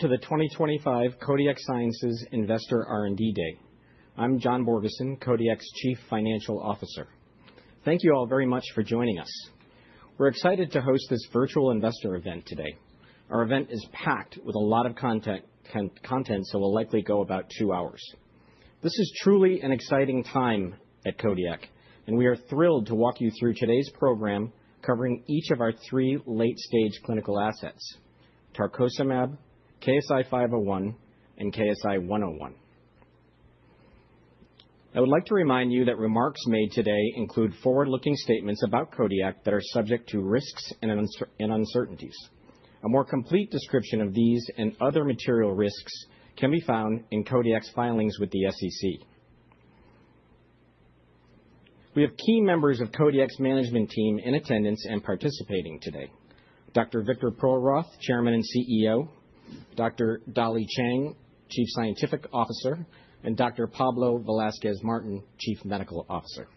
To the 2025 Kodiak Sciences Investor R&D Day. I'm John Borgeson, Kodiak's Chief Financial Officer. Thank you all very much for joining us. We're excited to host this virtual investor event today. Our event is packed with a lot of content, so will likely go about two hours. This is truly an exciting time at Kodiak, and we are thrilled to walk you through today's program covering each of our three late-stage clinical assets, tarcocimab, KSI-501, and KSI-101. I would like to remind you that remarks made today include forward-looking statements about Kodiak that are subject to risks and uncertainties. A more complete description of these and other material risks can be found in Kodiak's filings with the SEC. We have key members of Kodiak's management team in attendance and participating today: Dr. Victor Perlroth, Chairman and CEO; Dr. Dolly Chang, Chief Scientific Officer; and Dr. Pablo Velazquez-Martin, Chief Medical Officer.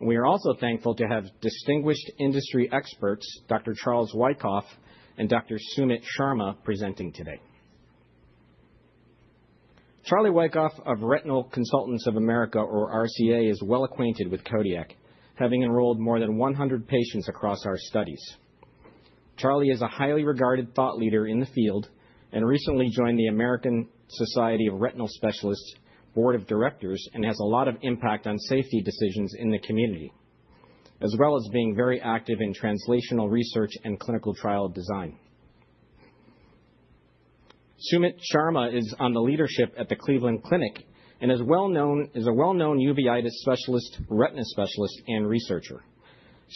We are also thankful to have distinguished industry experts Dr. Charles Wykoff and Dr. Sumit Sharma presenting today. Charlie Wykoff of Retinal Consultants of America, or RCA, is well acquainted with Kodiak, having enrolled more than 100 patients across our studies. Charlie is a highly regarded thought leader in the field and recently joined the American Society of Retinal Specialists Board of Directors and has a lot of impact on safety decisions in the community, as well as being very active in translational research and clinical trial design. Sumit Sharma is on the leadership at the Cleveland Clinic and is a well-known uveitis specialist, retina specialist, and researcher.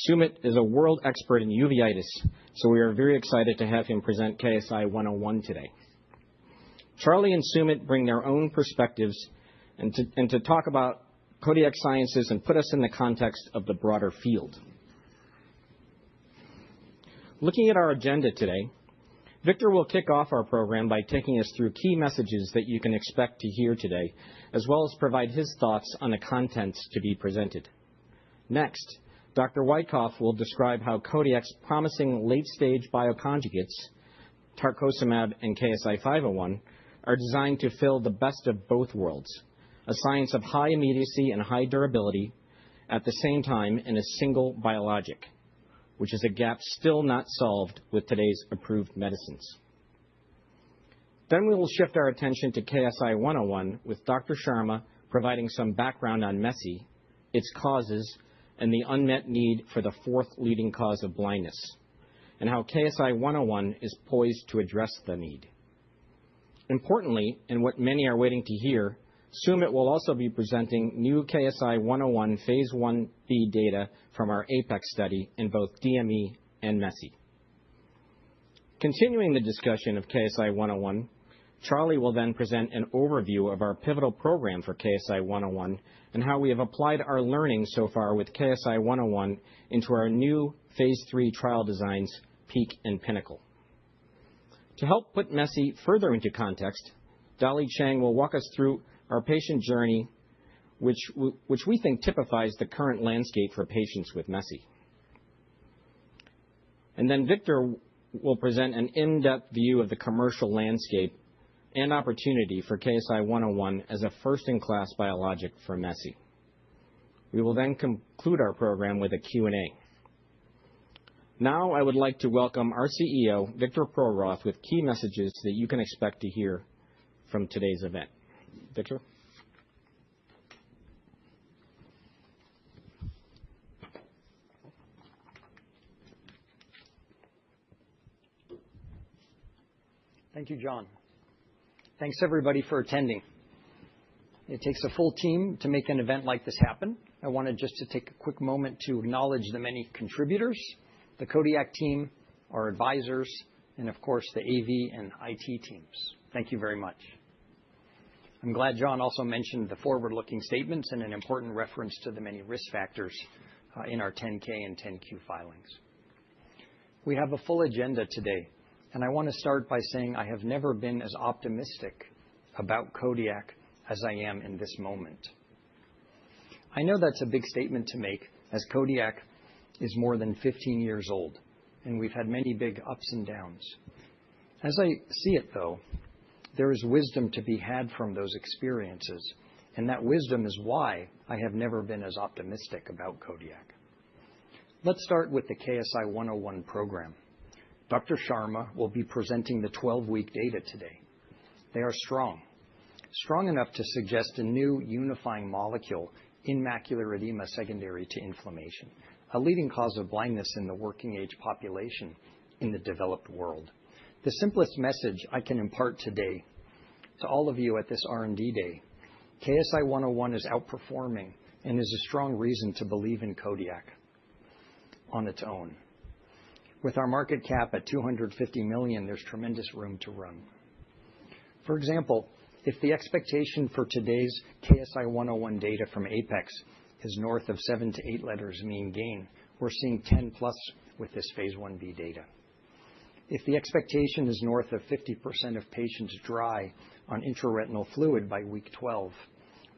Sumit is a world expert in uveitis, so we are very excited to have him present KSI-101 today. Charlie and Sumit bring their own perspectives and to talk about Kodiak Sciences and put us in the context of the broader field. Looking at our agenda today, Victor will kick off our program by taking us through key messages that you can expect to hear today, as well as provide his thoughts on the contents to be presented next. Dr. Wykoff will describe how Kodiak's promising late-stage bioconjugates, tarcocimab and KSI-501, are designed to fill the best of both worlds. A science of high immediacy and high durability at the same time in a single biologic, which is a gap still not solved with today's approved medicines. We will shift our attention to KSI-101 with Dr. Sharma will provide some background on MESI, its causes, and the unmet need for the fourth leading cause of blindness and how KSI-101 is poised to address the need. Importantly, and what many are waiting to hear, Sumit will also be presenting new KSI-101 phase I-B data from our APEX study in both DME and MESI. Continuing the discussion of KSI-101, Charlie will then present an overview of our pivotal program for KSI-101 and how we have applied our learning so far with KSI-101 into our new phase III trial designs, PEAK and PINNACLE. To help put MESI further into context, Dolly Chang will walk us through our patient journey, which we think typifies the current landscape for patients with MESI. And Victor will present an in-depth view of the commercial landscape and opportunity for KSI-101 as a first-in-class biologic for MESI. We will then conclude our program with a Q&A. Now I would like to welcome our CEO, Dr. Victor Perlroth, with key messages that you can expect to hear from today's event. Victor. Thank you, John. Thanks, everybody, for attending. It takes a full team to make an event like this happen. I wanted just to take a quick moment to acknowledge the many contributors, the Kodiak team, our advisors, and of course, the AV and IT team. Thank you very much. I'm glad John also mentioned the forward-looking statements and an important reference to the many risk factors in our 10-K and 10-Q filings. We have a full agenda today, and I want to start by saying I have never been as optimistic about Kodiak as I am in this moment. I know that's a big statement to make as Kodiak is more than 15 years old, and we've had many big ups and downs. As I see it, though, there is wisdom to be had from those experiences, and that wisdom is why I have never been as optimistic about Kodiak. Let's start with the KSI-101 program. Dr. Sharma will be presenting the 12-week data today. They are strong, strong enough to suggest a new unifying molecule in macular edema secondary to inflammation, a leading cause of blindness in the working-age population in the developed world. The simplest message I can impart today to all of you at this R&D Day: KSI-101 is outperforming and is a strong reason to believe in Kodiak. on its own. With our market cap at $250 million, there's tremendous room to run. For example, if the expectation for today's KSI-101 data from APEX is north of 7 to 8 letters mean gain, we're seeing 10+ with this phase I-B data. If the expectation is north of 50% of patients dry on intraretinal fluid by week 12,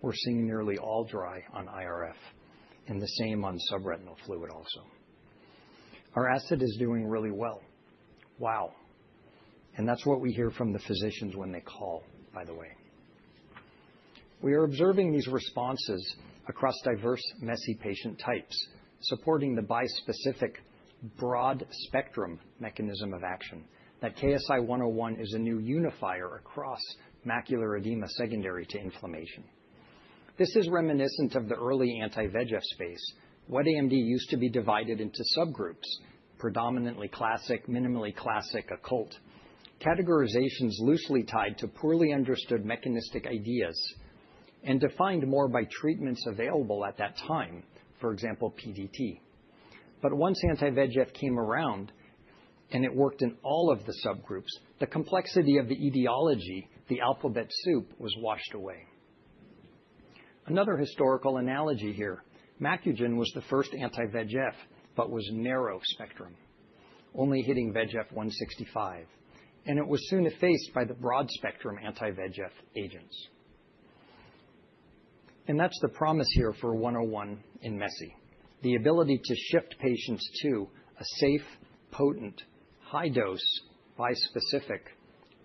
we're seeing nearly all dry on IRF and the same on subretinal fluid. Also, our asset is doing really well. Wow. That's what we hear from the physicians when they call, by the way. We are observing these responses across diverse MESI patient types, supporting the bispecific broad-spectrum mechanism of action that KSI-101 is a new unifier across macular edema secondary to inflammation. This is reminiscent of the early anti-VEGF space. Wet AMD used to be divided into subgroups: predominantly classic, minimally classic, occult categorizations loosely tied to poorly understood mechanistic ideas and defined more by treatments available at that time, for example, PDT. Once anti-VEGF came around and it worked in all of the subgroups, the complexity of the etiology, the alphabet soup, was washed away. Another historical analogy here. MACUGEN was the first anti-VEGF but was narrow spectrum, only hitting VEGF165, and it was soon effaced by the broad spectrum anti-VEGF agents. That's the promise here for 101 in MESI the ability to shift patients to a safe, potent, high dose bispecific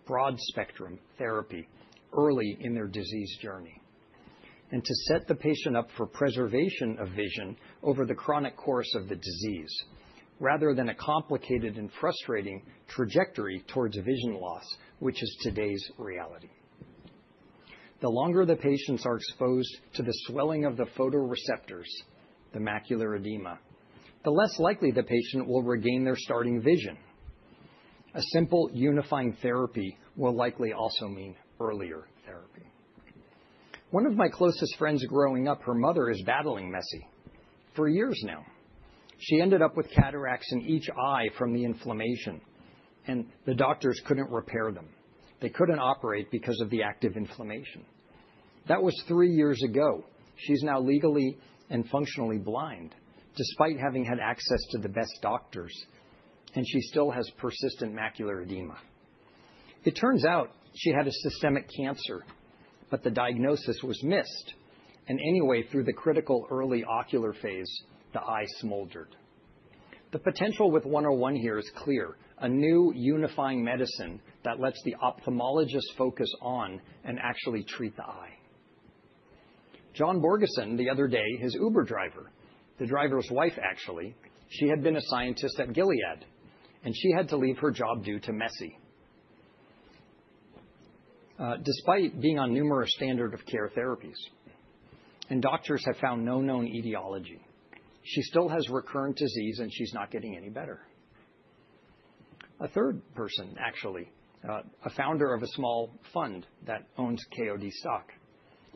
broad spectrum therapy early in their disease journey and to set the patient up for preservation of vision over the chronic course of the disease rather than a complicated and frustrating trajectory towards vision loss, which is today's reality. The longer the patients are exposed to the swelling of the photoreceptors, the macular edema, the less likely the patient will regain their starting vision. A simple unifying therapy will likely also mean earlier therapy. One of my closest friends growing up, her mother is battling MESI for years now. She ended up with cataracts in each eye from the inflammation, and the doctors couldn't repair them. They couldn't operate because of the active inflammation. That was three years ago. She's now legally and functionally blind despite having had access to the best doctors, and she still has persistent macular edema. It turns out she had a systemic cancer, but the diagnosis was missed. Anyway, through the critical early ocular phase, the eye smoldered. The potential with 101 here is clear: a new unifying medicine that lets the ophthalmologist focus on and actually treat the eye. John Borgeson, the other day, his Uber driver, the driver's wife actually, she had been a scientist at Gilead and she had to leave her job due to MESI. Despite being on numerous standard of care therapies and doctors have found no known etiology, she still has recurrent disease and she's not getting any better. A third person, actually a founder of a small fund that owns [KOD stock],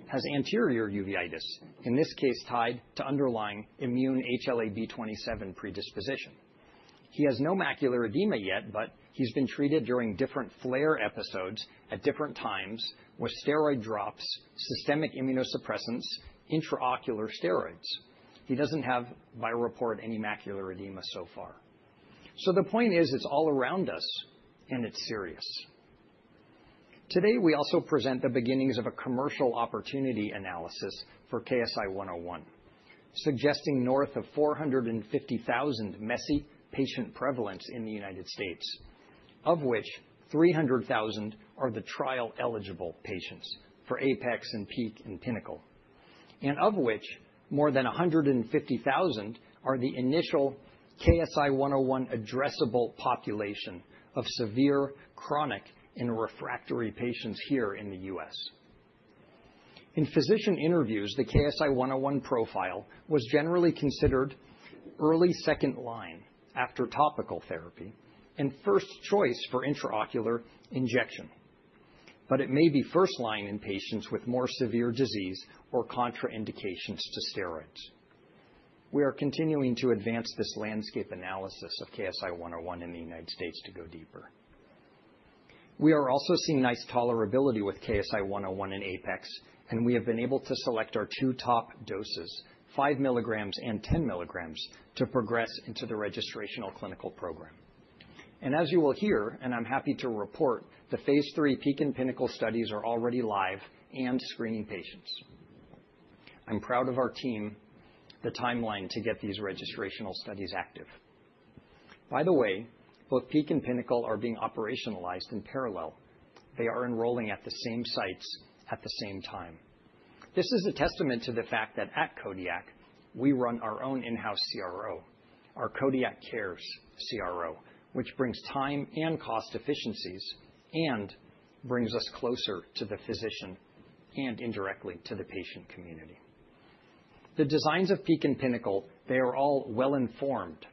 has anterior uveitis, in this case tied to underlying immune HLA-B27 predisposition. He has no macular edema yet, but he's been treated during different flare episodes and at different times with steroid drops, systemic immunosuppressants, intraocular steroids. He doesn't have viral or any macular edema so far. The point is it's all around us and it's serious. Today we also present the beginnings of a commercial opportunity analysis for KSI-101 suggesting north of 450,000 MESI patient prevalence in the United States, of which 300,000 are the trial eligible patients for APEX and PEAK and PINNACLE and of which more than 150,000 are the initial KSI-101 addressable population of severe chronic and refractory patients here in the U.S. In physician interviews, the KSI-101 profile was generally considered early second line after topical therapy and first choice for intraocular injection. It may be first line in patients with more severe disease or contraindications to steroids. We are continuing to advance this landscape analysis of KSI-101 in the United States to go deeper. We are also seeing nice tolerability with KSI-101 in APEX and we have been able to select our two top doses, so 5 mg and 10 mg, to progress into the registrational clinical program. As you will hear and I'm happy to report, the phase III PEAK and PINNACLE studies are already live and screening patients. I'm proud of our team and the timeline to get these registrational studies active. By the way, both PEAK and PINNACLE are being operationalized in parallel. They are enrolling at the same sites at the same time. This is a testament to the fact that at Kodiak, we run our own in-house CRO, our Kodiak Cares CRO, which brings time and cost efficiencies and brings us closer to the physician and indirectly to the patient community. The designs of PEAK and PINNACLE, they are all well informed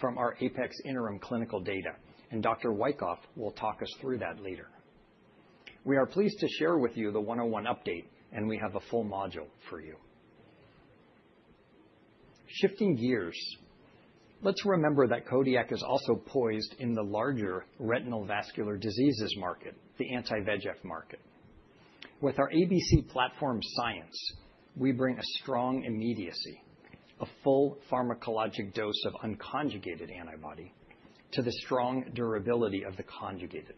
from our APEX interim clinical data and Dr. Wykoff will talk us through that later. We are pleased to share with you the 101 update and we have a full module for you. Shifting gears, let's remember that Kodiak is also poised in the larger retinal vascular diseases market, the anti-VEGF market. With our ABC Platform science we bring a strong immediacy, a full pharmacologic dose of unconjugated antibody to the strong durability of the conjugated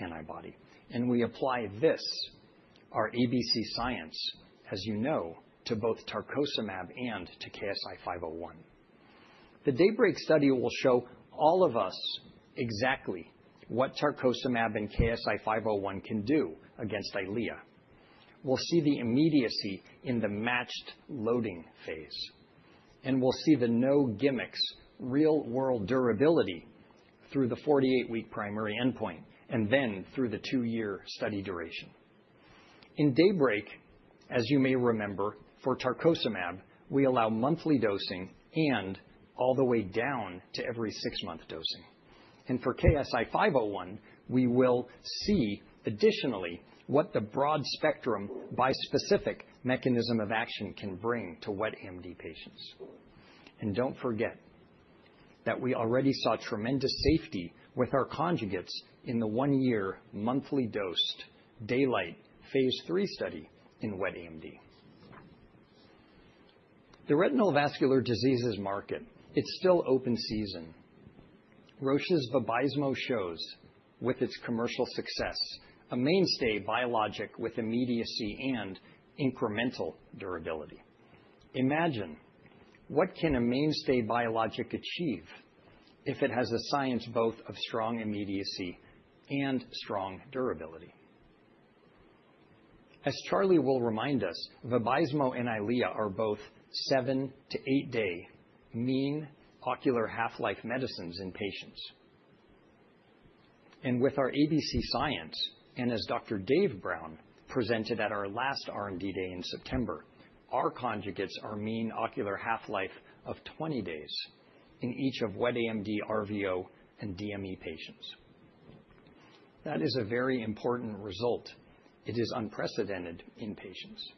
antibody. We apply this, our ABC science, as you know, to both tarcocimab and to KSI-501. The DAYBREAK study will show all of us exactly what tarcocimab and KSI-501 can do against EYLEA. We'll see the immediacy in the matched loading phase and we'll see the no gimmicks real world durability through the 48 week primary endpoint and then through the two year study duration in DAYBREAK. As you may remember, for tarcocimab we allow monthly dosing and all the way down to every six month dosing. For KSI-501, we will see additionally what the broad spectrum bispecific mechanism of action can bring to wet AMD patients. Do not forget that we already saw tremendous safety with our conjugates in the one-year monthly dose DAYLIGHT phase III study in wet AMD, the retinal vascular diseases market. It is still open season. Roche's VABYSMO shows that with its commercial success, a mainstay biologic with immediacy and incremental durability. Imagine what a mainstay biologic can achieve if it has a science both of strong immediacy and strong durability. As Charlie will remind us, VABYSMO and EYLEA are both seven to eight day mean ocular half-life medicines in patients. With our ABC Platform science, and as Dr. Dave Brown presented at our last R&D Day in September, our conjugates are mean ocular half-life of 20 days in each of wet AMD, RVO, and DME patients. That is a very important result. It is unprecedented in patients.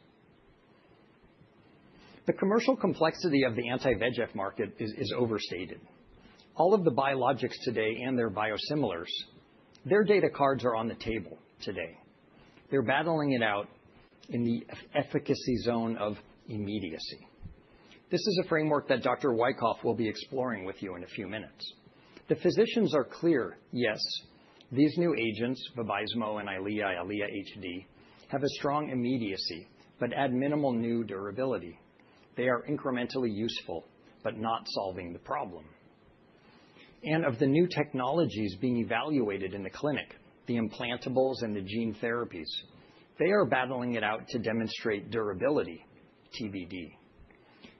The commercial complexity of the anti-VEGF market is overstated. All of the biologics today and their biosimilars, their data cards are on the table. Today, they are battling it out in the efficacy zone of immediacy. This is a framework that Dr. Wykoff will be exploring with you in a few minutes. The physicians are clear. Yes, these new agents, VABYSMO and EYLEA HD, have a strong immediacy but add minimal new durability. They are incrementally useful but not solving the problem. Of the new technologies being evaluated in the clinic, the implantables and the gene therapies are battling it out to demonstrate durability TBD,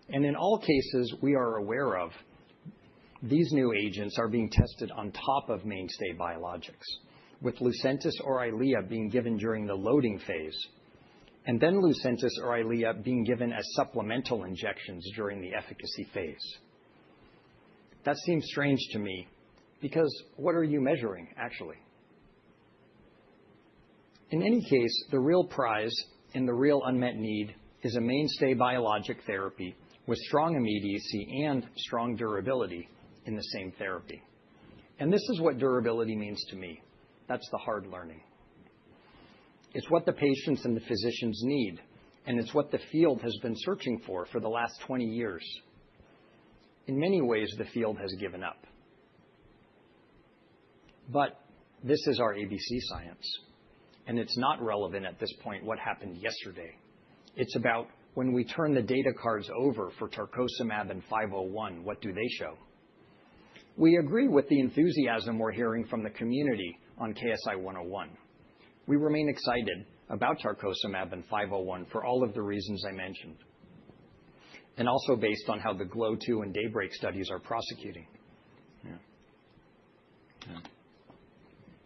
and in all cases we are aware of, these new agents are being tested on top of mainstay biologics, with LUCENTIS or EYLEA being given during the loading phase and then LUCENTIS or EYLEA being given as supplemental injections during the efficacy phase. That seems strange to me because what are you measuring actually? In any case, the real prize and the real unmet need is a mainstay biologic therapy with strong immediacy and strong durability in the same therapy. This is what durability means to me. That is the hard learning. It is what the patients and the physicians need, and it is what the field has been searching for for the last 20 years. In many ways, the field has given up. This is our ABC science and it's not relevant at this point what happened yesterday. It's about when we turn the data cards over for tarcocimab and KSI-501, what do they show? We agree with the enthusiasm we're hearing from the community on KSI-101. We remain excited about tarcocimab and 501 for all of the reasons I mentioned and also based on how the GLOW2 and DAYBREAK studies are prosecuting.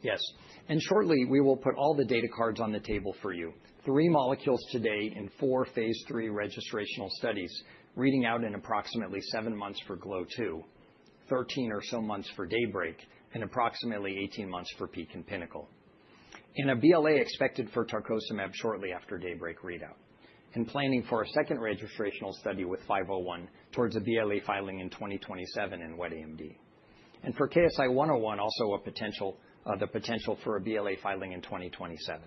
Yes, and shortly we will put all the data cards on the table for you. Three molecules today in four phase III registrational studies reading out in approximately seven months for GLOW2, 13 or so months for DAYBREAK, and approximately 18 months for PEAK and PINNACLE, and a BLA expected for tarcocimab shortly after DAYBREAK readout, and planning for a second registrational study with 501 towards a BLA filing in 2027 in wet AMD, and for KSI-101, also the potential for a BLA filing in 2027.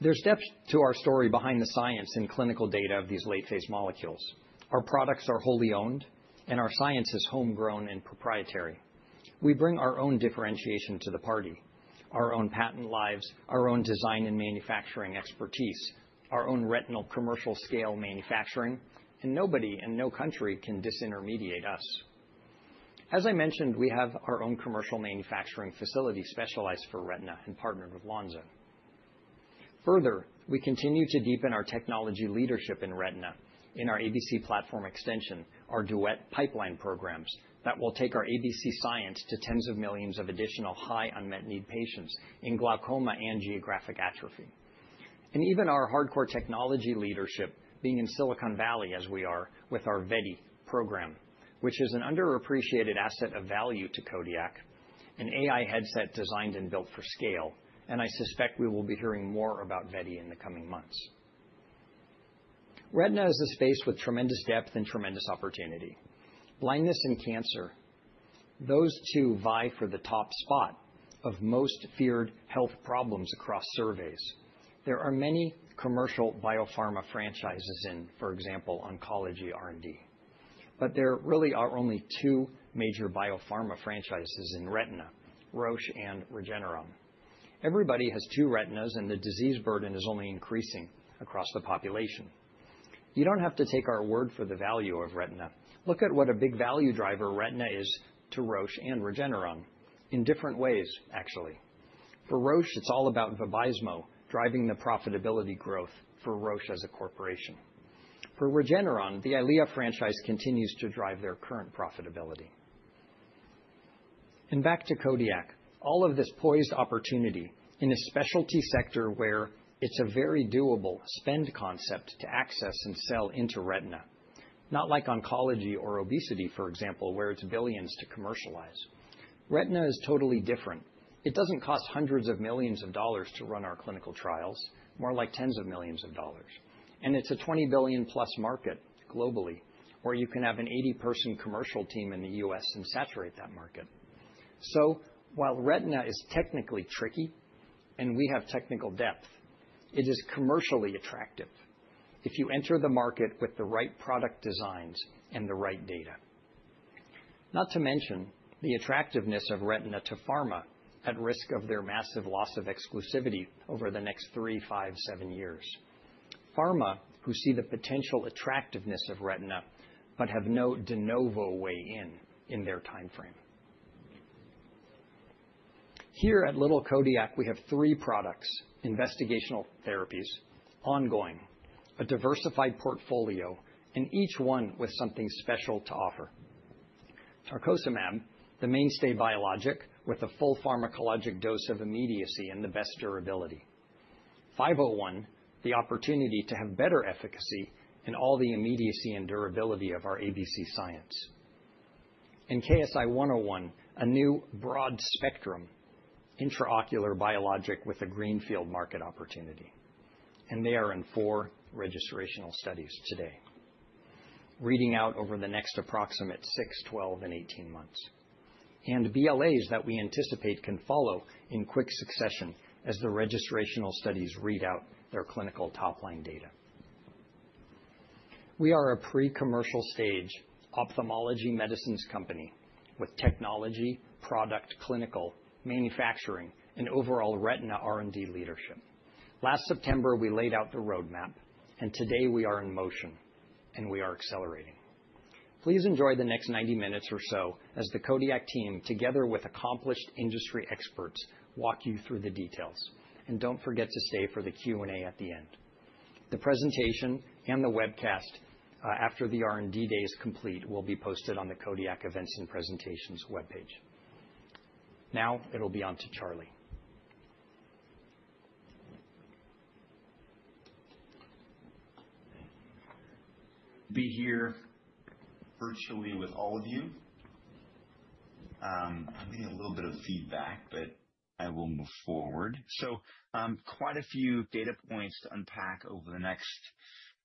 There are steps to our story behind the science and clinical data of these late phase molecules. Our products are wholly owned and our science is homegrown and proprietary. We bring our own differentiation to the party, our own patent lives, our own design and manufacturing expertise, our own retinal commercial scale manufacturing, and nobody and no country can disintermediate us. As I mentioned, we have our own commercial manufacturing facility specialized for retina and partnered with Lonza. Further, we continue to deepen our technology leadership in retina in our ABC Platform extension, our duet pipeline programs that will take our ABC science to tens of millions of additional high unmet need patients in glaucoma and geographic atrophy, and even our hardcore technology leadership being in Silicon Valley as we are with our VETi program, which is an underappreciated asset of value to Kodiak, an AI headset designed and built for scale. I suspect we will be hearing more about VETi in the coming months. Retina is this space with tremendous depth and tremendous opportunity. Blindness and cancer, those two vie for the top spot of most feared health problems across surveys. There are many commercial biopharma franchises in, for example, oncology R&D, but there really are only two major biopharma franchises in retina: Roche and Regeneron. Everybody has two retinas and the disease burden is only increasing across the population. You don't have to take our word for the value of retina. Look at what a big value driver retina is to Roche and Regeneron in different ways actually. For Roche, it's all about VABYSMO driving the profitability growth for Roche as a corporation. For Regeneron, the EYLEA franchise continues to drive their current profitability. Back to Kodiak. All of this poised opportunity in a specialty sector where it's a very doable spend concept to access and sell into Retina, not like oncology or obesity, for example, where it's billions to commercialize. Retina is totally different. It doesn't cost hundreds of millions of dollars to run our clinical trials, more like tens of millions of dollars. It's a $20+ billion market globally where you can have an 80 person commercial team in the U.S. and saturate that market. While Retina is technically tricky and we have technical depth, it is commercially attractive if you enter the market with the right product designs and the right data. Not to mention the attractiveness of Retina to pharma at risk of their massive loss of exclusivity over the next three, five, seven years. Pharma who see the potential attractiveness of Retina but have no de novo way in in their time frame. Here at little Kodiak, we have three products, investigational therapies ongoing, a diversified portfolio and each one with something special to offer. Tarcocimab, the mainstay biologic with a full pharmacologic dose of immediacy and the best durability. 501, the opportunity to have better efficacy and all the immediacy and durability of our ABC Platform, and KSI-101, a new broad spectrum intraocular biologic with a greenfield market opportunity. They are in four registrational studies today reading out over the next approximate 6, 12, and 18 months and BLAs that we anticipate can follow in quick succession as the registrational studies read out their clinical top line data. We are a pre-commercial stage ophthalmology medicines company with technology, product, clinical, manufacturing, and overall retina R&D leadership. Last September, we laid out the roadmap and today we are in motion and we are accelerating. Please enjoy the next 90 minutes or so as the Kodiak team, together with accomplished industry experts, walk you through the details and don't forget to save for the Q&A at the end. The presentation and the webcast after the R&D day is complete will be posted on the Kodiak events and presentations webpage. Now it'll be on to Charlie. Be here virtually with all of you. I'm getting a little bit of feedback but I will move forward. Quite a few data points to unpack over the next,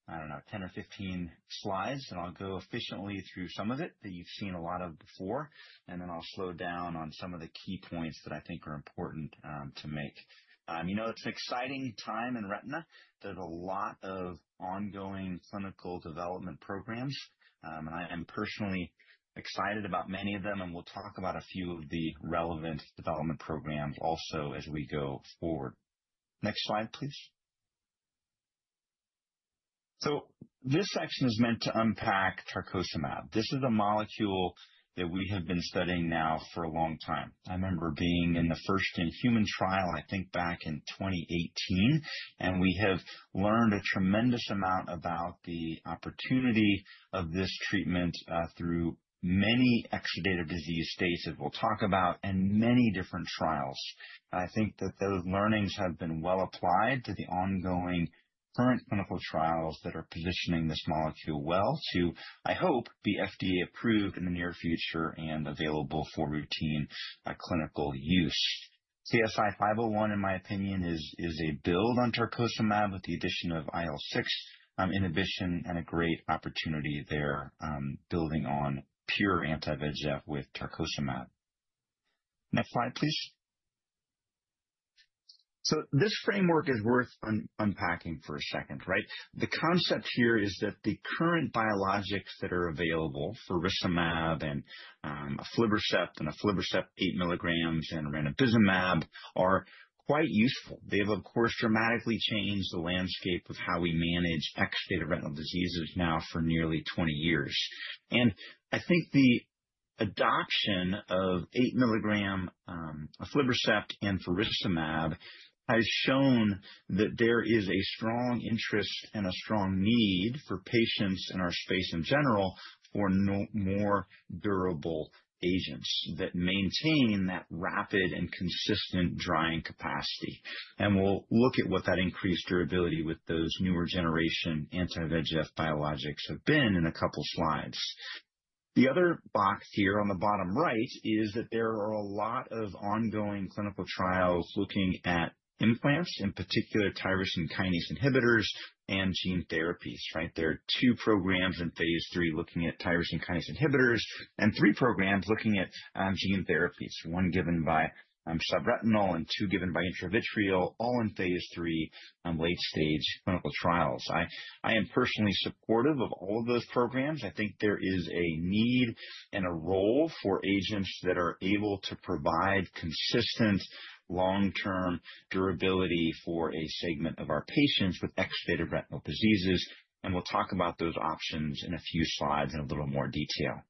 I don't know, 10 or 15 slides and I'll go efficiently through some of it that you've seen a lot of before. I'll slow down on some of the key points that I think are important to make. You know, it's an exciting time in Retina. There's a lot of ongoing clinical development programs. I'm personally excited about many of them and we'll talk about a few of the relevant development programs also as we go forward. Next slide please. This section is meant to unpack tarcocimab. This is a molecule that we have been studying now for a long time. I remember being in the first in human trial I think back in 2018 and we have learned a tremendous amount about the opportunity of this treatment through many extra-disease states that we'll talk about and many different trials. I think that those learnings have been well applied to the ongoing current clinical trials that are positioning this molecule well to, I hope, be FDA approved in the near future and available for routine clinical use. 501 in my opinion is a build on tarcocimab with the addition of IL-6 inhibition and a great opportunity there building on pure anti-VEGF with tarcocimab. Next slide please. This framework is worth unpacking for a second, right? The concept here is that the current biologics that are available, faricimab and aflibercept and aflibercept 8 mg and ranibizumab, are quite useful. They've of course dramatically changed the landscape of how we manage these retinal diseases now for nearly 20 years. I think the adoption of 8 mg aflibercept and faricimab has shown that there is a strong interest and a strong need for patients in our space in general for more durable agents that maintain that rapid and consistent drying capacity. We'll look at what that increased durability with those newer generation anti-VEGF biologics has been in a couple slides. The other box here on the bottom right is that there are a lot of ongoing clinical trials looking at implants, in particular tyrosine kinase inhibitors and gene therapies. There are two programs in phase III looking at tyrosine kinase inhibitors and three programs looking at gene therapies, one given by subretinal and two given by intravitreal, all in phase III late-stage clinical trials. I am personally supportive of all of those programs. I think there is a need and a role for agents that are able to provide consistent long-term durability for a segment of our patients with exacerbated retinal diseases. We will talk about those options in a few slides in a little more detail.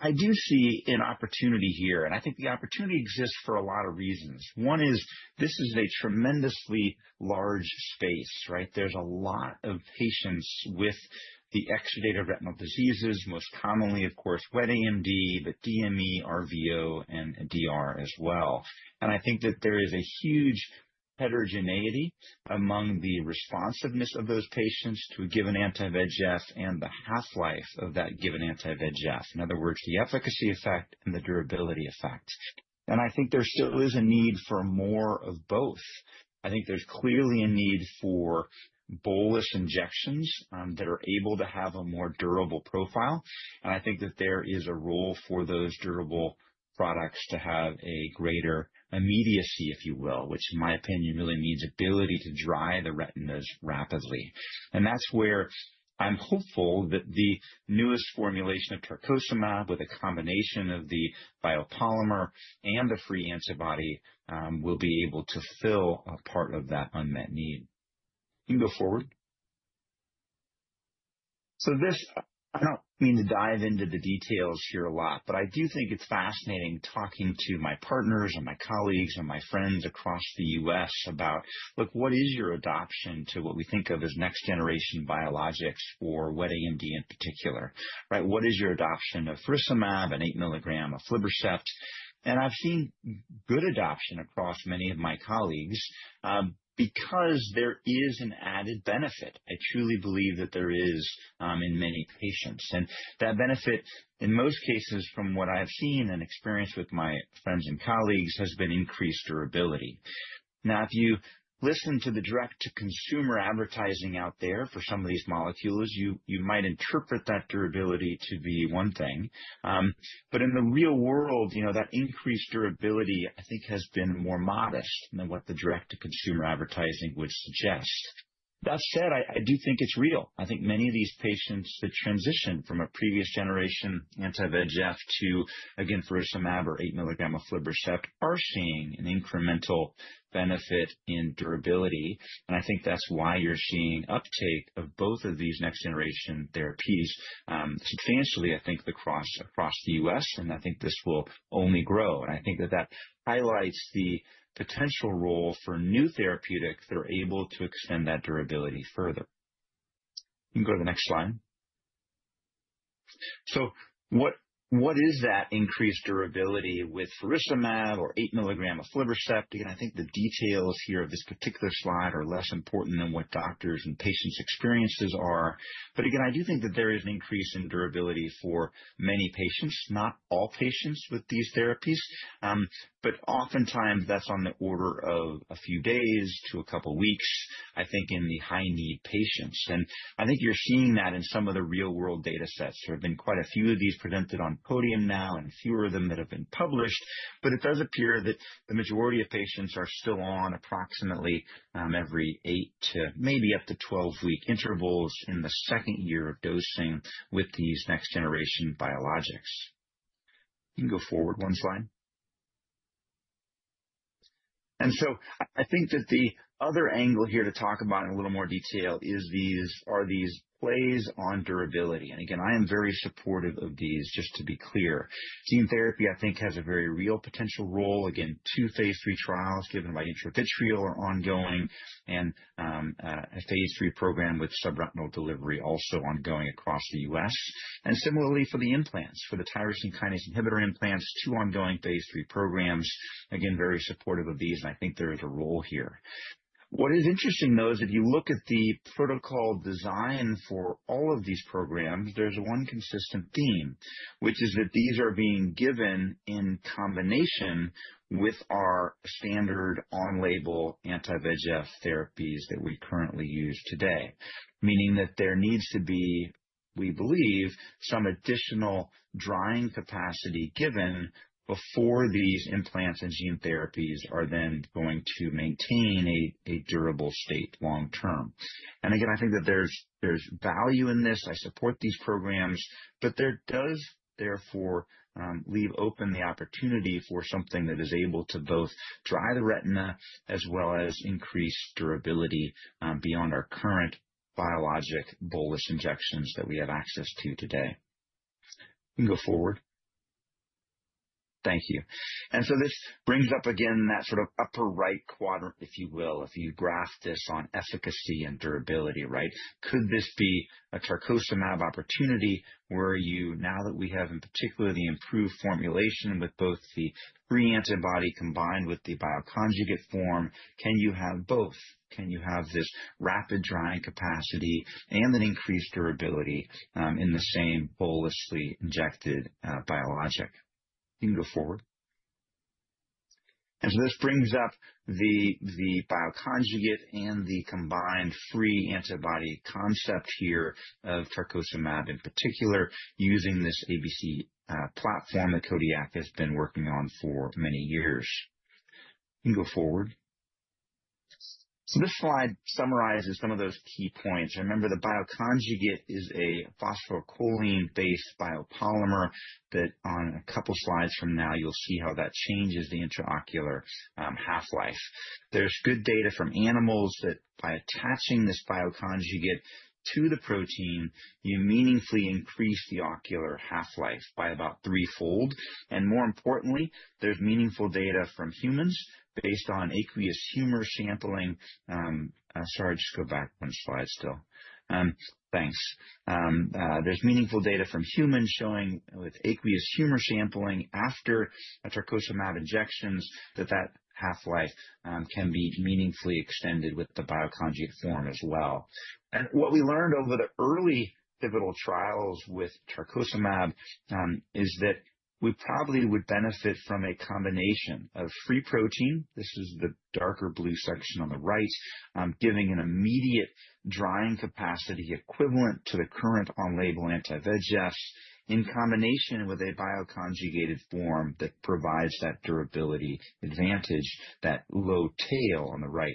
I do see an opportunity here and I think the opportunity exists for a lot of reasons. One is this is a tremendously large space, right? There are a lot of patients with exacerbated retinal diseases, most commonly of course wet AMD, but DME, RVO, and diabetic retinopathy as well. I think that there is a huge heterogeneity among the responsiveness of those patients who are given an anti-VEGF and the half-life of that given anti-VEGF, in other words, the efficacy effect and the durability effects. I think there still is a need for more of both. There is clearly a need for bolus injections that are able to have a more durable profile. I think that there is a role for those durable products to have a greater immediacy, if you will, which in my opinion really means ability to dry the retinas rapidly. That is where I am hopeful that the newest formulation of tarcocimab with a combination of the biopolymer and the free antibody will be able to fill a part of that unmet need. You can go forward. I do not mean to dive into the details here a lot, but I do think it is fascinating talking to my partners and my colleagues and my friends across the U.S. about, look, what is your adoption to what we think of as next-generation biologics for wet AMD in particular, right? What is your adoption of faricimab and 8 mg aflibercept? I have seen good adoption across many of my colleagues because there is an added benefit, I truly believe that there is in many patients. That benefit in most cases from what I have seen and experienced with my friends and colleagues has been increased durability. If you listen to the direct-to-consumer advertising out there for some of these molecules, you might interpret that durability to be one thing, but in the real world, that increased durability I think has been more modest than what the direct-to-consumer advertising would suggest. That said, I do think it is real. I think many of these patients that transition from a previous generation anti-VEGF to again faricimab or 8 mg of aflibercept are seeing an incremental benefit in durability. I think that's why you're seeing uptake of both of these next generation therapies substantially, I think, across the U.S. I think this will only grow and that highlights the potential role for new therapeutics that are able to extend that durability further. You can go to the next slide. What is that increased durability with faricimab or 8 mg of aflibercept? I think the details here of this particular slide are less important than what doctors and patients' experiences are. I do think that there is an increase in the durability for many patients, not all patients with these therapies, but oftentimes that's on the order of a few days to a couple weeks, I think, in the high need patients. You're seeing that in some of the real world data sets. There have been quite a few of these presented on podium now and fewer of them that have been published. It does appear that the majority of patients are still on approximately every eight to maybe up to 12 week intervals in the second year of dosing with these next generation biologics. You can go forward one slide. I think that the other angle here to talk about in a little more detail is these are these plays on durability and I am very supportive of these. Just to be clear, gene therapy has a very real potential role. Two phase III trials given by intravitreal are ongoing and a phase III program with subretinal delivery also ongoing across the U.S. Similarly, for the tyrosine kinase inhibitor implants, two ongoing phase III programs, again very supportive of these. I think there is a role here. What is interesting though is if you look at the protocol design for all of these programs, there's one consistent theme which is that these are being given in combination with our standard on-label anti-VEGF therapies that we currently use today, meaning that there needs to be, we believe, some additional drying capacity given before these implants and gene therapies are then going to maintain a durable state long term. I think that there's value in this. I support these programs. There does therefore leave open the opportunity for something that is able to both dry the retina as well as increase durability beyond our current biologic bolus injections that we have access to today and go forward. Thank you. This brings up again that sort of upper right quadrant, if you will, if you graph this on efficacy and durability. Could this be a tarcocimab opportunity where you, now that we have in particular the improved formulation with both the free antibody combined with the bioconjugate form, can you have both? Can you have this rapid drying capacity and an increased durability in the same bilaterally injected biologic? You can go forward. This brings up the bioconjugate and the combined free antibody concept here of tarcocimab. In particular, using this ABC Platform that Kodiak has been working on for many years, you can go forward. This slide summarizes some of those key points. Remember, the bioconjugate is a phosphocholine-based biopolymer that, on a couple slides from now, you'll see how that changes the intraocular half-life. There's good data from animals that by attaching this bioconjugate to the protein, you meaningfully increase the ocular half-life by about threefold. More importantly, there's meaningful data from humans based on aqueous humor sampling. There's meaningful data from humans showing with aqueous humor sampling after tarcocimab injections that half-life can be meaningfully extended with the bioconjugate form as well. What we learned over the early pivotal trials with tarcocimab is that we probably would benefit from a combination of free protein. This is the darker blue section on the right, giving an immediate drying capacity equivalent to the current on-label anti-VEGFs in combination with a bioconjugated form that provides that durability advantage. That low tail on the right,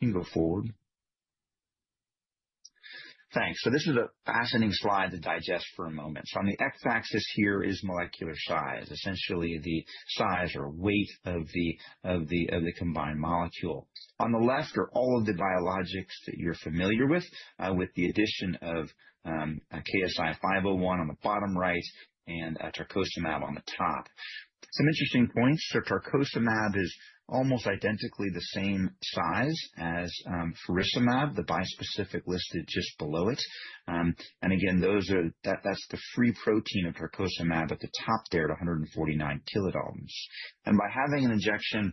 you can go forward. Thanks. This is a fascinating slide to digest for a moment. On the x-axis here is molecular size, essentially the size or weight of the combined molecule. On the left are all of the biologics that you're familiar with, with the addition of KSI-501 on the bottom right and tarcocimab on the top. Some interesting points. Tarcocimab is almost identically the same size as faricimab, the bispecific listed just below it. Those are, that's the free protein of tarcocimab at the top there at 149 kDa. By having an injection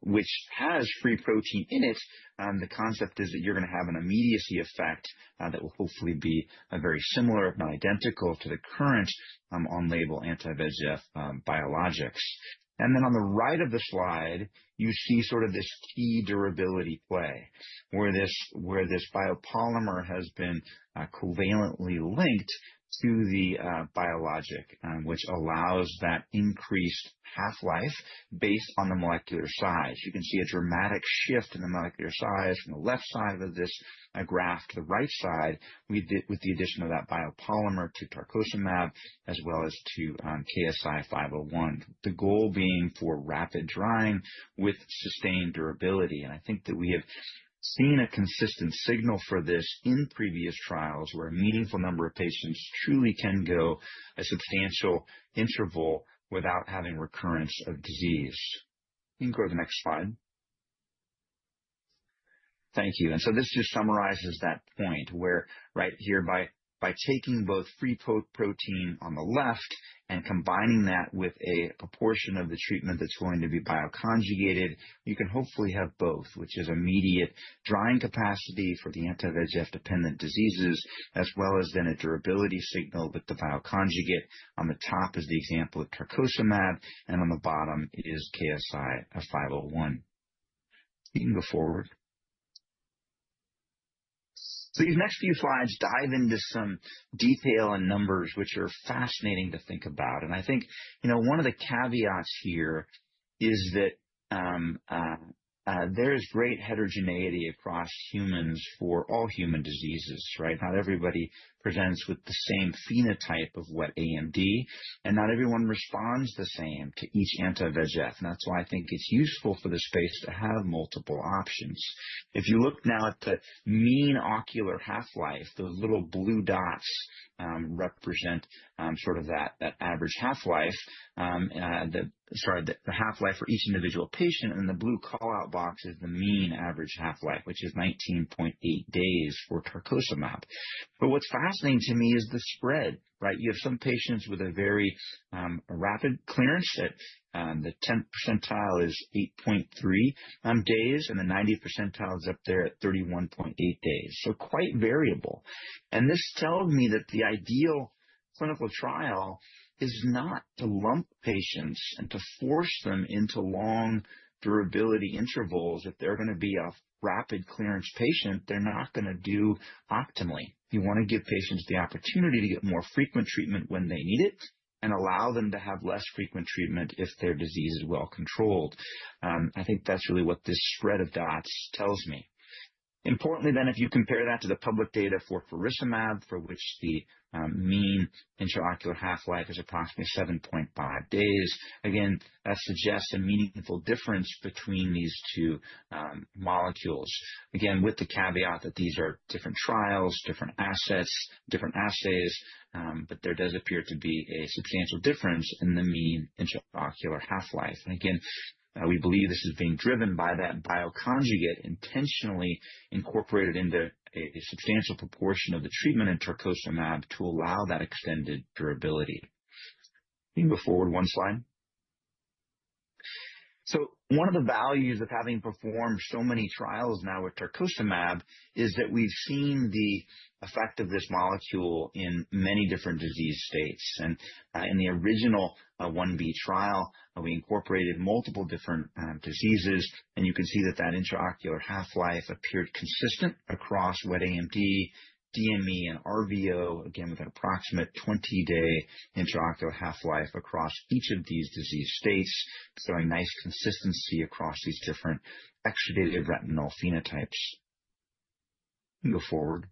which has free protein in it, the concept is that you're going to have an immediacy effect that will hopefully be very similar if not identical to the current on-label anti-VEGF biologics. On the right of the slide you see this durability play where this biopolymer has been covalently linked to the biologic, which allows that increased half-life based on the molecular size. You can see a dramatic shift in the molecular size on the left side of this graph to the right side with the addition of that biopolymer to tarcocimab as well as to KSI-501. The goal being for rapid drying with sustained durability. I think that we have seen a consistent signal for this in previous trials where a meaningful number of patients truly can build a substantial interval without having recurrence of disease. You can go to the next slide. Thank you. This just summarizes that point where right here, by taking both free protein on the left and combining that with a proportion of the treatment that's going to be bioconjugated, you can hopefully have both, which is immediate drying capacity for the anti-VEGF dependent diseases as well as then a durability signal with the bioconjugate. On the top is the example of tarcocimab and on the bottom is KSI-501. You can go forward. These next few slides dive into some detail and numbers which are fascinating to think about. I think one of the caveats here is that there is great heterogeneity across humans for all human diseases, right? Not everybody presents with the same phenotype of wet AMD and not everyone responds the same to each anti-VEGF. That's why I think it's useful for this space to have multiple options. If you look now at the mean ocular half-life, the little blue dots represent that average half-life, sorry, the half-life for each individual patient. The blue callout box is the mean average half-life, which is 19.8 days for tarcocimab. What's fascinating to me is the spread, right? You have some patients with a very rapid clearance set. The 10th percentile is 8.3 days and the 90th percentile is up there at 31.8 days. Quite variable. This tells me that the ideal clinical trial is not to lump patients and to force them into long durability intervals. If they're going to be a rapid clearance patient, they're not going to do optimally. You want to give patients the opportunity to get more frequent treatment when they need it and allow them to have less frequent treatment if their disease is well controlled. I think that's really what this shred of dots tells me. Importantly, if you compare that to the public data for faricimab, for which the mean intraocular half-life is approximately 7.5 days, that suggests a meaningful difference between these two molecules. Again, with the caveat that these are different trials, different assets, different assays. There does appear to be a substantial difference in the mean intraocular half-life. We believe this is being driven by that bioconjugate intentionally incorporated into a substantial proportion of the treatment in tarcocimab to allow that extended durability. You can go forward one slide. One of the values of having performed so many trials now with tarcocimab is that we've seen the effect of this molecule in many different disease states. In the original 1-B trial, we incorporated multiple different diseases and you can see that the intraocular half-life appeared consistent across wet AMD, DME, and RVO, again with an approximate 20 day intraocular half-life across each of these disease states. A nice consistency across these different exudative retinal phenotypes. Go forward.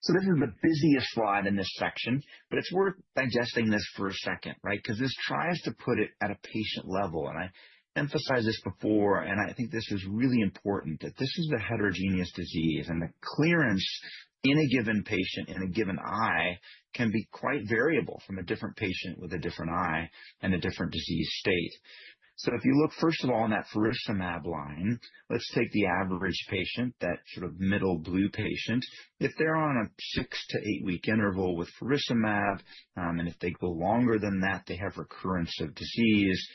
This is the busiest slide in this section, but it's worth digesting this for a second, because this tries to put it at a patient level. I emphasized this before and I think this is really important, that this is a heterogeneous disease and the clearance in a given patient, in a given eye, can be quite variable from a different patient with a different eye and a different disease state. If you look first of all in that faricimab line, let's take the average patient, that sort of middle blue patient. If they're on a six to eight week interval with faricimab and if they go longer than that, they have recurrence of disease.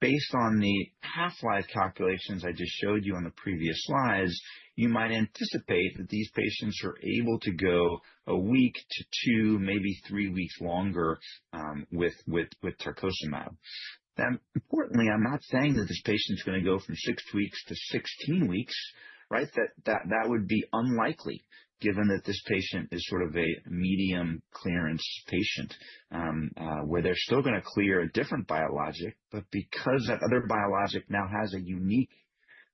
Based on the half-life calculations I just showed you on the previous slides, you might anticipate that these patients are able to go a week to two, maybe three weeks longer with tarcocimab. Importantly, I'm not saying that this patient's going to go from six weeks to 16 weeks. That would be unlikely given that this patient is sort of a medium clearance patient where they're still going to clear a different biologic. Because that other biologic now has a unique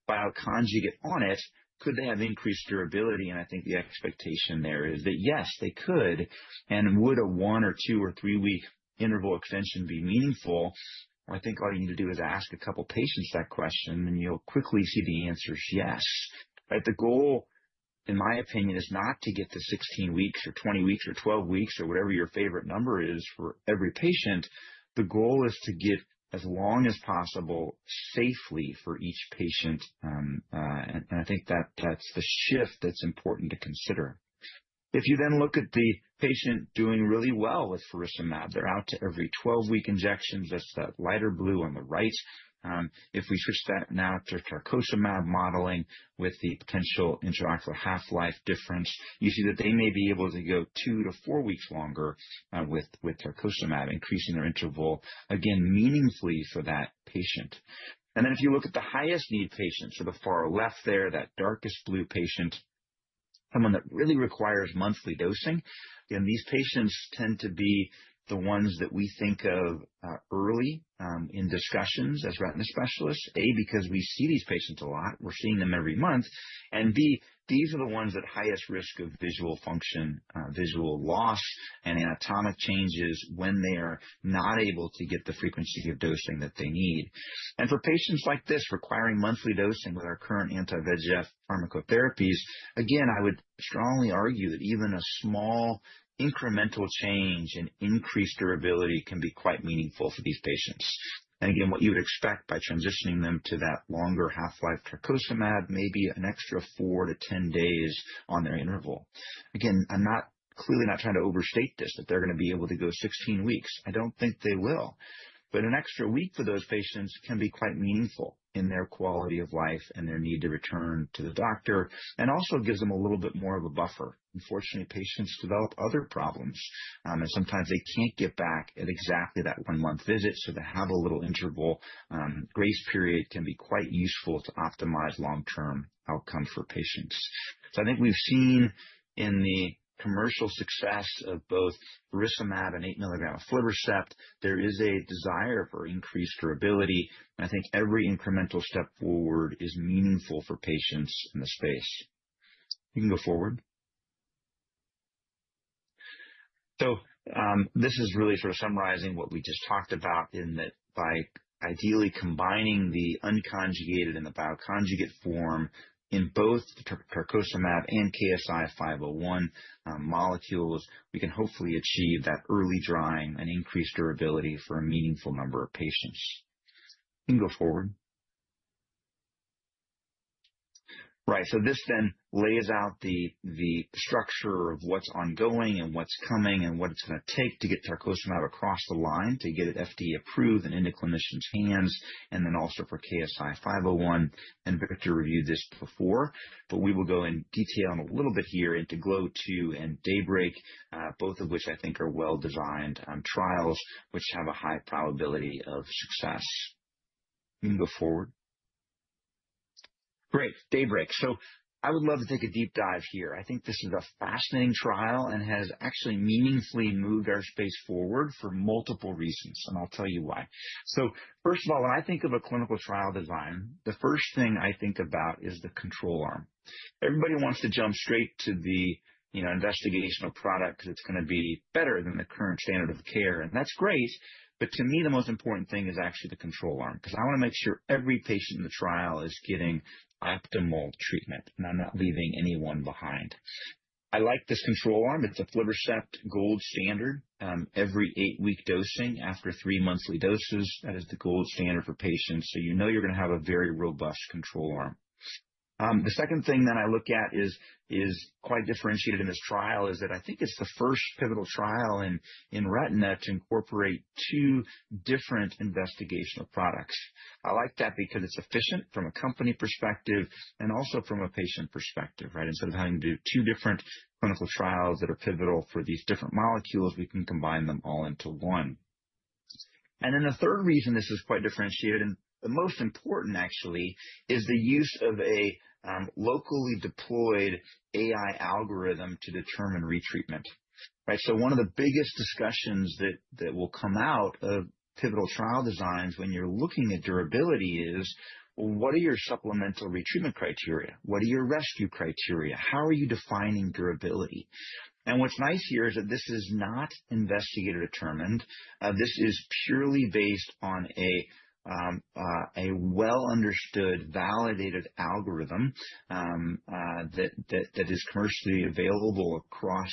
bioconjugate on it, could they have increased durability? I think the expectation there is that yes, they could. Would a one or two or three week biology interval extension be meaningful? I think all you need to do is ask a couple patients that question and you'll quickly see the answer is yes. The goal, in my opinion, is not to get the 16 weeks or 20 weeks or 12 weeks or whatever your favorite number is for every patient. The goal is to get as long as possible safely for each patient. I think that that's the shift that's important to consider. If you then look at the patient doing really well with faricimab, they're out to every 12 week injection. That's the lighter blue on the right. If we switch that now to tarcocimab modeling with the potential intravitreal half-life difference, you see that they may be able to go two to four weeks longer with tarcocimab, increasing their interval again meaningfully for that patient. If you look at the highest need patients for the far left there, that darkest blue patient, someone that really requires monthly dosing, these patients tend to be the ones that we think of early in discussions as retina specialists. A, because we see these patients a lot, we're seeing them every month, and B, these are the ones at highest risk of visual function, visual loss, and anatomic changes when they are not able to get the frequency of dosing that they need. For patients like this requiring monthly dosing with our current anti-VEGF pharmacotherapies, I would strongly argue that even a small incremental change in increased durability can be quite meaningful for these patients. What you would expect by transitioning them to that longer half-life, maybe an extra four to 10 days on their interval. Again, I'm clearly not trying to overstate this that they're going to be able to go 16 weeks. I don't think they will, but an extra week for those patients can be quite meaningful in their quality of life and their need to return to the doctor and also gives them a little bit more of a buffer. Unfortunately, patients develop other problems and sometimes they can't get back at exactly that one month visit. To have a little interval grace period can be quite useful to optimize long-term outcomes for patients. I think we've seen in the commercial success of both faricimab and 8 mg aflibercept there is a desire for increased durability. I think every incremental step forward is meaningful for patients in the space. You can go forward. This is really sort of summarizing what we just talked about in that by ideally combining the unconjugated and the bioconjugate form in both tarcocimab and KSI-501 molecules, we can hopefully achieve that early drying and increased durability for a meaningful number of patients. You can go forward. Right, this then lays out the structure of what's ongoing and what's coming and what it's going to take to get tarcocimab across the line to get it FDA approved and into clinicians' hands. Also for KSI-501, and Victor reviewed this before, but we will go in detail in a little bit here into GLOW2 and DAYBREAK, both of which I think are well-designed trials which have a high probability of success. You can go forward. Great, DAYBREAK. I would love to take a deep dive here. I think this is a fascinating trial and has actually meaningfully moved our space forward for multiple reasons and I'll tell you why. First of all, when I think of a clinical trial design, the first thing I think about is the control arm. Everybody wants to jump straight to the investigational product that's going to be better than the current standard of care and that's great, but to me the most important thing is actually the control arm because I want to make sure every patient knows the trial is getting optimal treatment and I'm not leaving anyone behind. I like this control arm. It's aflibercept gold standard every eight week dosing after three monthly doses. That is the gold standard for patients, so you know you're going to have a very robust control arm. The second thing that I look at that is quite differentiated in this trial is that I think it's the first pivotal trial in Retina to incorporate two different investigational products. I like that because it's efficient from a company perspective and also from a patient perspective, right. Instead of having to do two different clinical trials that are pivotal for these different molecules, we can combine them all into one. The third reason this is quite differentiated and the most important actually is the use of a locally deployed AI algorithm to determine retreatment. One of the biggest discussions that will come out of pivotal trial designs when you're looking at durability is what are your supplemental retreatment criteria, what are your rescue criteria, how are you defining durability? What's nice here is that this is not investigator determined. This is purely based on a well understood validated algorithm that is commercially available across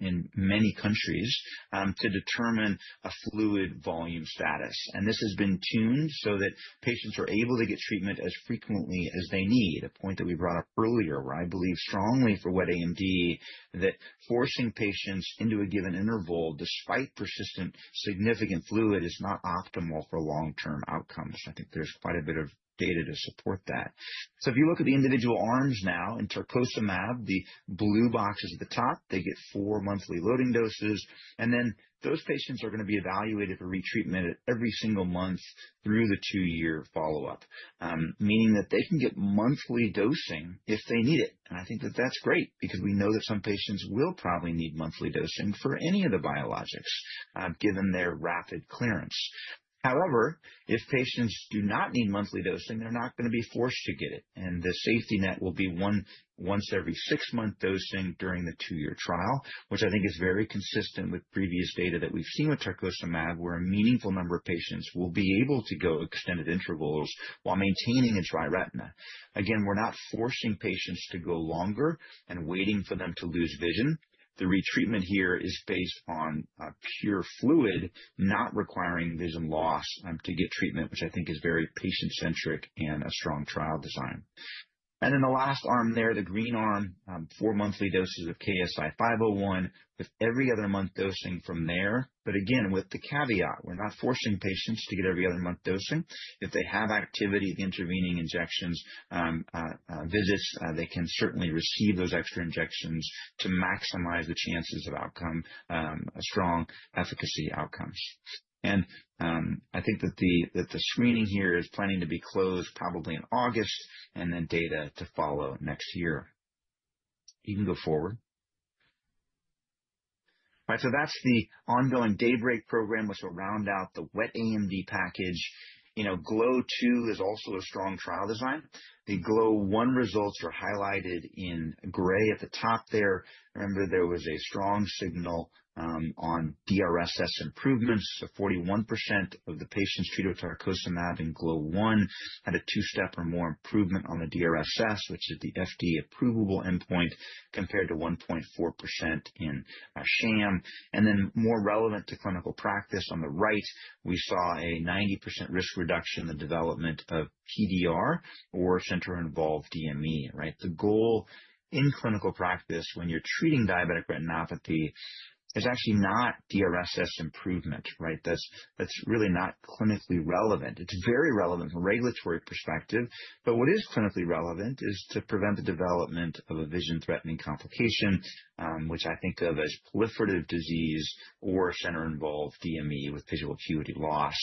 in many countries to determine a fluid volume status. This has been tuned so that patients are able to get treatment as frequently as they need. A point that we brought up earlier where I believe strongly for wet AMD that forcing patients into a given interval despite persistent significant fluid is not optimal for long term outcomes. I think there's quite a bit of data to support that. If you look at the individual arms now in tarcocimab, the blue boxes at the top, they get four monthly loading doses and then those patients are going to be evaluated for retreatment every single month through the two year follow up, meaning that they can get monthly dosing if they need it. I think that that's great because we know that some patients will probably need monthly dosing for any of the biologics given their rapid clearance. However, if patients do not need monthly dosing, they're not going to be forced to get it. The safety net will be once every six month dosing during the two year trial, which I think is very consistent with previous data that we've seen with tarcocimab, where a meaningful number of patients will be able to go extended intervals while maintaining a dry retina. Again, we're not forcing patients to go longer and waiting for them to lose vision. The retreatment here is based on pure fluid not requiring vision loss to get treatment, which I think is very patient centric and a strong trial design. The last arm there, the green on four monthly doses of KSI-501 with every other month dosing from there, but again with the caveat, we're not forcing patients to get every other month dosing. If they have activity the intervening injection visits, they can certainly receive those extra injections to maximize the chances of outcome, a strong efficacy outcome. I think that the screening here is planning to be closed probably in August and then data to follow next year. You can go forward. That's the ongoing DAYBREAK program which will round out the wet AMD package. GLOW2 is also a strong trial design. The GLOW1 results are highlighted in gray at the top there. Remember, there was a strong signal on DRSS improvements. 41% of the patients treated tarcocimab in GLOW1 had a two-step or more improvement on the DRSS, which is the FDA approvable endpoint, compared to 1.4% in sham. More relevant to clinical practice, on the right we saw a 90% risk reduction in development of PDR or center-involved DME. The goal in clinical practice when you're treating diabetic retinopathy is actually not DRSS improvement. That's really not clinically relevant. It's very relevant from a regulatory perspective. What is clinically relevant is to prevent the development of a vision-threatening complication, which I think of as proliferative disease or center-involved DME with visual acuity loss.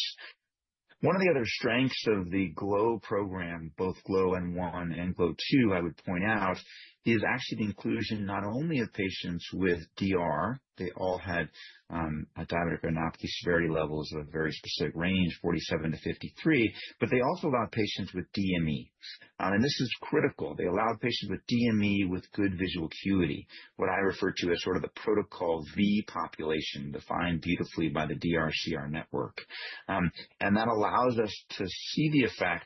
One of the other strengths of the Glow program, both GLOW1 and GLOW2, I would point out, is actually the inclusion not only of patients with DR. They all had a diabetic retinopathy severity level of a very specific range, 47-53. They also allow patients with DME, and this is critical, they allow patients with DME with good visual acuity. I refer to as sort of the Protocol V population defined beautifully by the DRCR network. That allows us to see the effect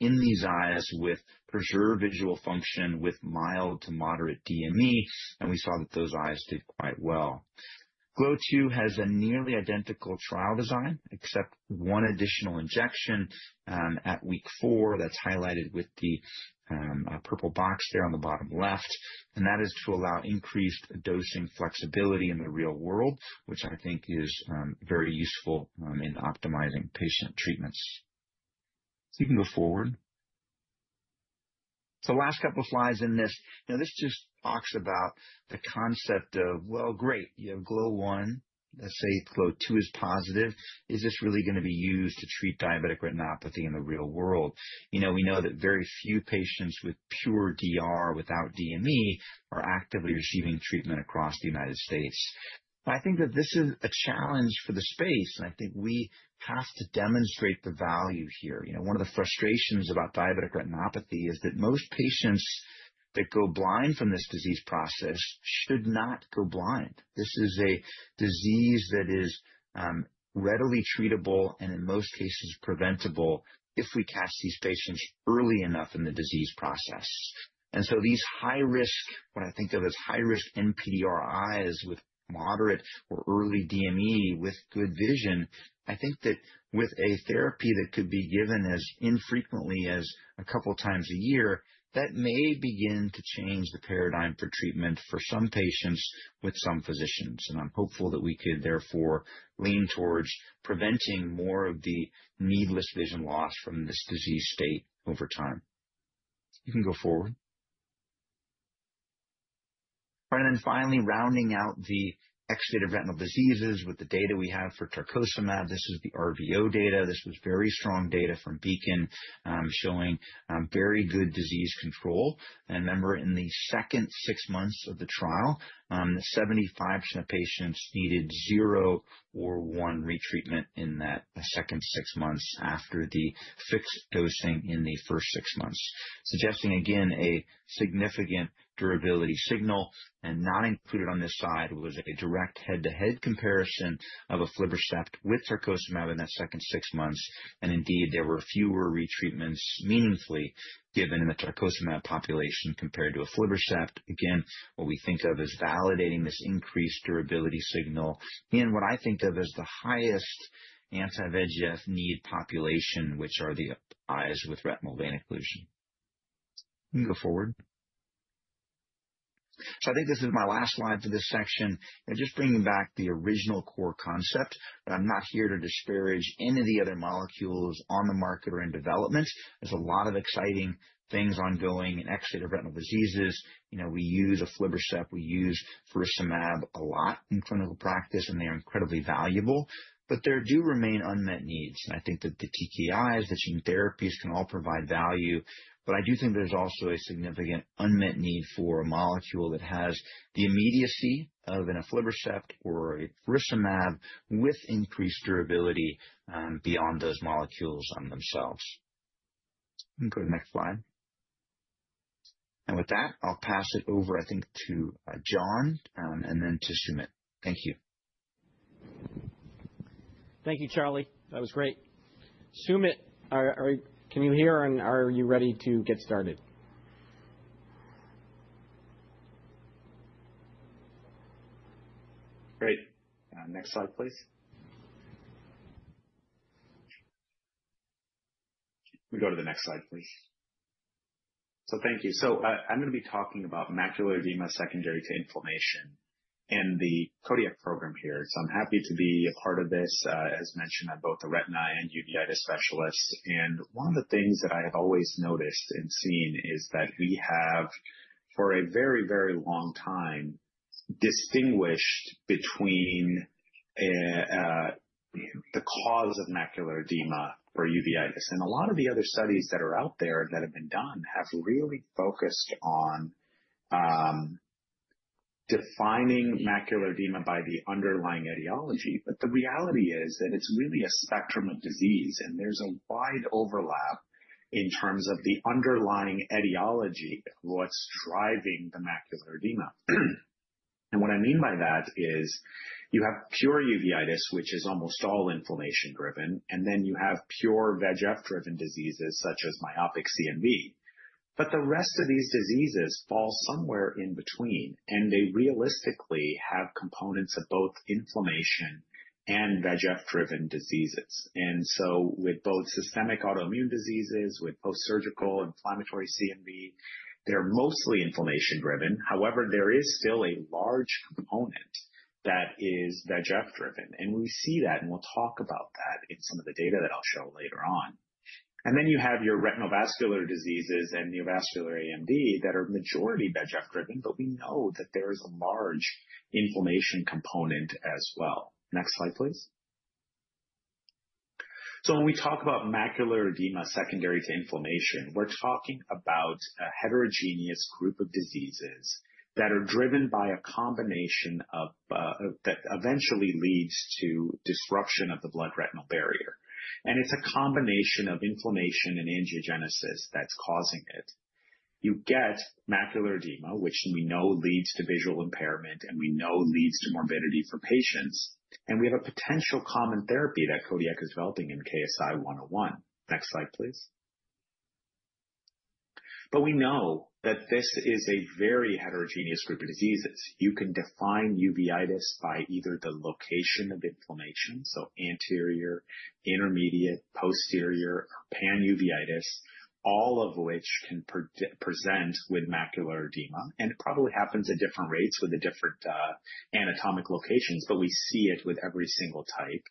in these eyes with preserved visual function with mild to moderate DME. We saw that those eyes did quite well. GLOW2 has a nearly identical trial design except one additional injection at week four that's highlighted with the purple box there on the bottom left. That is to allow increased dosing flexibility in the real world, which I think is very useful in optimizing patient treatments. You can go forward. Last couple slides in this. This just talks about the concept of, great, you have GLOW1, let's say GLOW2 is positive. Is this really going to be used to treat diabetic retinopathy in the real world? We know that very few patients with pure diabetic retinopathy without DME are actively receiving treatment across the United States. I think that this is a challenge for the space and I think we have to demonstrate the value here. One of the frustrations about diabetic retinopathy is that most patients that go blind from this disease process should not go blind. This is a disease that is readily treatable and in most cases preventable if we catch these patients early enough in the disease process. These high risk, what I think of as high risk NPDRs with moderate or early DME with good vision, I think that with a therapy that could be given as infrequently as a couple times a year, that may begin to change the paradigm for treatment for some patients with some physicians. I'm hopeful that we could therefore lean towards preventing more of the needless vision loss from this disease state over time. You can go forward and then finally rounding out the exudative retinal diseases with the data we have for tarcocimab. This is the RVO data, this was very strong data from Beacon showing very good disease control. Remember, in the second six months of the trial, 75% of patients needed zero or one retreatment in that second six months after the fifth dosing in the first six months, suggesting again a significant durability signal. Not included on this slide was a direct head to head comparison of aflibercept with tarcocimab in that second six months. Indeed, there were fewer retreatments meaningfully given in a tarcocimab population compared to aflibercept. Again, what we think of as validating this increased durability signal in what I think of as the highest anti-VEGF need population, which are the eyes with retinal vein occlusion, you can go forward. I think this is my last slide for this section and just bringing back the original core concept. I'm not here to disparage any of the other molecules on the market or in development. There are a lot of exciting things ongoing in excess of retinal diseases. We use aflibercept, we use faricimab a lot in clinical practice and they are incredibly valuable. There do remain unmet needs and I think that the TKIs, the gene therapies can all provide value. I do think there's also a significant unmet need for a molecule that has the immediacy of an aflibercept or a faricimab with increased durability beyond those molecules themselves. Go to the next slide. With that I'll pass it over, I think to John and then to Sumit. Thank you. Thank you, Charlie, that was great. Sumit, can you hear me? Are you ready to get started? Great. Next slide, please. We go to the next slide, please. Thank you. I'm going to be talking about macular edema secondary to inflammation and the cardiac program here. I'm happy to be a part of this. As mentioned, I'm both a retina and uveitis specialist and one of the things that I have always noticed and seen is that we have for a very, very long time distinguished between the cause of macular edema or uveitis. A lot of the other studies that are out there that have been done have really focused on defining macular edema by the underlying etiology. The reality is that it's really a spectrum of disease and there's a wide overlap in terms of the underlying etiology of what's driving the macular edema. What I mean by that is you have pure uveitis, which is almost all inflammation driven, and then you have pure VEGF driven diseases such as myopic CMV, but the rest of these diseases fall somewhere in between. They realistically have components of both inflammation and VEGF driven diseases. With both systemic autoimmune diseases with post-surgical inflammatory CMV, they're mostly inflammation driven. However, there is still a large component that is VEGF driven. We see that and we'll talk about that in some of the data that I'll show later on. You have your retinal vascular diseases and neovascular AMD that are majority VEGF driven. We know that there is a large inflammation component as well. Next slide, please. When we talk about macular edema secondary to inflammation, we're talking about a heterogeneous group of diseases that are driven by a combination that eventually leads to disruption of the blood retinal barrier and it's a combination of inflammation and angiogenesis that's causing it. You get macular edema, which we know leads to visual impairment and we know leads to morbidity for patients. We have a potential common therapy that Kodiak is developing in KSI-101. Next slide, please. We know that this is a very heterogeneous group of diseases. You can define uveitis by either the location of inflammation, so anterior, intermediate, posterior, pan-uveitis, all of which can present with macular edema. It probably happens at different rates with the different anatomic locations, but we see it with every single type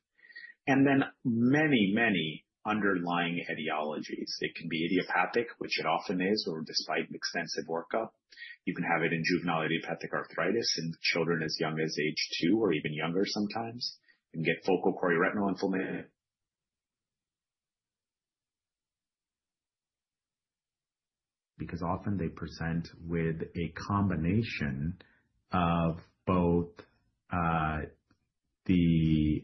and then many, many underlying etiologies. It can be idiopathic, which it often is, or despite extensive workup, you can have it in juvenile idiopathic arthritis, in children as young as age 2 or even younger. Sometimes you can get focal chorioretinal Inflammation. Because often they present with a combination of both the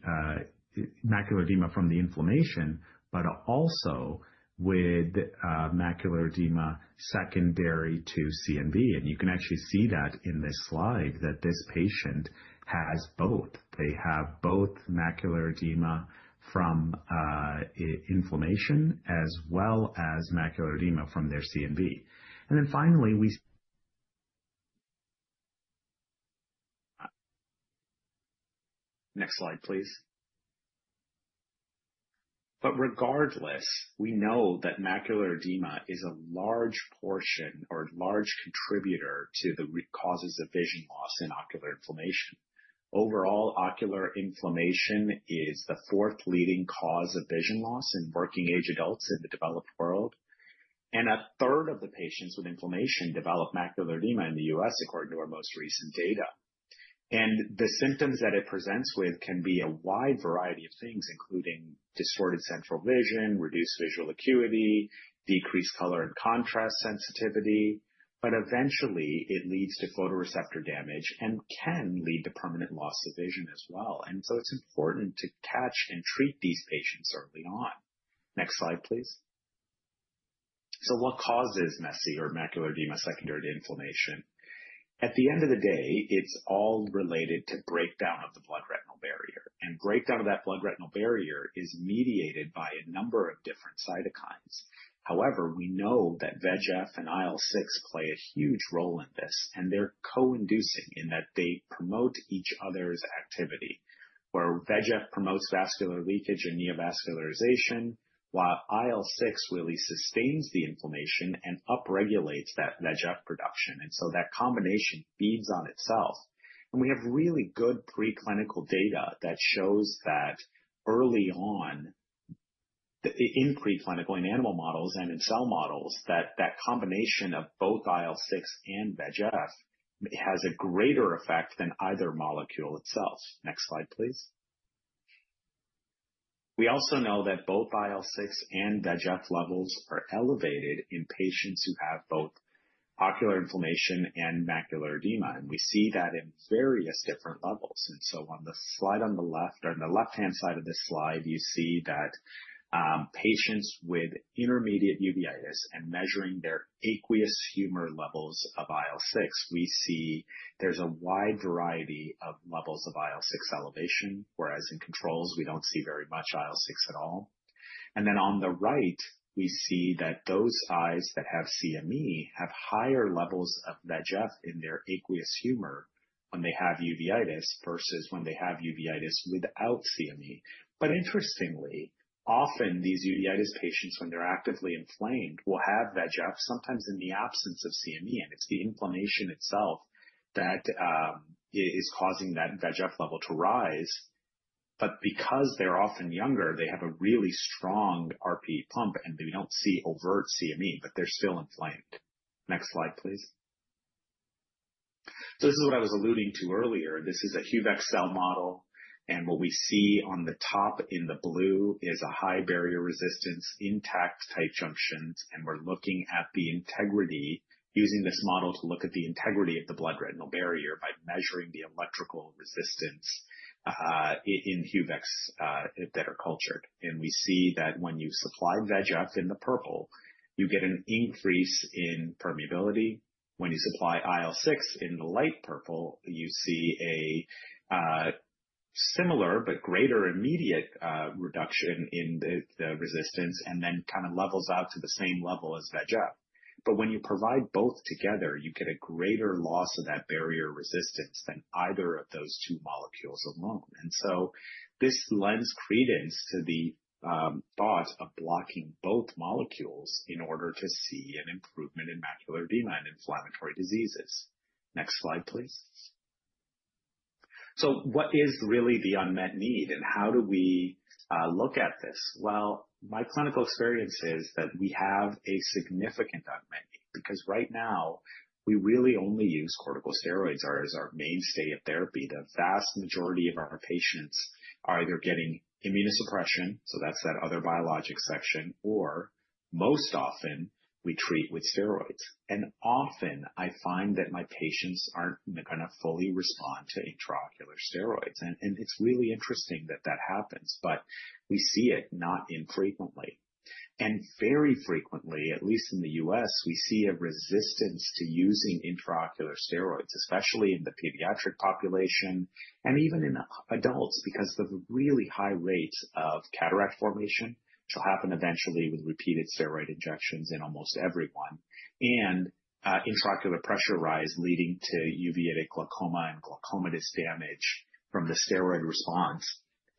macular edema from the inflammation, but also with macular edema secondary to CMV. You can actually see that in this slide that this patient has both, they have both macular edema from inflammation as well as macular edema from their CMV. Next slide please. Regardless, we know that macular edema is a large portion or large contributor to the causes of vision loss in ocular inflammation. Overall, ocular inflammation is the fourth leading cause of vision loss in working age adults in the developed world. A third of the patients with inflammation develop macular edema in the U.S. according to our most recent data. The symptoms that it presents with can be a wide variety of things including distorted central vision, reduced visual acuity, decreased color and contrast sensitivity, but eventually it leads to photoreceptor damage and can lead to permanent loss of vision as well. It is important to catch and treat these patients early on. Next slide please. What causes MESI or macular edema secondary to inflammation? At the end of the day, it's all related to breakdown of the blood retinal barrier and breakdown of that blood retinal barrier is mediated by a number of different cytokines. However, we know that VEGF and IL-6 play a huge role in this and they're co-inducing in that they promote each other's activity where VEGF promotes vascular leakage and neovascularization, while IL-6 really sustains the inflammation and upregulates that VEGF production. That combination feeds on itself. We have really good preclinical data that shows that early on in preclinical, in animal models and in cell models, that combination of both IL-6 and VEGF has a greater effect than either molecule itself. Next slide please. We also know that both IL-6 and VEGF levels are elevated in patients who have both ocular inflammation and macular edema. We see that in various different levels. On the left hand side of this slide you see that patients with intermediate uveitis and measuring their aqueous humor levels of IL-6, we see there's a wide variety of levels of IL-6 elevation, whereas in controls we don't see very much IL-6 at all. On the right we see that those eyes that have CME have higher levels of VEGF in their aqueous humor when they have uveitis versus when they have uveitis without CME. But interestingly, often these uveitis patients, when they're actively inflamed, will have VEGF, sometimes in the absence of CME, and the inflammation itself is causing that VEGF level to rise. Because they're often younger, they have a really strong RPE pump and they don't see overt CME, but they're still inflamed. Next slide, please. This is what I was alluding to earlier. This is a HUVEC cell model. What we see on the top in the blue is a high barrier resistance, intact tight junctions. We're looking at the integrity, using this model to look at the integrity of the blood retinal barrier by measuring the electrical resistance in HUVECs that are cultured. We see that when you supply VEGF in the purple, you get an increase in permeability. When you supply IL-6 in the light purple, you see a similar but greater immediate reduction in the resistance, and then it kind of levels out to the same level as VEGF. When you provide both together, you get a greater loss of that barrier resistance than either of those two molecules alone. This lends credence to the thought of blocking both molecules in order to see an improvement in macular edema and inflammatory diseases. Next slide, please. What is really the unmet need and how do we look at this? My clinical experience is that we have a significant unmet need. Right now we really only use corticosteroids as our mainstay of therapy. The vast majority of our patients are either getting immunosuppression, so that's that other biologic section, or most often we treat with steroids. Often I find that my patients aren't going to fully respond to intraocular steroids. It's really interesting that that happens. We see it not infrequently and very frequently. At least in the U.S., we see a resistance to using intraocular steroids, especially in the pediatric population and even in adults, because the really high rate of cataract formation will eventually happen with repeated steroid injections in almost everyone, and intraocular pressure rise, leading to uveitic glaucoma and glaucoma is damage from the steroid response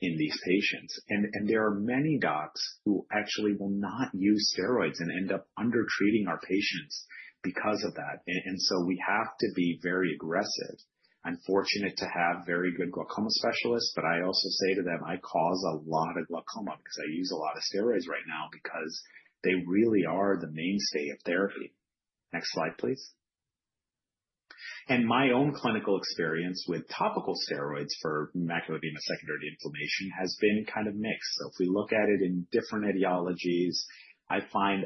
in these patients. There are many docs who actually will not use steroids and end up under treating our patients because of that. We have to be very aggressive. I'm fortunate to have very good glaucoma specialists, but I also say to them I cause a lot of glaucoma because I use a lot of steroids right now because they really are the mainstay of therapy. Next slide, please. My own clinical experience with topical steroids for macular edema secondary inflammation has been kind of mixed. If we look at it in different etiologies, I find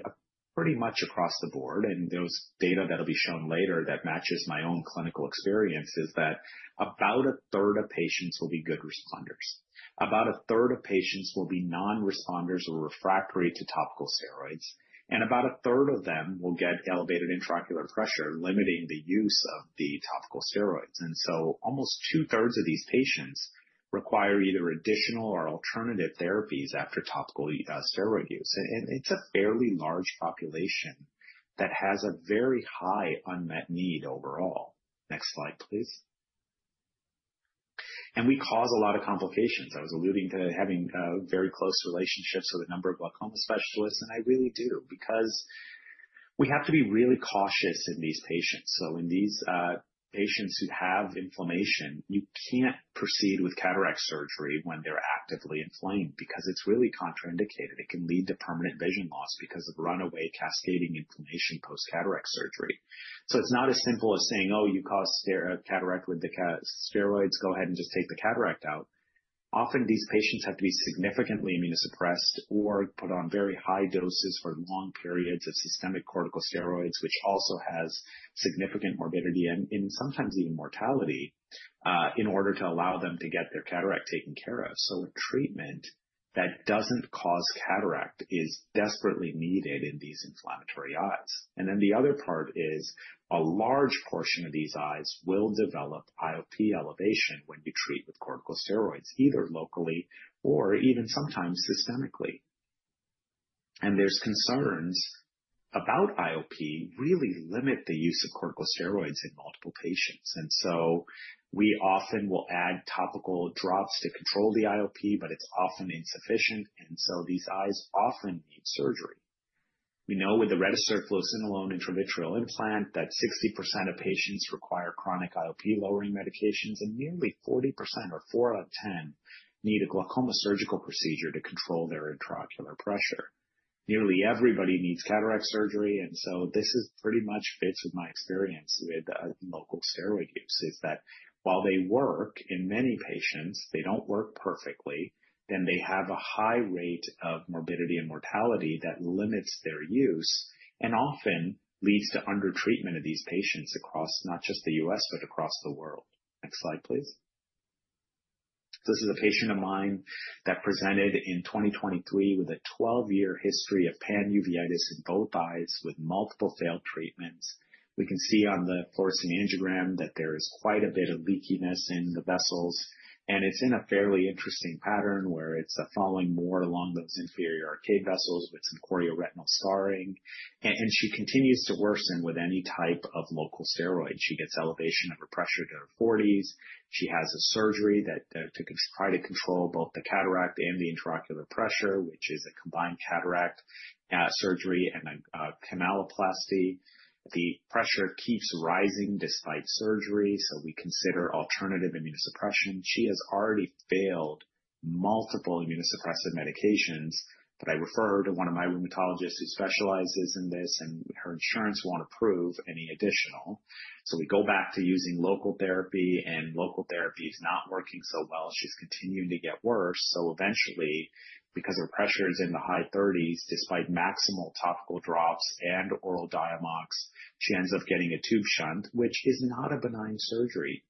pretty much across the board, and those data that'll be shown later that matches my own clinical experience, is that about a third of patients will be good responders, about a third of patients will be non-responders or refractory to topical steroids, and about a third of them will get elevated intraocular pressure, limiting the use of the topical steroids. Almost two thirds of these patients require either additional or alternative therapies after topical steroid use. It's a fairly large population that has a very high unmet need overall. Next slide, please. We cause a lot of complications. I was alluding to having very close relationships with a number of glaucoma specialists, and I really do, because we have to be really cautious in these patients. In these patients who have inflammation, you can't proceed with cataract surgery when they're actively inflamed because it's really contraindicated. It can lead to permanent vision loss because of runaway cascading inflammation post cataract surgery. It's not as simple as saying, oh, you caused cataract with the steroids. Go ahead and just take the cataract out. Often these patients have to be significantly immunosuppressed or put on very high doses for long periods of systemic corticosteroids, which also has significant morbidity and sometimes even mortality, in order to allow them to get their cataract taken care of. A treatment that doesn't cause cataract is desperately needed in these inflammatory eyes. The other part is a large portion of these eyes will develop IOP elevation when they treat with corticosteroids, either locally or even sometimes systemically. Concerns about IOP really limit the use of corticosteroids in multiple patients. We often will add topical drops to control the IOP, but it's often insufficient. These eyes often need surgery. We know with the registered fluocinolone intravitreal implant that 60% of patients require chronic IOP lowering medications. Nearly 40%, or 4 out of 10, need a glaucoma surgical procedure to control their intraocular pressure. Nearly everybody needs cataract surgery. This pretty much fits with my experience with local steroid use, as while they work in many patients, they do not work perfectly. They have a high rate of morbidity and mortality that limits their use and often leads to undertreatment of these patients across not just the U.S. but across the world. Next slide, please. This is a patient of mine that presented in 2023 with a 12-year history of pan uveitis in both eyes with multiple failed treatments. We can see on the fluorescein angiogram that there is quite a bit of leakiness in the vessels, and it is in a fairly interesting pattern where it is following more along those inferior arcade vessels with some chorioretinal scarring. She continues to worsen with any type of local steroid. She gets elevation of a pressure to 40. She has a surgery to try to control both the cataract and the intraocular pressure, which is a combined cataract surgery and a canaloplasty. The pressure keeps rising despite surgery, so we consider alternative immunosuppression. She has already failed multiple immunosuppressant medications, but I refer to one of my rheumatologists who specializes in this, and her insurance will not approve any additional. We go back to using local therapy, and local therapy is not working so well. She is continuing to get worse. Eventually, because her pressure is in the high 30s despite maximal topical drops and oral DIAMOX, she ends up getting a tube shunt, which is not a benign surgery.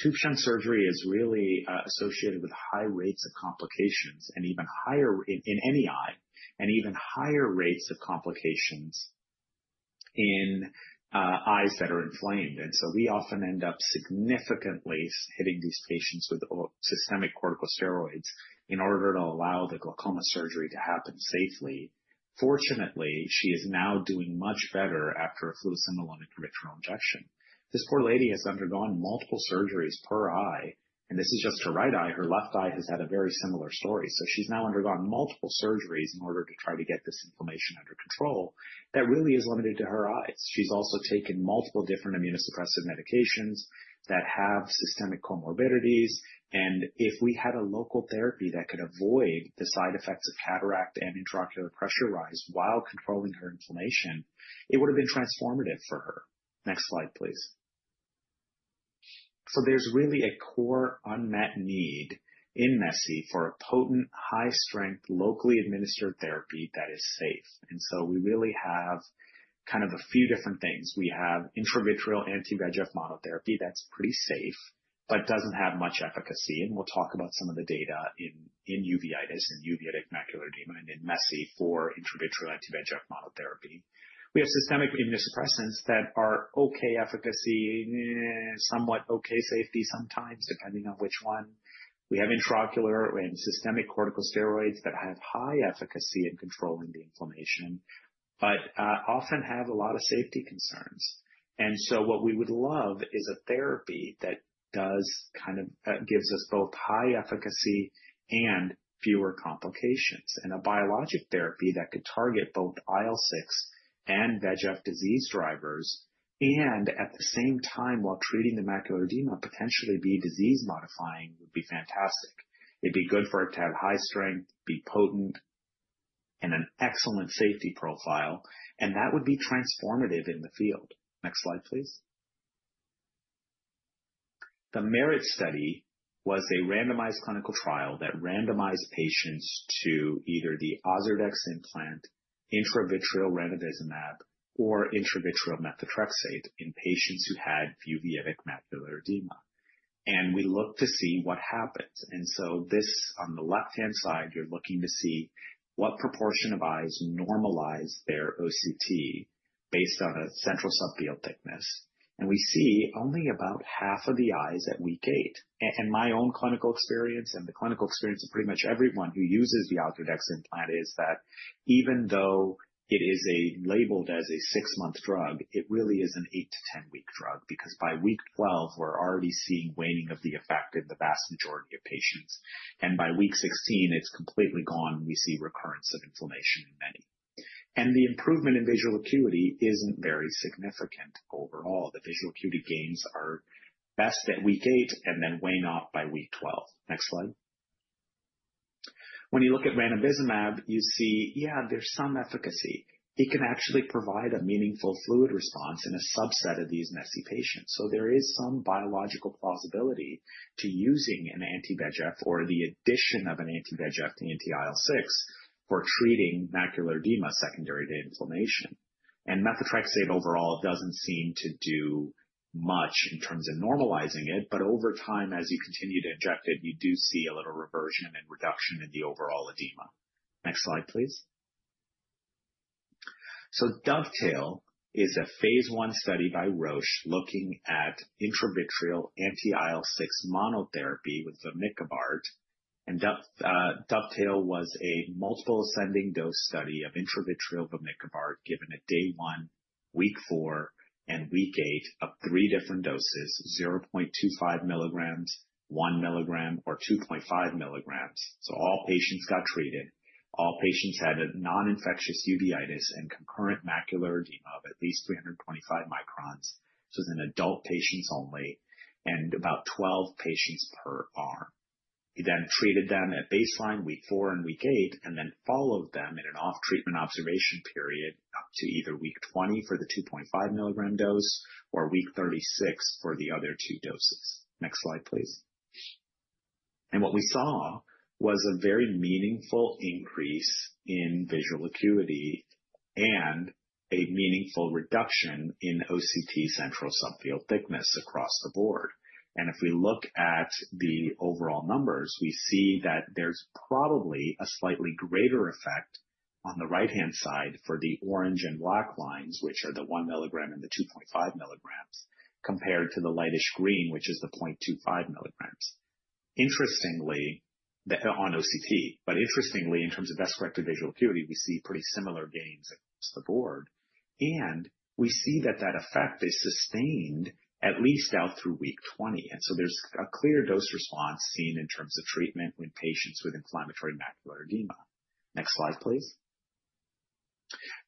Tube shunt surgery is really associated with high rates of complications and even higher rates of complication in eyes that are inflamed. We often end up significantly hitting these patients with systemic corticosteroids in order to allow the glaucoma surgery to happen safely. Fortunately, she is now doing much better after a fluocinolone peritoneal injection. This poor lady has undergone multiple surgeries per eye, and this is just her right eye. Her left eye has had a very similar story. She has now undergone multiple surgeries in order to try to get this inflammation under control that really is limited to her eyes. She has also taken multiple different immunosuppressive medications that have systemic comorbidities. If we had a local therapy that could avoid the side effects of cataract and intraocular pressure rise while controlling her inflammation, it would have been transformative for her. Next slide, please. There is really a core unmet need in MESI for a potent, high strength, locally administered therapy that is safe. We really have a few different things. We have intravitreal anti-VEGF monotherapy that's pretty safe but doesn't have much efficacy. We'll talk about some of the data in uveitis and uveitic macular edema and in MESI for intravitreal VEGF monotherapy. We have systemic immunosuppressants that are okay efficacy, somewhat okay safety sometimes depending on which one. We have intraocular and systemic corticosteroids that have high efficacy in controlling the inflammation but often have a lot of safety concerns. What we would love is a therapy that gives us both high efficacy and fewer complications and a biologic therapy that could target both IL-6 and VEGF disease drivers. At the same time, while treating the macular edema, potentially being disease modifying would be fantastic. It would be good for it to have high strength, be potent, and have an excellent safety profile, and that would be transformative in the field. Next slide, please. The merit study was a randomized clinical trial that randomized patients to either the OZURDEX implant, intravitreal ranibizumab, or intravitreal methotrexate in patients who had uveitic macular edema. We looked to see what happened. On the left-hand side, you're looking to see what proportion of eyes normalize their OCT based on a central subfield thickness. We see only about half of the eyes that we get. My own clinical experience and the clinical experience of pretty much everyone who uses the OZURDEX implant is that even though it is labeled as a six-month drug, it really is an eight to ten week drug because by week 12 we're already seeing waning of the effect in the vast majority of patients. By week 16 it's completely gone. We see recurrence of inflammation in many and the improvement in visual acuity isn't very significant. Overall, the visual acuity gains are best at week 8 and then wane off by week 12. Next slide. When you look at ranibizumab you see. Yeah, there's some efficacy. It can actually provide a meaningful fluid response in a subset of these MESI patients. There is some biological plausibility to using an anti-VEGF or the addition of an anti-VEGF to anti-IL-6 for treating macular edema secondary to inflammation. Methotrexate overall doesn't seem to do much in terms of normalizing it, but over time, as you continue to inject it, you do see a little reversion and reduction in the overall edema. Next slide, please. DOVETAIL is a phase I study by Roche looking at intravitreal anti-IL-6 monotherapy with vamikibart. DOVETAIL was a multiple ascending dose study of intravitreal vamikibart given at day one, week four, and week eight at three different doses: 0.25 mg, 1 mg, or 2.5 mg. All patients got treated. All patients had a non-infectious uveitis and concurrent macular edema of at least 325 µm, in adult patients only, and about 12 patients per arm. He then treated them at baseline, week four, and week eight, and then followed them in an off-treatment observation period to either week 20 for the 2.5 mg dose or week 36 for the other two doses. Next slide, please. What we saw was a very meaningful increase in visual acuity and a meaningful reduction in OCT central subfield thickness across the board. If we look at the overall numbers, we see that there's probably a slightly greater effect on the right-hand side for the orange and black lines, which are the 1 mg and the 2.5 mg, compared to the lightish green, which is the 0.25 mg, interestingly on OCT. Interestingly, in terms of best corrected visual acuity, we see pretty similar gains across the board and we see that that effect is sustained at least out through week 20. There is a clear dose response seen in terms of treatment with patients with inflammatory macular edema. Next slide, please.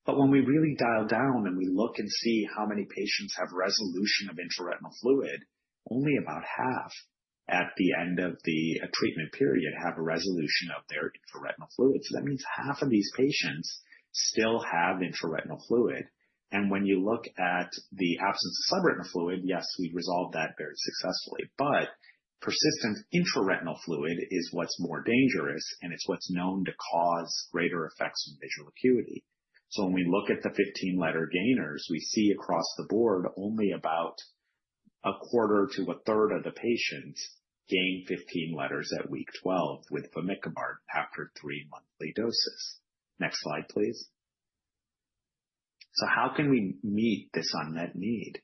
When we really dial down and we look and see how many patients have resolution of intraretinal fluid, only about half at the end of the treatment period have a resolution out there for retinal fluid. That means half of these patients still have intraretinal fluid. When you look at the absence of subretinal fluid, yes, we've resolved that very successfully. Persistent intraretinal fluid is what's more dangerous and it's what's known to cause greater effects from visual acuity. When we look at the 15 letter gainers, we see across the board, only about a quarter to a third of the patients gain 15 letters at week 12 with vamikibart after three monthly doses. Next slide, please. How can we meet this unmet need?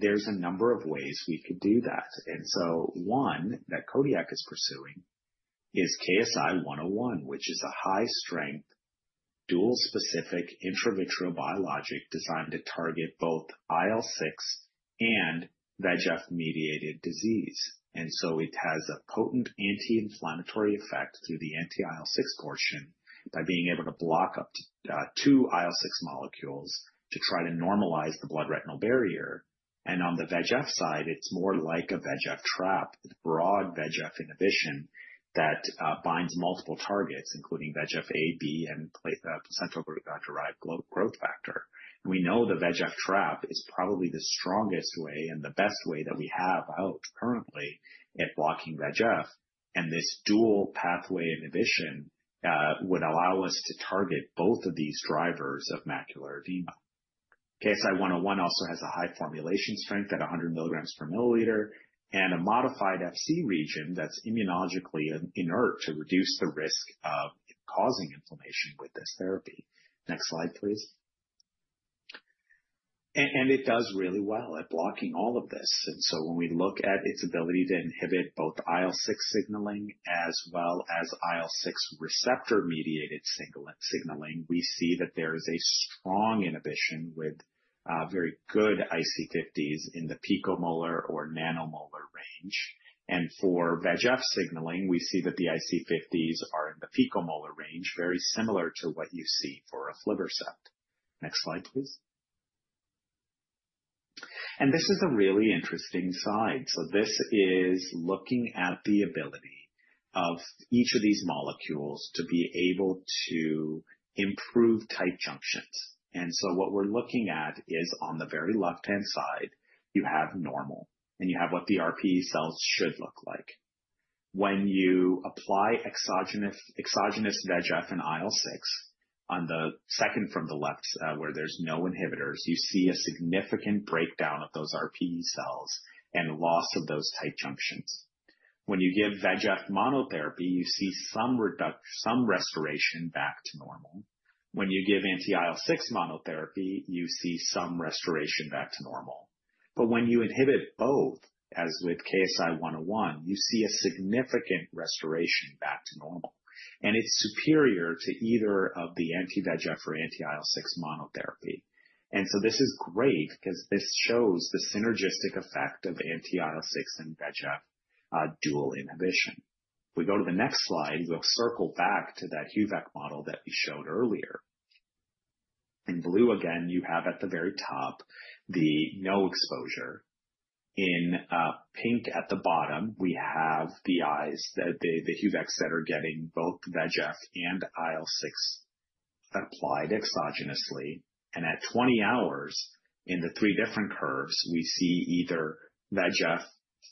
There are a number of ways you could do that. One that Kodiak is pursuing is KSI-101, which is the high strength dual specific intravitreal biologic designed to target both IL-6 and VEGF mediated disease. It has a potent anti-inflammatory effect through the anti-IL-6 core, shaped by being able to block up to two IL-6 molecules to try to normalize the blood-retinal barrier. On the VEGF side, it's more like a VEGF trap, broad VEGF inhibition that binds multiple targets including VEGF-A, B, and central vertigo derived growth factor. We know the VEGF trap is probably the strongest way and the best way that we have out currently in blocking VEGF. This dual pathway inhibition would allow us to target both of these drivers of macular edema. KSI-101 also has a high formulation strength at 100 mg per milliliter and a modified Fc region that's immunologically inert to reduce the risk of causing inflammation with this therapy. Next slide, please. It does really well at blocking all of this. When we look at its ability to inhibit both IL-6 signaling as well as IL-6 receptor mediated signaling, we see that there is a strong inhibition with very good IC50s in the picomolar or nanomolar range. For VEGF signaling, we see that the IC50s are in the picomolar range, very similar to what you see for aflibercept. Next slide, please. This is a really interesting slide. This is looking at the ability of each of these molecules to be able to improve tight junctions. What we're looking at is on the very left-hand side you have normal, and you have what the RPE cells should look like when you apply exogenous VEGF and IL-6. On the second from the left, where there's no inhibitors, you see a significant breakdown of those RPE cells and loss of those tight junctions. When you give VEGF monotherapy, you see some reduction, some restoration back to normal. When you give anti-IL-6 monotherapy, you see some restoration back to normal. When you inhibit both, as with KSI-101, you see a significant restoration back to normal, and it's superior to either of the anti-VEGF or anti-IL-6 monotherapy. This is great because this shows the synergistic effect of anti-IL-6 and VEGF dual inhibition. If we go to the next slide, we'll circle back to that HUVEC model that we showed earlier in blue. Again, you have at the very top the no exposure. In pink at the bottom, we have the eyes, the HUVECs that are getting both VEGF and IL-6 applied exogenously. At 20 hours in the three different curves, we see either VEGF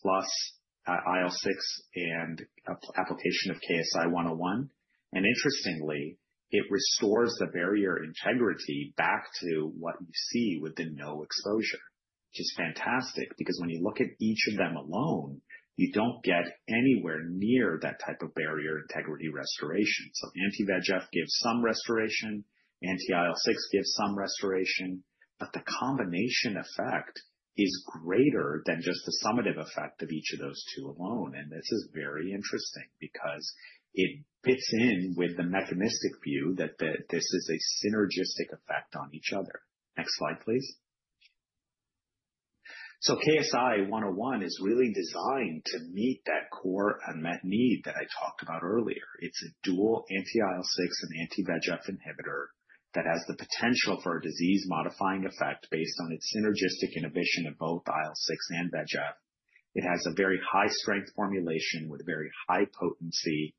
plus IL-6 and application of KSI-101. Interestingly, it restores the barrier integrity back to what you see with the no exposure, which is fantastic because when you look at each of them alone, you don't get anywhere near that type of barrier integrity restoration. Anti-VEGF gives some restoration, anti-IL-6 gives some restoration, but the combination effect is greater than just the summative effect of each of those two alone. This is very interesting because it fits in with the mechanistic view that this is a synergistic effect on each other. Next slide, please. KSI-101 is really designed to meet that core unmet need that I talked about earlier. It's a dual anti-IL-6 and anti-VEGF inhibitor that has the potential for a disease modifying effect based on its synergistic inhibition of both IL-6 and VEGF. It has a very high strength formulation with very high potency.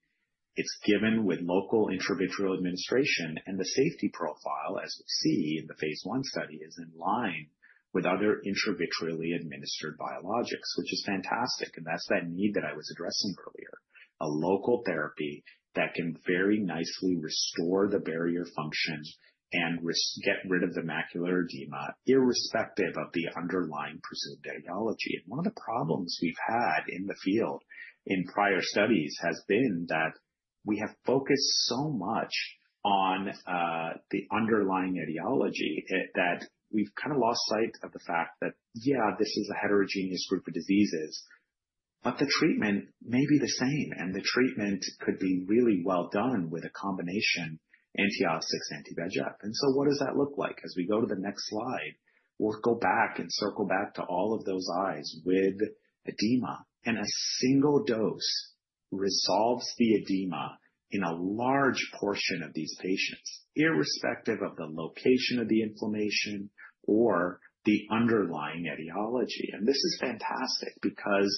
It's given with local intravitreal administration. The safety profile, as you see in the phase I study, is in line with other intravitreally administered biologics, which is fantastic. That's that need that I was addressing earlier: barrier, a local therapy that can very nicely restore the barrier function and get rid of the macular edema, irrespective of the underlying presumed etiology. One of the problems we've had in the field in prior studies has been that we have focused so much on the underlying etiology that we've kind of lost sight of the fact that, yeah, this is a heterogeneous group of diseases, but the treatment may be the same and the treatment could be really well done with a combination antioxidant anti-VEGF. What does that look like? As we go to the next slide, we'll go back and circle back to all of those eyes with edema. A single dose resolves the edema in a large portion of these patients, irrespective of the location of the inflammation or the underlying etiology. This is fantastic because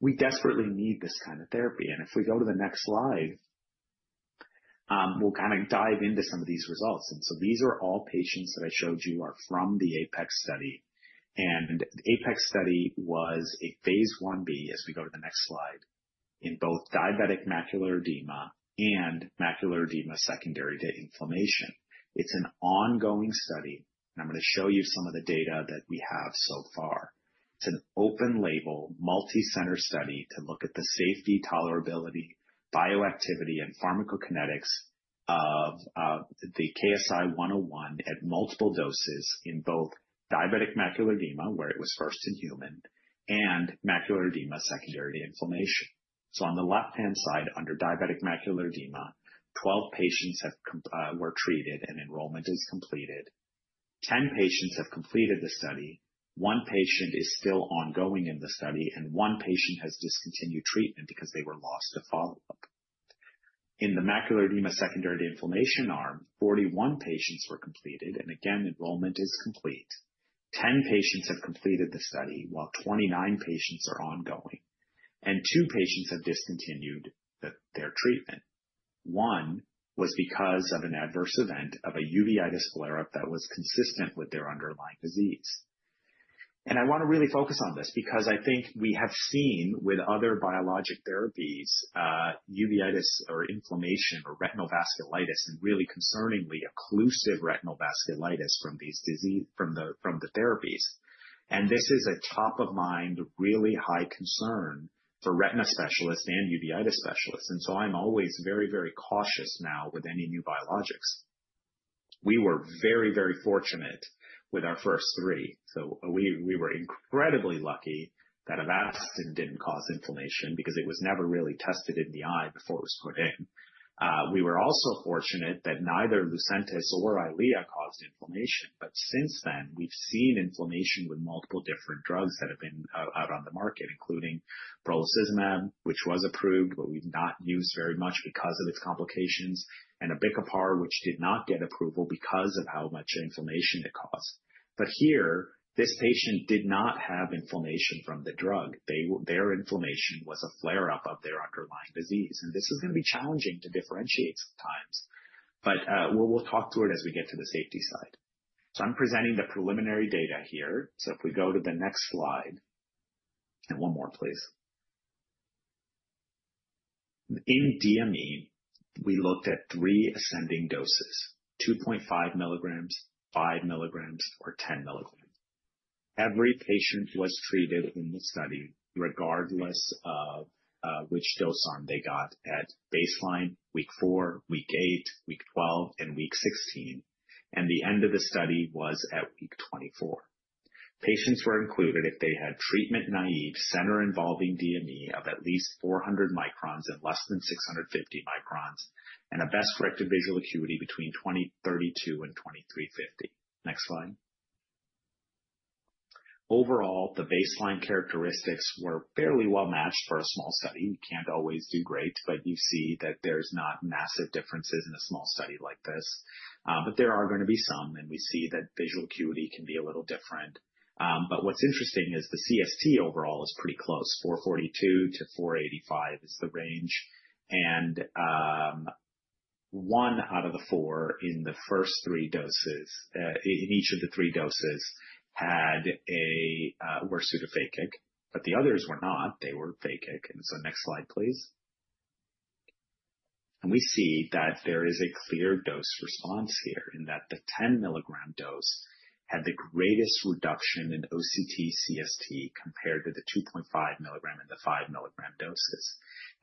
we desperately need this kind of therapy. If we go to the next slide, we'll kind of dive into some of these results. These are all patients that I showed you are from the APEX study. The APEX study was a phase I-B. As we go to the next slide, in both diabetic macular edema and macular edema secondary to inflammation. It's an ongoing study and I'm going to show you some of the data that we have so far. It's an open-label, multicenter study to look at the safety, tolerability, bioactivity, and pharmacokinetics of the KSI-101 at multiple doses in both diabetic macular edema, where it was first in human, and macular edema secondary to inflammation. On the left-hand side under diabetic macular edema, 12 patients were treated and enrollment is completed. Ten patients have completed the study. One patient is still ongoing in the study and one patient has discontinued treatment because they were lost to follow. In the macular edema secondary to inflammation arm, 41 patients were completed and again enrollment is complete. Ten patients have completed the study while 29 patients are ongoing and 2 patients have discontinued their treatment. One was because of an adverse event of a uveitis flare-up that was consistent with their underlying disease. I want to really focus on this because I think we have seen with other biologic therapies uveitis or inflammation or retinal vasculitis and really concerningly occlusive retinal vasculitis from these disease from the, from the therapies. This is a top of mind, really high concern for retina specialists and uveitis specialists. I'm always very, very cautious now with any new biologics. We were very, very fortunate with our first three. We were incredibly lucky that AVASTIN didn't cause inflammation because it was never really tested in the eye before it was put in. We were also fortunate that neither LUCENTIS or EYLEA caused inflammation. Since then we've seen inflammation with multiple different drugs that have been out on the market, including brolucizumab which was approved but we've not used very much because of its complications and abicipar which did not get approval because of how much inflammation it caused. Here this patient did not have inflammation from the drug. Their inflammation was a flare up of their underlying disease. This is going to be challenging to differentiate dates of times, but we'll talk through it as we get to the safety side. I'm presenting the preliminary data here. If we go to the next slide, one more please. In DME we looked at three ascending doses, 2.5 mg, 5 mg or 10 mg. Every patient was treated in this study, regardless of which dose they got at baseline, week 4, week 8, week 12 and week 16 and the end of the study was at week 24. Patients were included if they had treatment naive center involving DME of at least 400 µm and less than 650 µm and a best corrected visual acuity between 20/32 and 20/320. Next slide. Overall, the baseline characteristics were fairly well matched. For a small study you can't always do great, but you see that there's not massive differences in a small study like this, but there are going to be some. We see that visual acuity can be a little different. What's interesting is the CST overall is pretty close. 442-485 is the range. One out of the four in the first three doses in each of the three doses were pseudophakic, but the others were not. They were phakic. Next slide, please. We see that there is a clear dose response here in that the 10 mg dose had the greatest reduction in OCT CST compared to the 2.5 mg and the 5 mg doses.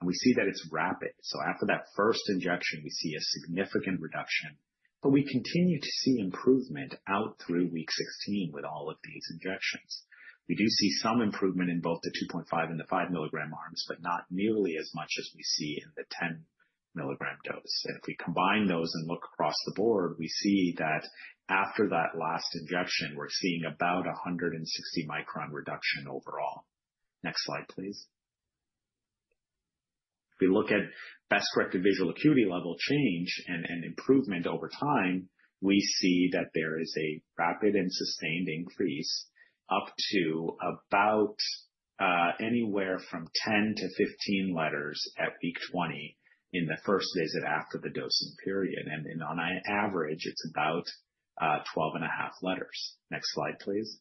We see that it's rapid. After that first injection, we see a significant reduction, but we continue to see improvement out through week 16. With all of these injections, we do see some improvement in both the 2.5 mg and the 5 mg arms, but not nearly as much as we see in the 10 mg dose. If we combine those and look across the board, we see that after that last injection we're seeing about 160 µm reduction overall. Next slide, please. If we look at best corrected visual acuity level change and improvement over time, we see that there is a rapid and sustained increase up to about anywhere from 10-15 letters at week 20 in the first visit after the dosing period. On average, it's about 12.5 letters. Next slide, please.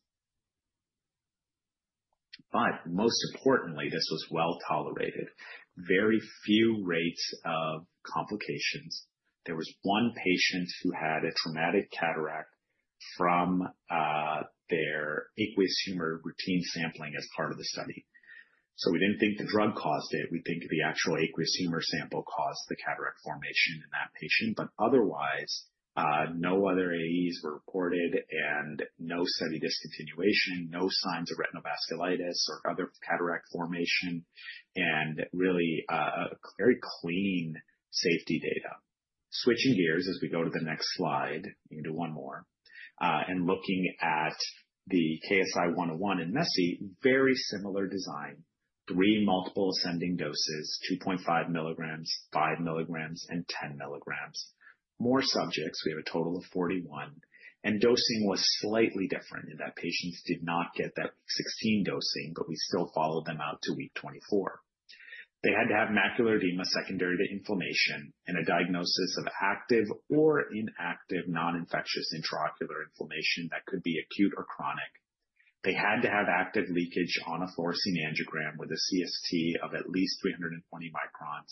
Most importantly, this was well tolerated. Very few rates of complications. There was one patient who had a somatic cataract from their aqueous humor routine sampling as part of the study. We didn't think the drug caused it. We think the actual aqueous humor sample caused the cataract formation in that patient. Otherwise, no other AEs were reported and no study discontinuation, no signs of retinal vasculitis or other cataract formation, and really very clean safety data. Switching gears as we go to the next slide, you can do one more, and looking at the KSI-101 in MESI, very similar design. Three multiple ascending doses: 2.5 mg, 5 mg, and 10 mg. More subjects, we have a total of 41, and dosing was slightly different in that patients did not get that 16 dosing, but we still followed them out to week 24. They had to have macular edema secondary to inflammation and a diagnosis of active or inactive non-infectious intraocular inflammation that could be acute or chronic. They had to have active leakage on a fluorescein angiogram with a CST of at least 320 µm.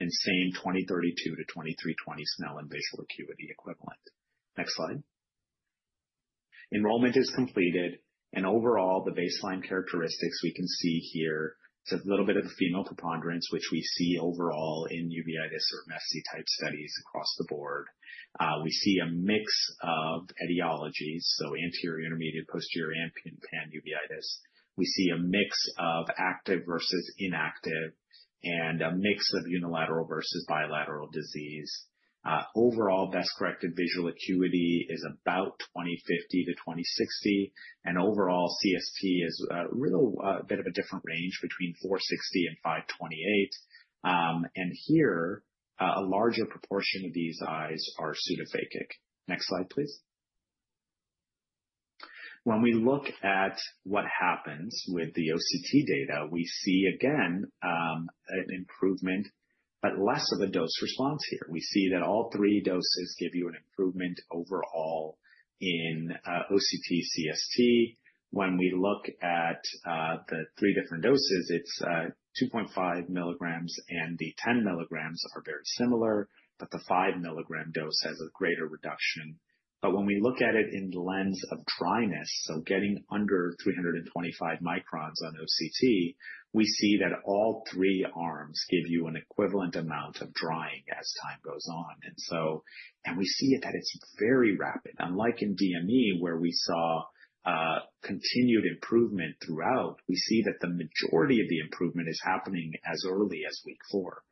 Insane 20/32-20/320, Snellen and baseline acuity equivalent. Next slide. Enrollment is completed and overall the baseline characteristics we can see here, it's a little bit of a female preponderance, which we see overall in uveitis or MESI-type studies. Across the board, we see a mix of etiologies, so anterior, intermediate, posterior, and pan uveitis. We see a mix of active versus inactive and a mix of unilateral versus bilateral disease. Overall best corrective visual acuity is about 20/50-20/60, and overall CST is really a bit of a different range between 460 and 528. Here, a larger proportion of these eyes are pseudophakic. Next slide please. When we look at what happens with the OCT data, we see again an improvement but less of a dose response. Here, we see that all three doses give you an improvement overall in OCT CST. When we look at the three different doses, it's 2.5 mg and the 10 mg are very similar, but the 5 mg dose has a greater reduction. When we look at it in the lens of dryness, so getting under 325 µm on OCT, we see that all three arms give you an equivalent amount of drying as time goes on, and we see that it's very rapid. Unlike in DME, where we saw continued improvement throughout, we see that the majority of the improvement is happening as early as week four.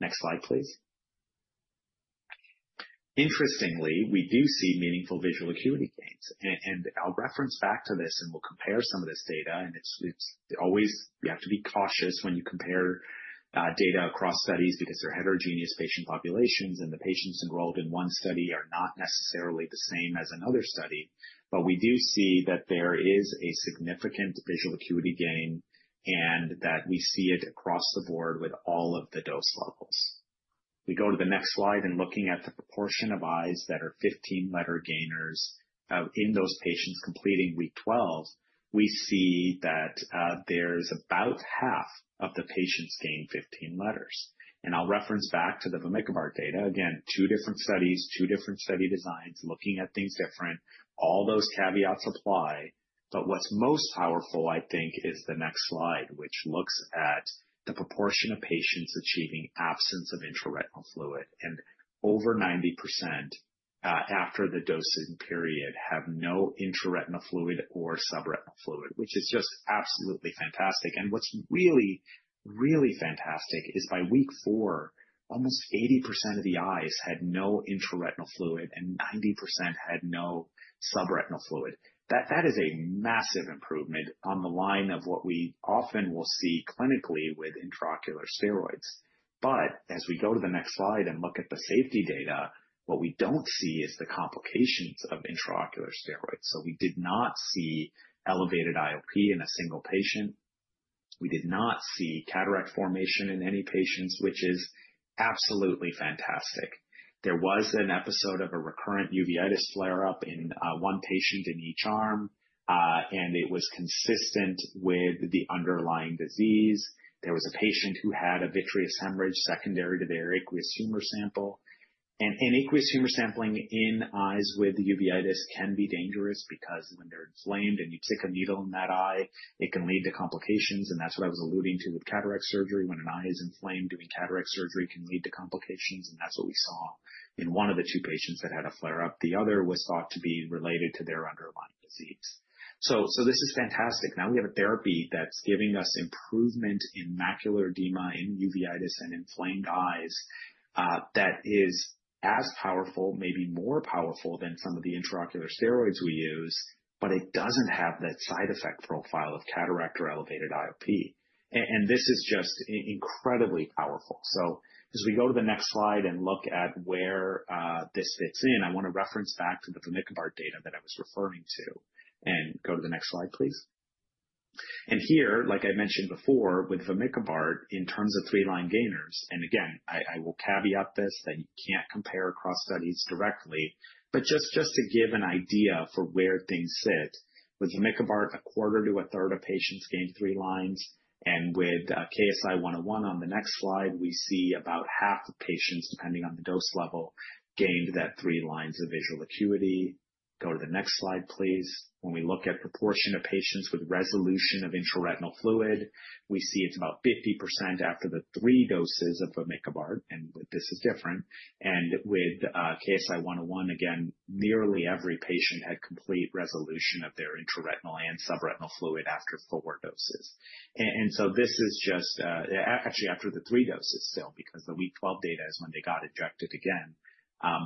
Next slide please. Interestingly, we do see meaningful visual acuity gains, and I'll reference back to this and we'll compare some of this data. It's always you have to be cautious when you compare data across studies because they're heterogeneous patient populations, and the patients enrolled in one study are not necessarily the same as another study. We do see that there is a significant visual acuity gain and that we see it across the board with all of the dose levels. We go to the next slide, and looking at the proportion of eyes that are 15 letter gainers in those patients completing week 12, we see that about half of the patients gained 15 letters. I'll reference back to the vamikibart data. Again, two different studies, two different study designs, looking at things different. All those caveats apply. What's most powerful, I think, is the next slide, which looks at the proportion of patients achieving absence of intraretinal fluid, and over 90% after the dosing period have no intraretinal fluid or subretinal fluid, which is just absolutely fantastic. What's really, really fantastic is by week four, almost 80% of the eyes had no intraretinal fluid and 90% had no subretinal fluid. That is a massive improvement on the line of what we often will see clinically with intraocular steroids. As we go to the next slide and look at the safety data, what we don't see is the complications of intraocular steroids. We did not see elevated IOP in a single patient. We did not see cataract formation in any patients, which is absolutely fantastic. There was an episode of a recurrent uveitis flare up in one patient in each arm, and it was consistent with the underlying disease. There was a patient who had a vitreous hemorrhage secondary to their aqueous tumor sample. Aqueous humor sampling in eyes with uveitis can be dangerous because when they're inflamed and you stick a needle in that eye, it can lead to complications. That is what I was alluding to with cataract surgery. When an eye is inflamed, doing cataract surgery can lead to complications. That is what we saw in one of the two patients that had a flare up. The other was thought to be related to their underlying. This is fantastic. Now we have a therapy that's giving us improvement in macular edema in uveitis and inflamed eyes that is as powerful, maybe more powerful than some of the intraocular steroids we use, but it doesn't have that side effect profile of cataract or elevated IOP. This is just incredibly powerful. As we go to the next slide and look at where this fits in, I want to reference back to the vamikibart data that I was referring to and go to the next slide, please. Like I mentioned before, with vamikibart, in terms of three line gainers, and again, I will caveat this that you can't compare across studies directly. Just to give an idea for where things sit, with vamikibart, a quarter to a third of patients gained three lines. With KSI-101, on the next slide, we see about half of patients, depending on the dose level, gained that three lines of visual acuity. Go to the next slide, please. When we look at proportion of patients with resolution of intraretinal fluid, we see it's about 50% after the three doses of vamikibart. This is different. With KSI-101, again, nearly every patient had complete resolution of their intraretinal and subretinal fluid after four doses. This is just actually after the three doses still, because the week 12 data is when they got injected again,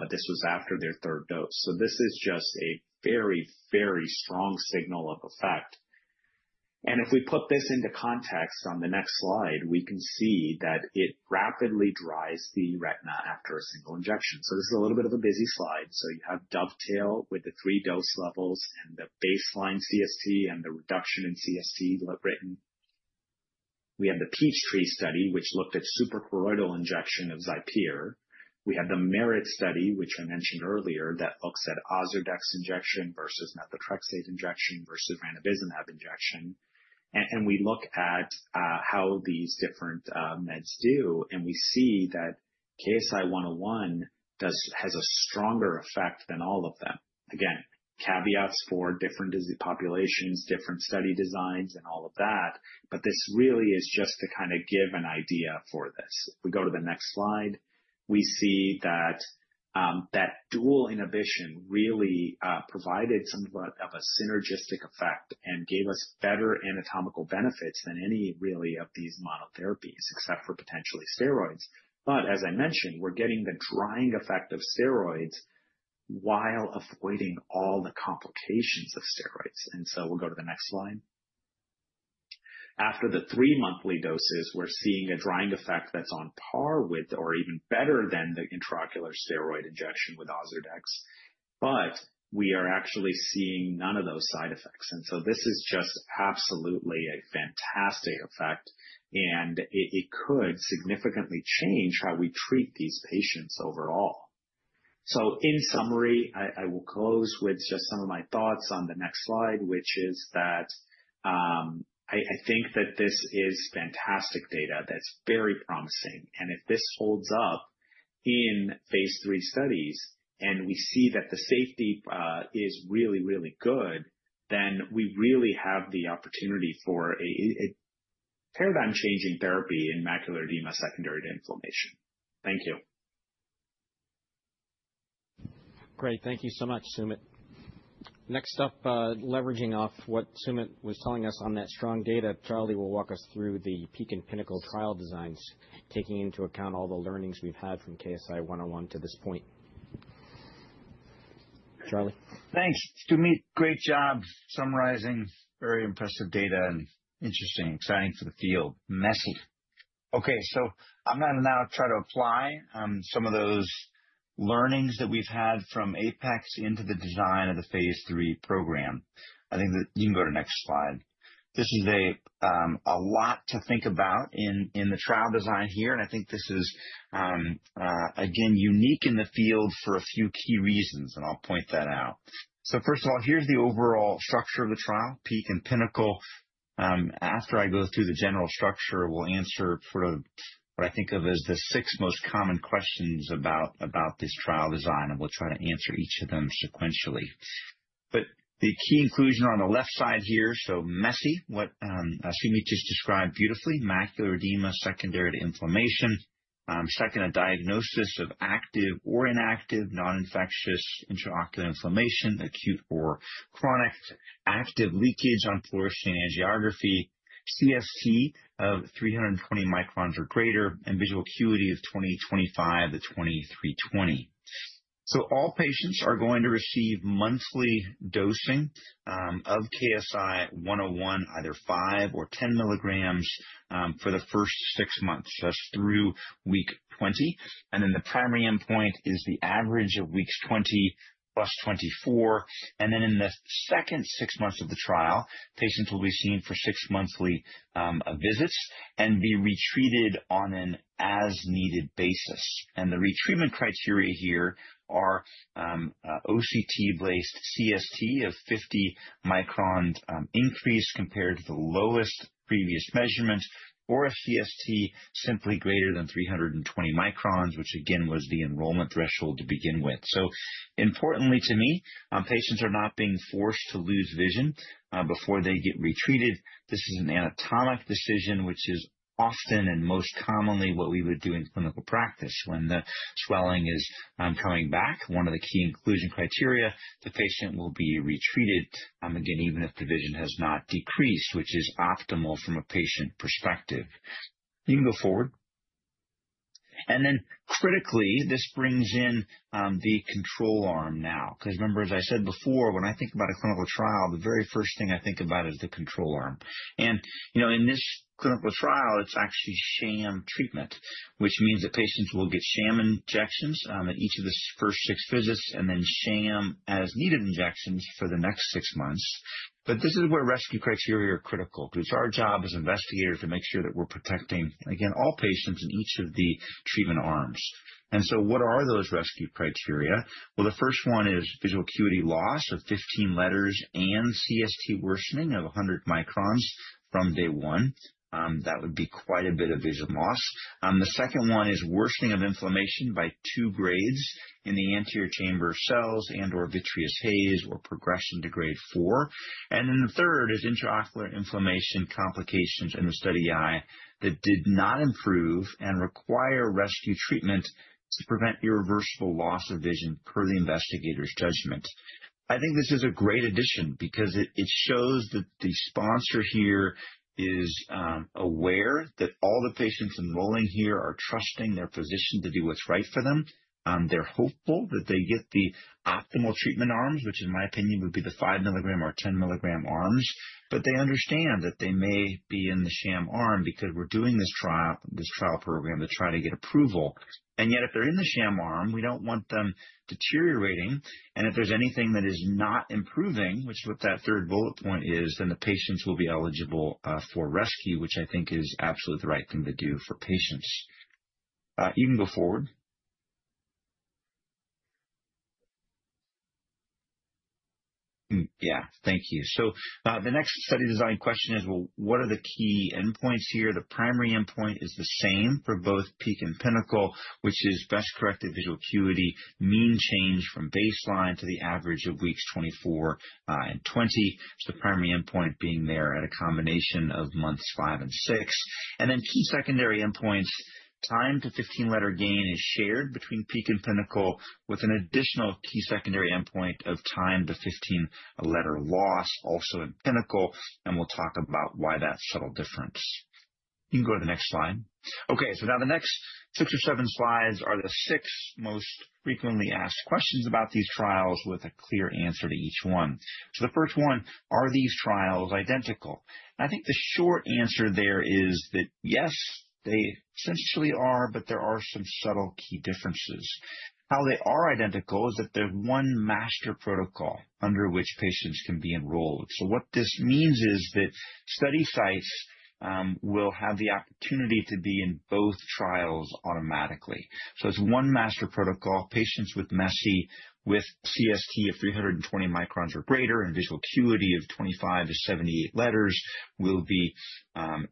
but this was after their third dose. This is just a very, very strong signal of effect. If we put this into context on the next slide, we can see that it rapidly dries the retina after a single injection. This is a little bit of a busy slide. You have DOVETAIL with the three dose levels and the baseline CST and the reduction in CST. We have the PEACHTREE study, which looked at suprachoroidal injection of XIPERE. We have the MERIT study, which I mentioned earlier, that folks had OZURDEX injection versus methotrexate injection versus ranibizumab injection. We look at how these different meds do, and we see that KSI-101 does have a stronger effect than all of them. Caveats for different populations, different study designs and all of that. This really is just to kind of give an idea for this. If we go to the next slide, we see that dual inhibition really provided somewhat of a synergistic effect and gave us better anatomical benefits than any really of these monotherapies, except for potentially steroids. As I mentioned, we're getting the drying effect of steroids while avoiding all the complications of steroids. We'll go to the next slide. After the three monthly doses, we're seeing a drying effect that's on par with or even better than the intraocular steroid injection with OZURDEX. We are actually seeing none of those side effects. This is just absolutely a fantastic effect and it could significantly change how we treat these patients overall. In summary, I will close with just some of my thoughts on the next slide, which is that I think that this is fantastic data that's very promising and if this holds up in phase III studies and we see that the safety is really, really good, then we really have the opportunity for a paradigm changing therapy in macular edema secondary to inflammation. Thank you. Great. Thank you so much, Sumit. Next up, leveraging off what Sumit was telling us on that strong data, Charlie will walk us through the peak and PINNACLE trial designs, taking into account all the learnings we've had from KSI-101 to this point. Charlie. Thanks Sumit. Great job summarizing very impressive data and interesting, exciting for the field MESI. Okay, I'm going to now try to apply some of those learnings that we've had from APEX into the design of the phase three program. I think that you can go to next slide. This is a lot to think about in the trial design here and I think this is again unique in the field for a few key reasons and I'll point that out. First of all, here's the overall structure of the trial PEAK and PINNACLE. After I go through the general structure, we'll answer sort of what I think of as the six most common questions about this trial design and we'll try to answer each of them sequentially. The key inclusion on the left side here, so MESI, what Sumit just described beautifully, macular edema secondary to inflammation. Second, a diagnosis of active or inactive non-infectious intraocular inflammation, acute or chronic active leakage on fluorescein angiography, CST of 320 µm or greater and visual acuity is 20/25-20/320. All patients are going to receive monthly dosing of KSI-101, either 5 mg or 10 mg for the first six months. That's through week 20. The primary endpoint is the average of weeks 20 + 24. In the second six months of the trial, patients will be seen for six monthly visits and be retreated on an as needed basis. The retreatment criteria here are OCT-based CST of 50 µm increase compared to the lowest previous measurements or a CST simply greater than 320 µm, which again was the enrollment threshold to begin with. Importantly to me, patients are not being forced to lose vision before they get retreated. This is an anatomic decision, which is often and most commonly what we would do in clinical practice when the swelling is coming back. One of the key inclusion criteria, the patient will be retreated again even if the vision has not decreased, which is optimal from a patient perspective. You can go forward and then critically, this brings in the control arm. Now, because remember, as I said before, when I think about a clinical trial, the very first thing I think about is the control arm. In this clinical trial, it's actually sham treatment, which means that patients will get sham injections at each of the first six visits and then sham as needed injections for the next six months. This is where rescue criteria are critical because our job as investigators is to make sure that we're protecting, again, all patients in each of the treatment arms. What are those rescue criteria? The first one is visual acuity loss of 15 letters and CST worsening of 100 µm from day one. That would be quite a bit of vision loss. The second one is worsening of inflammation by two grades in the anterior chamber cells and/or vitreous haze or progression to grade four. The third is intraocular inflammation complications in the study eye that did not improve and require rescue treatment to prevent irreversible loss of vision per the investigator's judgment. I think this is a great addition because it shows that the sponsor here is aware that all the patients enrolling here are trusting their physician to do what's right for them. They're hopeful that they get the optimal treatment arms, which in my opinion would be the 5 mg or 10 mg arm. They understand that they may be in the sham arm because we're doing this trial program to try to get approval. If they're in the sham arm, we don't want them deteriorating. If there's anything that is not improving, which is what that third bullet point is, then the patients will be eligible for rescue, which I think is absolutely the right thing to do for patients. You can go forward. Thank you. The next study design question is, what are the key endpoints here? The primary endpoint is the same for both PEAK and PINNACLE, which is best corrected visual acuity mean change from baseline to the average of weeks 24 and 20, the primary endpoint being there at a combination of months 5 and 6. Key secondary endpoints, time to 15 letter gain is shared between PEAK and PINNACLE, with an additional key secondary endpoint of time to 15 letter loss, also in PINNACLE. We'll talk about why that subtle difference. You can go to the next slide. The next six or seven slides are the six most frequently asked questions about these trials with a clear answer to each one. The first one: are these trials identical? I think the short answer there is that, yes, they essentially are, but there are some subtle key differences. How they are identical is that there's one master protocol under which patients can be enrolled. What this means is that study sites will have the opportunity to be in both trials automatically. It's one master protocol. Patients with MESI with CST of 320 µm or greater and visual acuity of 25 to 78 letters will be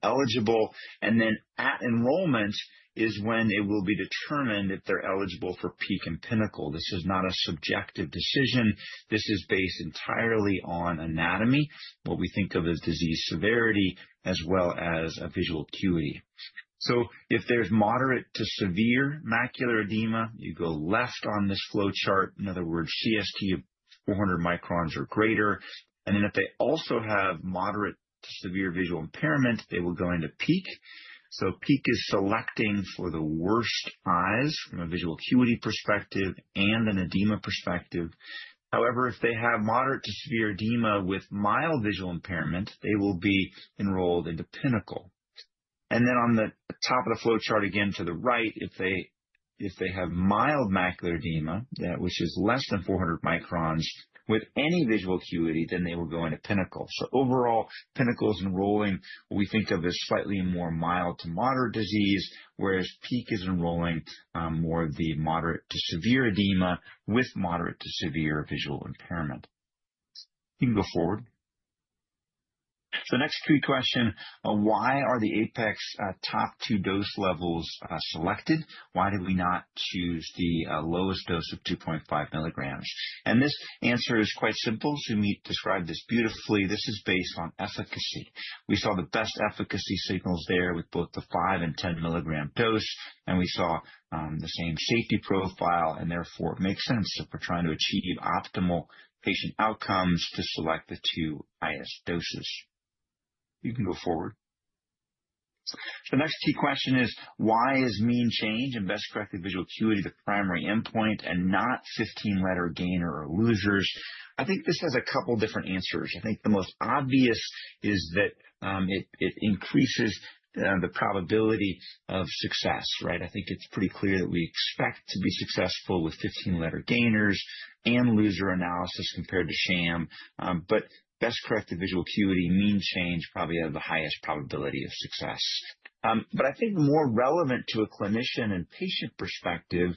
eligible. At enrollment, it will be determined if they're eligible for PEAK and PINNACLE. This is not a subjective decision. This is based entirely on anatomy, what we think of as disease severity as well as visual acuity. If there's moderate to severe macular edema, you go left on this flowchart, in other words, CST of 400 µm or greater. If they also have moderate, moderate severe visual impairments, they will go into PEAK. PEAK is selecting for the worst eyes from a visual acuity perspective and an edema perspective. However, if they have moderate to severe edema with mild visual impairments, they will be enrolled into PINNACLE and then on the top of the flowchart again to the right. If they have mild macular edema, which is less than 400 µm with any visual acuity, then they will go into PINNACLE. Overall, PINNACLE is enrolling what we think of as slightly more mild to moderate disease, whereas PEAK is enrolling more of the moderate to severe edema with moderate to severe visual impairment. You can go forward. Next question. Why are the APEX top two dose levels selected? Why did we not choose the lowest dose of 2.5 mg? This answer is quite simple. Sumit described this beautifully. This is based on efficacy. We saw the best efficacy signals there with both the 5 mg and 10 mg dose. We saw the same safety profile. Therefore, it makes sense if we're trying to achieve optimal patient outcomes, to select the two highest doses. You can go forward. The next key question is why is mean change in best corrected visual acuity the primary endpoint and not 15 letter gainers or losers? I think this has a couple different answers. The most obvious is that it increases the probability of success. I think it's pretty clear that we expect to be successful with 15 letter gainers and loser analysis compared to sham, but best practical acuity, mean change probably have the highest probability of success. I think more relevant to a clinician and patient perspective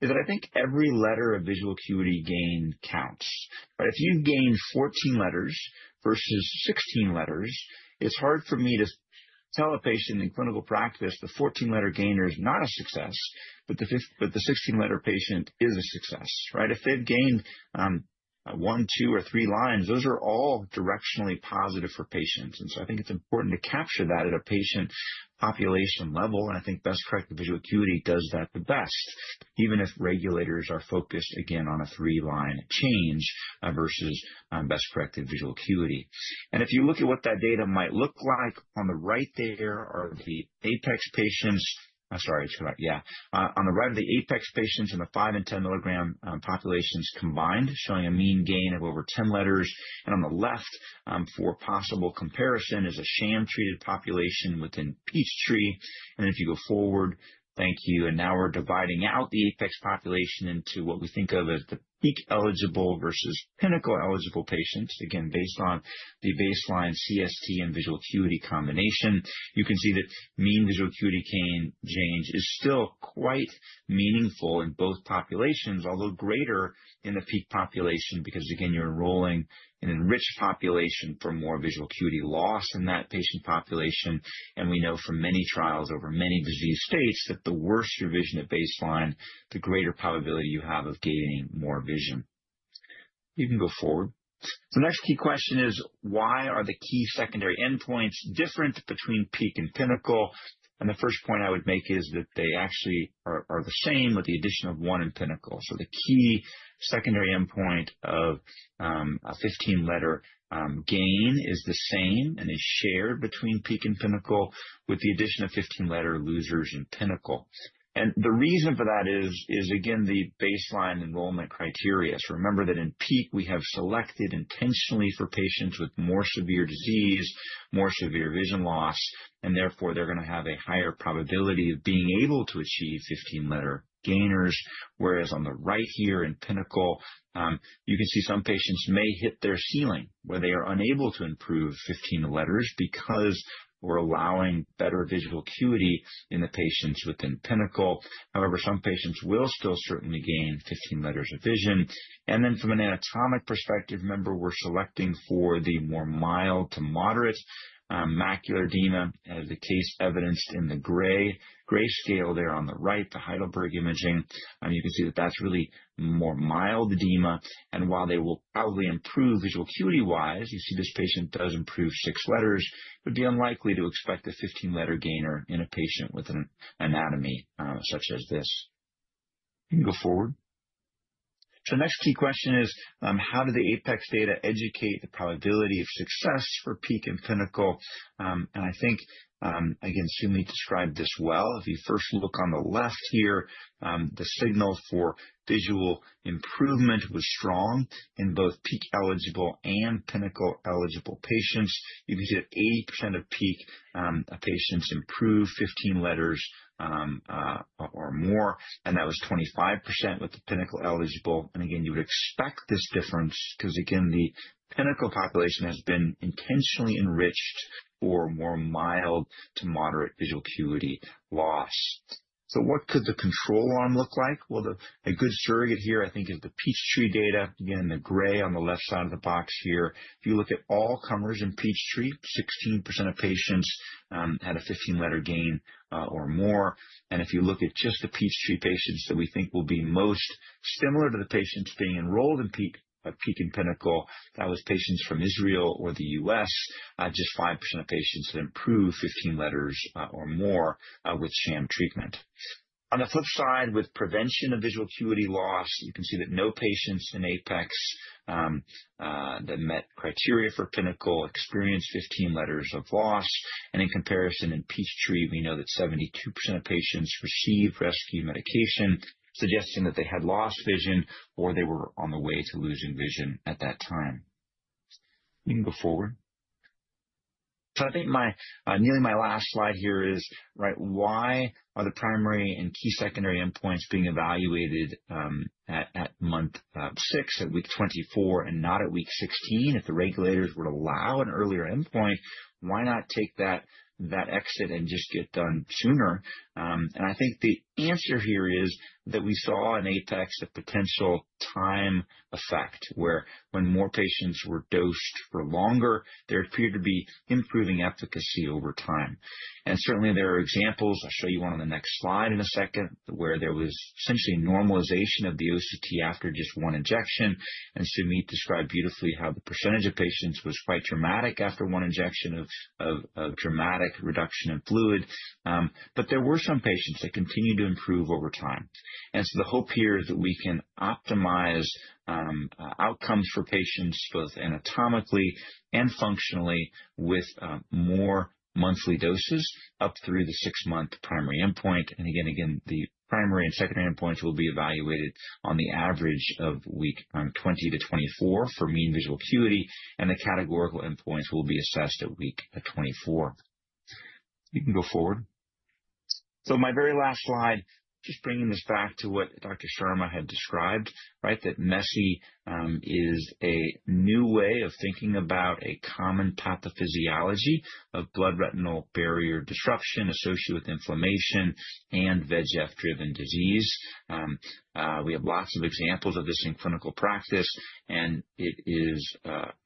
is that I think every letter of visual acuity gain counts. If you gain 14 letters versus 16 letters, it's hard for me to tell a patient in clinical practice the 14 letter gainer is not a success, but the 16 letter patient is a success. If they've gained one, two, or three lines, those are all directionally positive for patients. I think it's important to capture that at a patient population level. I think best practical acuity does that the best, even if regulators are focused again on a three-line change versus best practice visual acuity. If you look at what that data might look like, on the right there are the APEX patients. I'm sorry, yeah, on the run, the APEX patients in the 5 mg and 10 mg populations combined showing a mean gain of over 10 letters. On the left, for possible comparison, is a sham-treated population within PEACHTREE. If you go forward, thank you. Now we're dividing out the APEX population into what we think of as the PEAK eligible versus PINNACLE eligible patients, again based on the baseline CST and visual acuity combination. You can see that mean visual acuity change is still quite meaningful in both populations, although greater in the peak population because you're enrolling an enriched population for more visual acuity loss in that patient population. We know from many trials over many disease states that the worse your vision at baseline, the greater probability you have of gaining more vision. You can go forward. The next key question is why are the key secondary endpoints different between PEAK and PINNACLE? The first point I would make is that they actually are the same with the addition of one in PINNACLE. The key secondary endpoint of a 15-letter gain is the same and is shared between PEAK and PINNACLE, with the addition of 15-letter losers in PINNACLE. The reason for that is again the baseline enrollment criteria. Remember that in PEAK we have selected intentionally for patients with more severe disease, more severe vision loss, and therefore they're going to have a higher probability of being able to achieve 15-letter gainers. Whereas on the right here in PINNACLE, you can see some patients may hit their ceiling where they are unable to improve 15 letters because we're allowing better visual acuity in the patients within PINNACLE. However, some patients will still certainly gain 15 letters of vision. From an anatomic perspective, remember, we're selecting for the more mild to moderate macular edema, the case evidenced in the gray scale there on the right, the Heidelberg imaging, you can see that that's really more mild edema. While they will probably improve visual acuity wise, you see, this patient does improve six letters. It would be unlikely to expect a 15 letter gainer in a patient with an anatomy such as this. You can go forward. The next key question is how do the APEX data educate the probability of success for PEAK and PINNACLE? I think I can, Sumit described this well. If you first look on the left here, the signal for visual improvement was strong in both PEAK eligible and PINNACLE eligible patients. You can see at 80% of PEAK patients improved 15 letters or more, and that was 25% with the PINNACLE eligible. You would expect this difference because the PINNACLE population has been intentionally enriched for more mild to moderate visual acuity loss. What could the control arm look like? A good surrogate here is the PEACHTREE data, again the gray on the left side of the box here. If you look at all comers in PEACHTREE, 16% of patients had a 15 letter gain or more. If you look at just the PEACHTREE patients that we think will be most similar to the patients being enrolled in PEAK and PINNACLE, that was patients from Israel or the U.S., just 5% of patients improved 15 letters or more with sham treatment. On the flip side, with prevention of visual acuity loss, you can see that no patients in APEX that met criteria for PINNACLE experienced 15 letters of loss. In comparison, in PEACHTREE we know that 72% of patients received rescue medication, suggesting that they had lost vision or they were on the way to losing vision at that time. You can go forward. I think my nearly my last slide here is right. Why are the primary and key secondary endpoints being evaluated at month six, at week 24 and not at week 16? If the regulators would allow an earlier endpoint, why not take that exit and just get done sooner? I think the answer here is that we saw in APEX a potential time effect where when more patients were dosed for longer, there appeared to be improving efficacy over time. Certainly there are examples. I'll show you one on the next slide in a second where there was essentially normalization of the OCT after just one injection. Sumit described beautifully how the percentage of patients was quite dramatic after one injection and of dramatic reduction in fluids, but there were some patients that continued to improve over time. The hope here is that we can optimize outcomes for patients both anatomically and functionally with more monthly doses up through the six month primary endpoint. Again, the primary and secondary endpoints will be evaluated on the average of week 20 to 24 for mean visual acuity, and the categorical endpoints will be assessed at week 24. You can go forward. My very last slide, just bringing this back to what Dr. Sharma had described, right. MESI is a new way of thinking about a common pathophysiology of blood retinal barrier disruption associated with inflammation and VEGF driven disease. We have lots of examples of this in clinical practice, and it is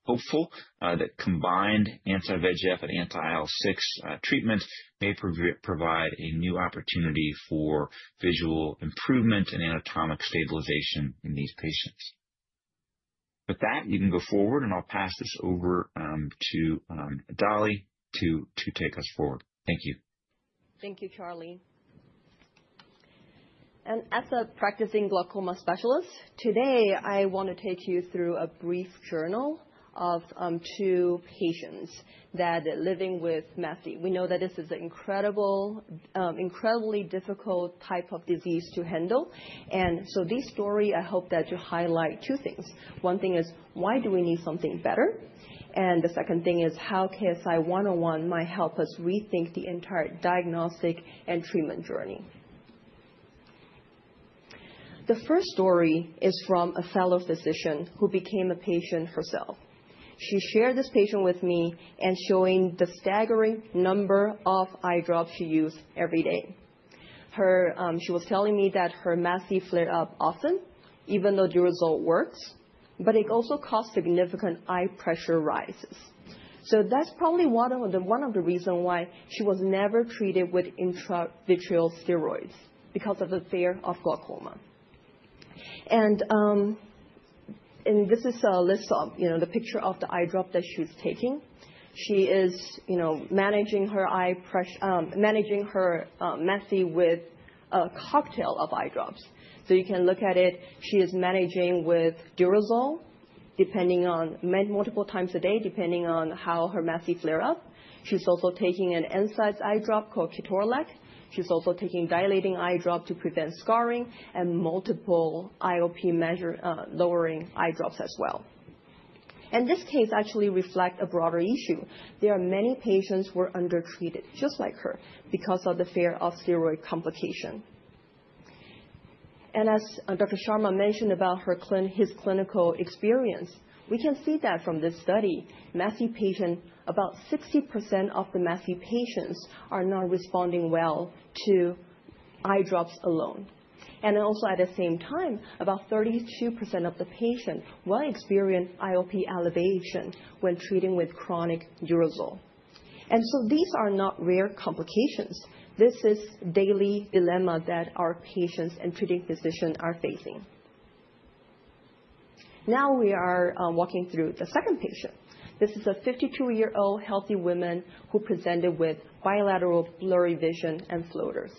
hopeful that combined anti-VEGF and anti-IL-6 treatments may provide a new opportunity for visual improvement and anatomic stabilization in these patients. With that, you can go forward. I'll pass this over to Dolly to take us forward. Thank you. Thank you, Charlie. As a practicing glaucoma specialist today, I want to take you through a brief journal of two patients that I am living with. Matthew, we know that this is an incredibly difficult type of disease to handle. This story, I hope, will highlight two things. One thing is why do we need something better? The second thing is how KSI-101 might help us rethink the entire diagnostic and treatment journey. The first story is from a fellow physician who became a patient for success. She shared this patient with me and showed the staggering number of eye drops she used every day. She was telling me that her macular edema flared up often even though the result works, but it also caused significant eye pressure rises. That is probably one of the reasons why she was never treated with intraocular steroids because of the fear of glaucoma. This is a list of, you know, the picture of the eye drops that she's taking. She is managing her eye pressure, managing her MESI with a cocktail of eye drops. You can look at it. She is managing with Durezol, depending on multiple times a day, depending on how her MESI flares up. She's also taking an NSAIDs eye drop called Ketorolac. She's also taking dilating eye drops to prevent scarring and multiple IOP-lowering eye drops as well. This case actually reflects a broader issue. There are many patients who are undertreated just like her because of the fear of steroid complications. As Dr. Sharma mentioned about his clinical experience, we can see that from this study, MESI patients, about 60% of the MESI patients are not responding well to eye drops alone. At the same time, about 32% of the patients will experience IOP elevation when treated with chronic Durezol. These are not rare complications. This is a daily dilemma that our patients and today's physicians are facing. Now we are walking through the second patient. This is a 52-year-old healthy woman who presented with bilateral blurry vision and floaters.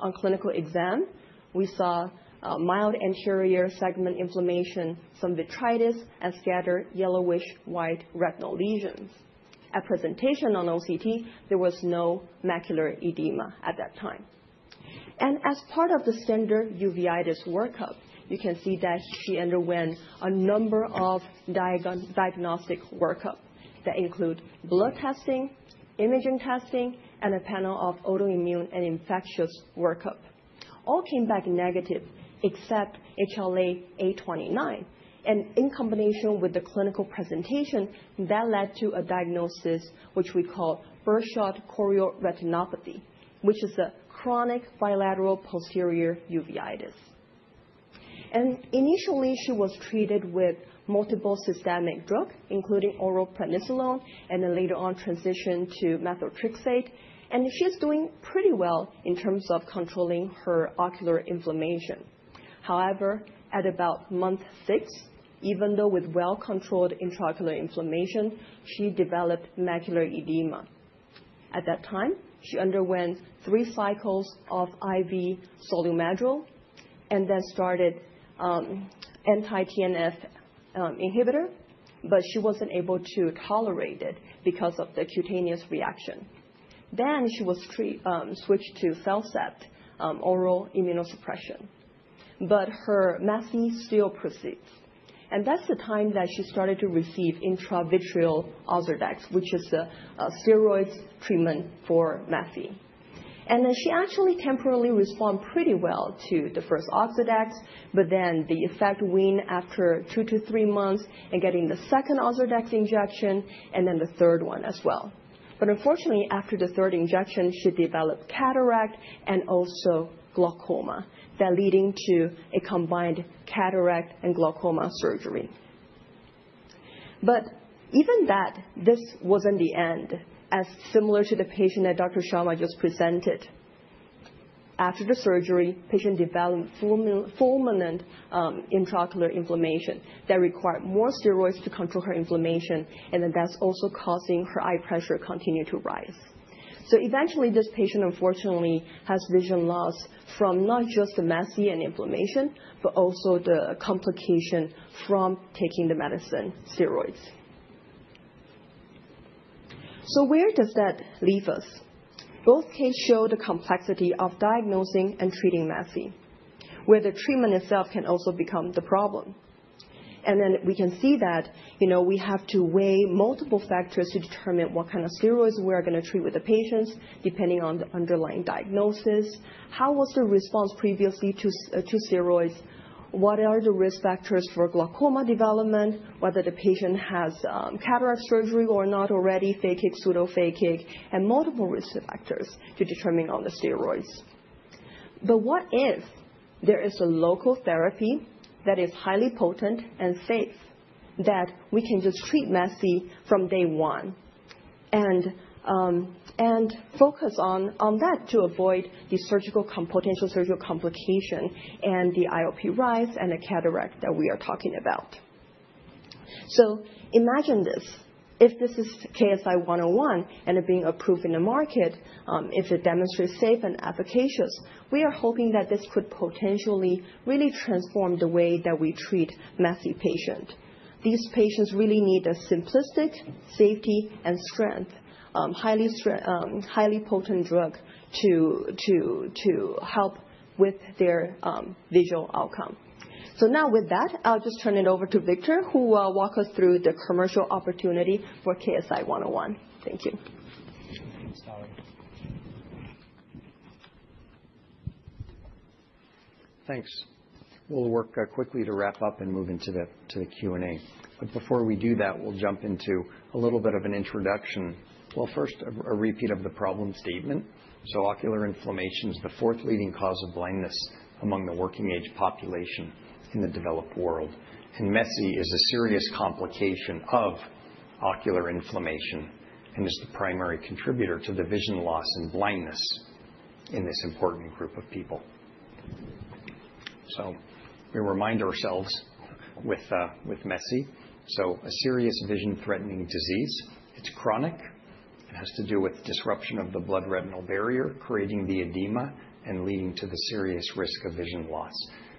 On clinical exam, we saw mild anterior segment inflammation, some vitritis, and scattered yellowish white retinal lesions at presentation on OCT. There was no macular edema at that time. As part of the standard uveitis workup, you can see that she underwent a number of diagnostic workups that include blood testing, imaging testing, and a panel of autoimmune and infectious workup. All came back negative except HLA-A29. In combination with the clinical presentation that led to a diagnosis which we call first shot chorioretinopathy, which is a chronic bilateral posterior uveitis. Initially, she was treated with multiple systemic drugs including oral prednisolone and later on transitioned to methotrexate, and she is doing pretty well in terms of controlling her ocular inflammation. However, at about month six, even though with well-controlled intraocular inflammation, she developed macular edema. At that time, she underwent three cycles of IV SOLU-MEDROL and then started anti-TNF inhibitor, but she wasn't able to tolerate it because of the cutaneous reaction. She was switched to CELLCEPT oral immunosuppression, but her MESI still proceeds, and that's the time that she started to receive intravitreal OZURDEX, which is a steroid treatment for MESI. She actually temporarily responded pretty well to the first OZURDEX, but then the effect went after two to three months, getting the second OZURDEX injection and then the third one as well. Unfortunately, after the third injection, she developed cataract and also glaucoma, leading to a combined cataract and glaucoma surgery. Even that this wasn't the end, as similar to the patient that Dr. Sharma just presented, after the surgery, the patient developed fulminant intraocular inflammation that required more steroids to control her inflammation, and that's also causing her eye pressure to continue to rise. Eventually, this patient unfortunately has vision loss from not just the MESI and inflammation but also the complication from taking the medicine steroids. Where does that leave us? Both cases show the complexity of diagnosing and treating MESI, where the treatment itself can also become the problem. We can see that we have to weigh multiple factors to determine what kind of steroids we are going to treat with the patients, depending on the underlying diagnosis. How was the response previously to steroids? What are the risk factors for glaucoma development, whether the patient has cataract surgery or not, already phakic, pseudophakic, and multiple risk factors to determine on the steroids. What if there is a local therapy that is highly potent and safe that we can just treat MESI from day one and focus on that to avoid the potential surgical complication and the IOP rise and the cataract that we are talking about? Imagine this: if this is KSI-101 and being approved in the market, if it demonstrates safe and efficacious, we are hoping that this could potentially really transform the way that we treat MESI patients. These patients really need a simplistic, safety and strength, highly potent drug to help with their visual outcome. Now with that, I'll just turn it over to Victor, who will walk us through the commercial opportunity for KSI-101. Thank you. Thanks. Thanks. We'll work quickly to wrap up and move into the Q and A. Before we do that, we'll jump into a little bit of an introduction. First, a repeat of the problem statement. Ocular inflammation is the fourth leading cause of blindness among the working age population in the developed world. MESI is a serious complication of ocular inflammation and is the primary contributor to the vision loss and blindness in this important group of people. We remind ourselves with MESI, a serious vision threatening disease. It's chronic and has to do with disruption of the blood retinal barrier, creating the edema and leading to the serious risk of vision loss.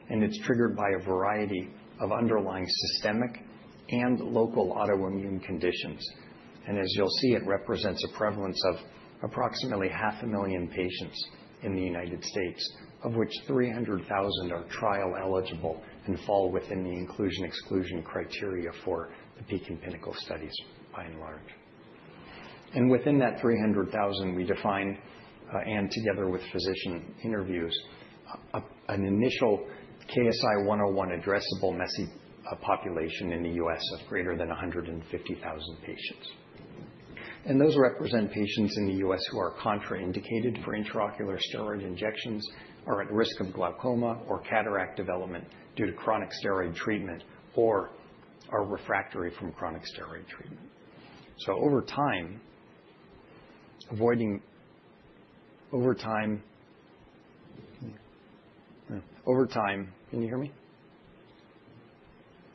It's triggered by a variety of underlying systemic and local autoimmune conditions. As you'll see, it represents a prevalence of approximately 500,000 patients in the United States, of which 300,000 are trial eligible and fall within the inclusion exclusion criteria for the PEAK and PINNACLE studies by and large. Within that 300,000, we defined, together with physician interviews, an initial KSI-101 addressable MESI population in the U.S. of greater than 150,000 patients. Those represent patients in the U.S. who are contraindicated for intraocular steroid injections, are at risk of glaucoma or cataract development due to chronic steroid treatment, or are refractory from chronic steroid treatment. Over time, avoiding. Over time. Over time. Can you hear me?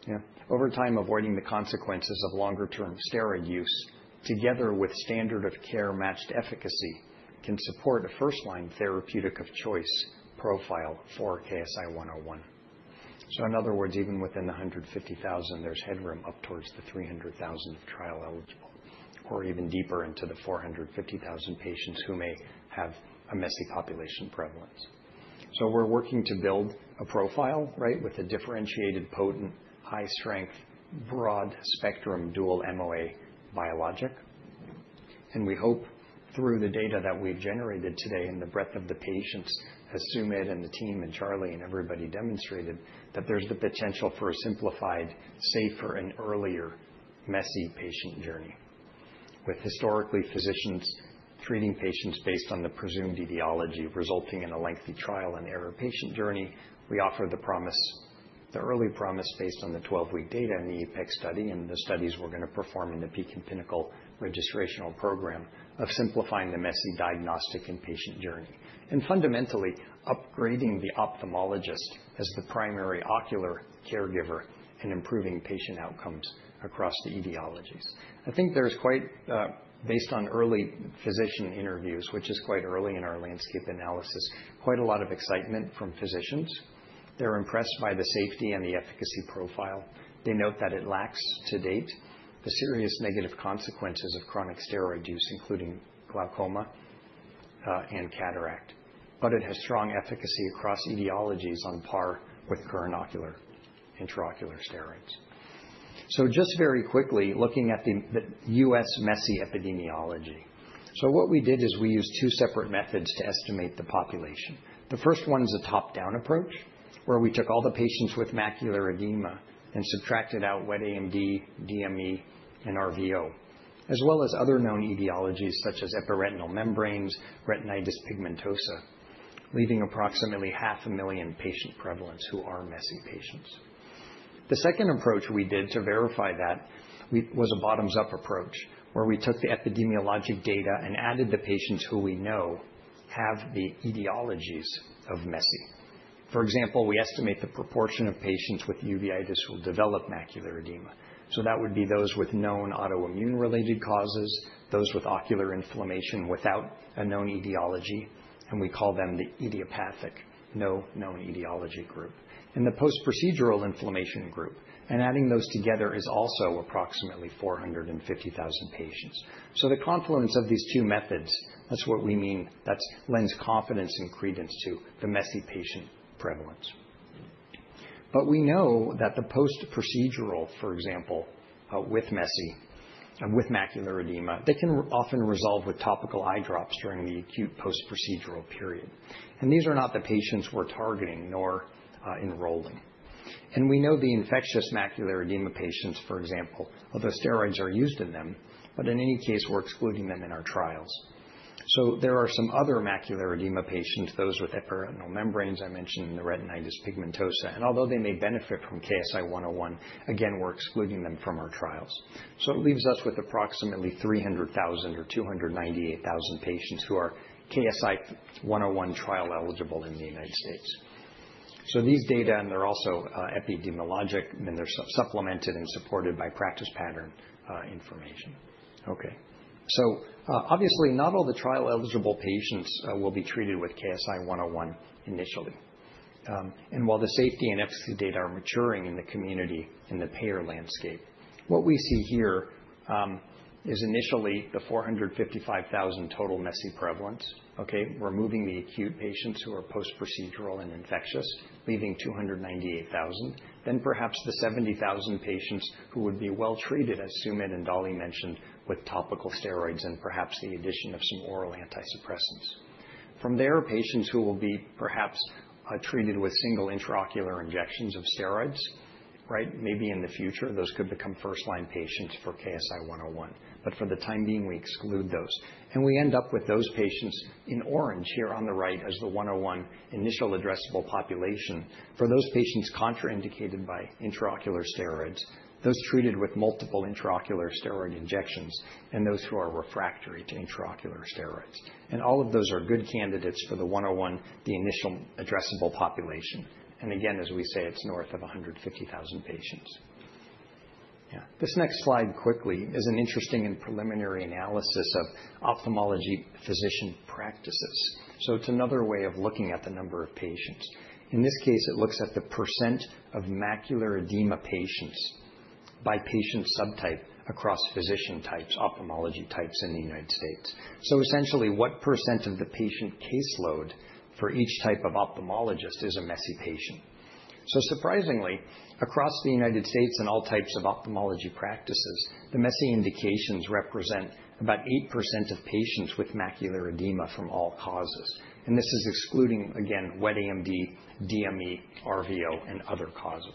Yeah. Over time, avoiding the consequences of longer-term steroid use together with standard of care matched efficacy can support a first-line therapeutic of choice profile for KSI-101. In other words, even within 150,000, there's headroom up towards the 300,000 trial elements or even deeper into the 450,000 patients who may have a MESI population preference prevalence. We're working to build a profile with a differentiated, potent, high-strength, broad-spectrum, dual MOA biologic, and we hope through the data that we generated today and the breadth of the patients, as Sumit and the team and Charlie and everybody demonstrated, that there's the potential for a simplified, safer, and earlier MESI patient journey with historically physicians treating patients based on the presumed etiology resulting in a lengthy trial and error patient journey. We offer the promise, the early promise based on the 12-week data in the APEX study and the studies we're going to perform in the PEAK and PINNACLE registrational program of simplifying the MESI diagnostic inpatient journey and fundamentally upgrading the ophthalmologist as the primary ocular caregiver and improving patient outcome across the etiology. I think there's, based on early physician interviews, which is quite early in our landscape analysis, quite a lot of excitement from physicians. They're impressed by the safety and the efficacy profile. They note that it lacks to date the serious negative consequences of chronic steroid use including glaucoma and cataract, but it has strong efficacy across etiologies on par with current ocular intraocular steroids. Just very quickly looking at the U.S. MESI epidemiology, what we did is we used two separate methods to estimate the population. The first one is a top-down approach where we took all the patients with macular edema and subtracted out wet AMD, DME, and RVO as well as other known etiologies such as epiretinal membranes and retinitis pigmentosa, leaving approximately half a million patient prevalence who are MESI patients. The second approach we did to verify that was a bottoms-up approach where we took the epidemiologic data and added the patients who we know have the etiologies of MESI. For example, we estimate the proportion of patients with uveitis will develop macular edema. That would be those with known autoimmune related causes, those with ocular inflammation without a known etiology, and we call them the idiopathic no known etiology group and the post procedural inflammation group. Adding those together is also approximately 450,000 patients. The confluence of these two methods, that's what we mean, that lends confidence and credence to the MESI patient prevalence. We know that the post procedural, for example with MESI with macular edema, they can often resolve with topical eye drops during the acute post procedural period. These are not the patients we're targeting nor enrolling. We know the infectious macular edema patients, for example, although steroids are used in them, in any case we're excluding them in our trials. There are some other macular edema patients, those with epiretinal membranes I mentioned in the retinitis pigmentosa. Although they may benefit from KSI-101, again we're excluding them from our trials. It leaves us with approximately 300,000 or 298,000 patients who are KSI-101 trial eligible in the United States. These data, and they're also epidemiologic and they're supplemented and supported by practice pattern information. Obviously not all the trial eligible patients will be treated with KSI-101 initially. While the safety and efficacy data are maturing in the community, in the payer landscape, what we see here is initially the 455,000 total MESI prevalence, removing the acute patients who are post procedural and infectious, leaving 298,000, then perhaps the 70,000 patients who would be well treated, as Sumit and Dolly mentioned, with topical steroids and perhaps the addition of some oral anti-suppress. From there, patients who will be perhaps treated with single intraocular injections of steroids. Maybe in the future those could become first line patients for KSI-101, but for the time being, we exclude those and we end up with those patients in orange here on the right as the 101 initial addressable population for those patients contraindicated by intraocular steroids, those treated with multiple intraocular steroid injection and those who are refractory to intraocular steroids. All of those are good candidates for the 101, the initial addressable population. Again, as we say, it's north of 150,000 patients. This next slide quickly is an interesting and preliminary analysis of ophthalmology physician practices. It's another way of looking at the number of patients. In this case, it looks at the percent of macular edema patients, patients by patient subtypes across physician types, ophthalmology types in the United States. Essentially, what percent of the patient caseload for each type of ophthalmologist is a MESI patient? Surprisingly, across the United States and all types of ophthalmology practices, the MESI indications represent about 8% of patients with macular edema from all causes. This is excluding again wet AMD, DME, RVO and other causes,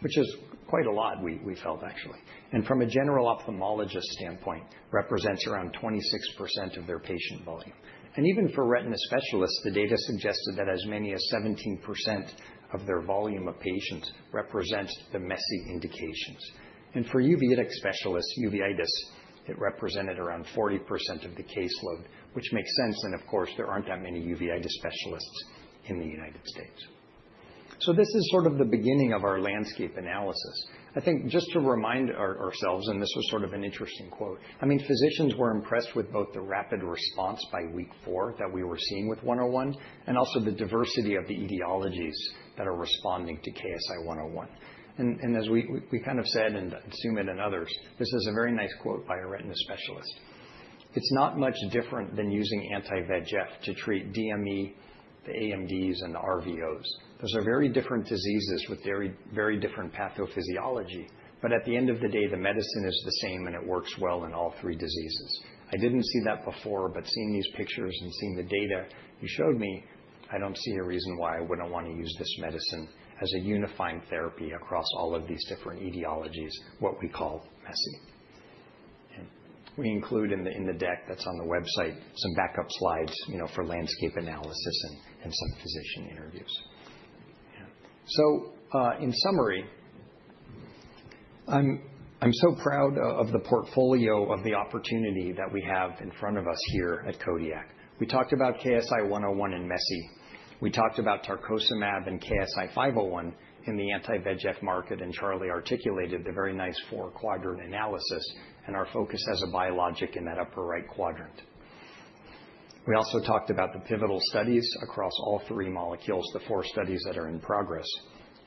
which is quite a lot we felt actually and from a general ophthalmologist standpoint represents around 26% of their patient volume. Even for retina specialists, the data suggested that as many as 17% of their volume of patients represents the MESI indications. For uveitic specialists, uveitis, it represented around 40% of the caseload, which makes sense. Of course there aren't that many uveitis specialists in the United States. This is sort of the beginning of our landscape analysis, I think, just to remind ourselves. This was sort of an interesting quote. Physicians were impressed with both the rapid response by week four that we were seeing with 101 and also the diversity of the etiologies that are responding to KSI-101. As we kind of said and assume it enough others, this is a very nice quote by a retina specialist. It's not much different than using anti-VEGF to treat DME, the AMDs and the RVOs. Those are very different diseases with very, very different pathophysiology. At the end of the day the medicine is the same and it works well in all three diseases. I didn't see that before, but seeing these pictures and seeing the data you showed me, I don't see a reason why I wouldn't want to use this. Medicine as a unifying therapy across all of these different etiologies. These, what we call, we include in the deck that's on the website, some backup slides for landscape analysis and some physician interviews. In summary, I'm so proud of the portfolio of the opportunity that we have in front of us here at Kodiak. We talked about KSI-101 in MESI, we talked about tarcocimab and KSI-501 in the anti-VEGF market. Charlie articulated the very nice four quadrant analysis and our focus as a biologic in that upper right quadrant. We also talked about the pivotal studies across all three molecules, the four studies that are in progress,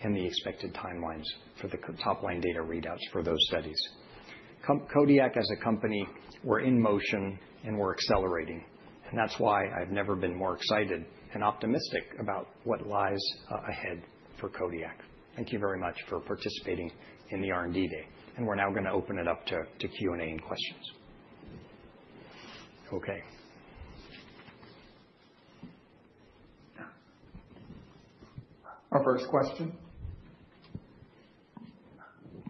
and the expected timelines for the top line data readouts for those studies. Kodiak as a company, we're in motion and we're accelerating. That's why I've never been more excited and optimistic about what lies ahead for Kodiak. Thank you very much for participating in the R&D Day. We're now going to open it up to Q&A and questions. Okay. Our first question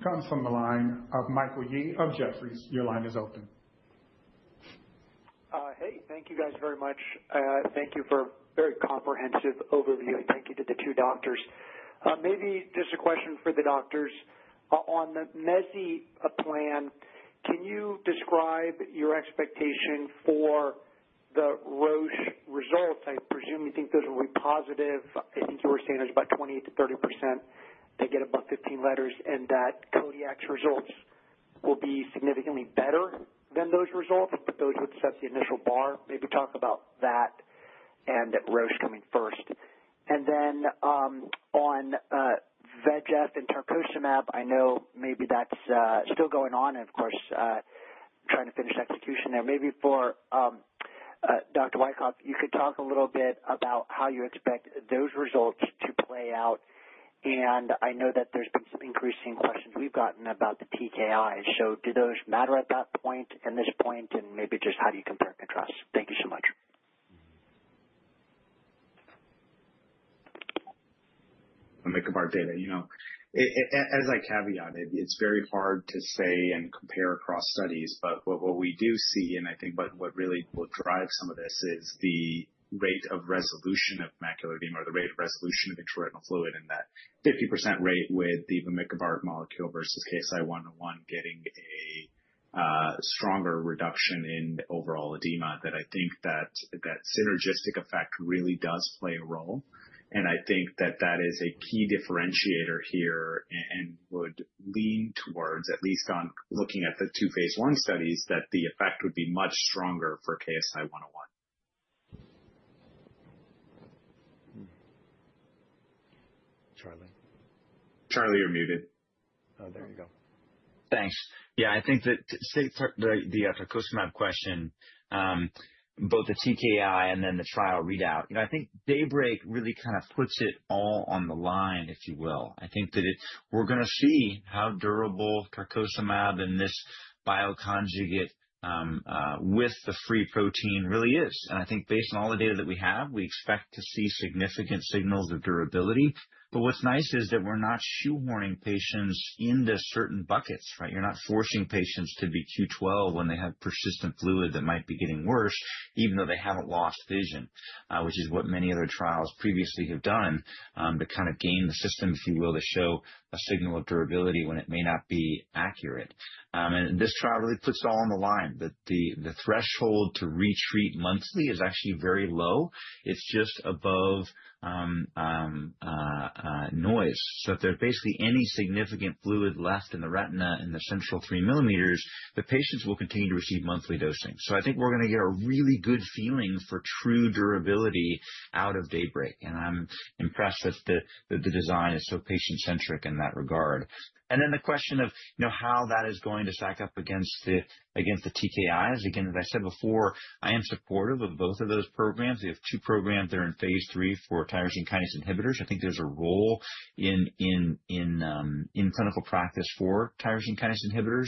comes from the line of Michael Yee of Jefferies, your line is open. Hey, thank you guys very much. Thank you for a very comprehensive overview. Thank you to the two doctors. Maybe just a question for the doctors. On the MESI plan, can you describe your expectation for the Roche results? I presume you think those will be positive. I think you were saying it was about 28%-30% that get above 15 letters and that the [ODX] results will be significantly better than those results. Those would set the initial bar. Maybe talk about that and Roche coming first, and then on VEGF and tarcocimab. I know maybe that's still going on and of course, trying to finish execution there. Maybe for Dr. Wykoff, you could talk a little bit about how you expect those results to play out. I know that there's been some increasing questions we've gotten about the TKIs. Do those matter at that point, at this point? Maybe just how do you compare and contrast. Thank you so much. On the compartment, you know, as I caveat, it's very hard to say and compare across studies, but what we do see, and I think what really will drive some of this, is the rate of resolution of macular edema or the rate of resolution of retinal fluid in that 50% rate with the vamikibart molecule versus KSI-101 getting a stronger reduction in overall edema. I think that that synergistic effect really does play a role. I think that is a key differentiator here and would lean towards, at least on looking at the two phase I studies, that the effect would be much stronger for KSI-101. Charlie. Charlie, you're muted. There you go. Thanks. Yeah, I think that the tarcocimab question, both the TKI and then the trial readout, I think DAYBREAK really kind of puts it all on the line, if you will. I think that we're going to see how durable tarcocimab and this bioconjugate with the free protein really is. I think based on all the data that we have, we expect to see significant signals of durability. What's nice is that we're not shoehorning patients into certain buckets. You're not forcing patients to be Q12 when they have persistent fluid that might be getting worse, even though they haven't lost vision, which is what many other trials previously have done to kind of game the system, if you will, to show a signal of durability when it may not be accurate. This trial puts us all on the line that the threshold to retreat monthly is actually very low. It's just above noise. If there's basically any significant fluid left in the retina and the central 3 mm, the patients will continue to receive monthly dosing. I think we're going to get really good feelings for true durability out of DAYBREAK. I'm impressed that the design is so patient centric in that regard. The question of how that is going to stack up against the TKIs, again, as I said before, I am supportive of both of those programs. We have two programs that are in phase III for tyrosine kinase inhibitors. I think there's a role in clinical practice for tyrosine kinase inhibitors.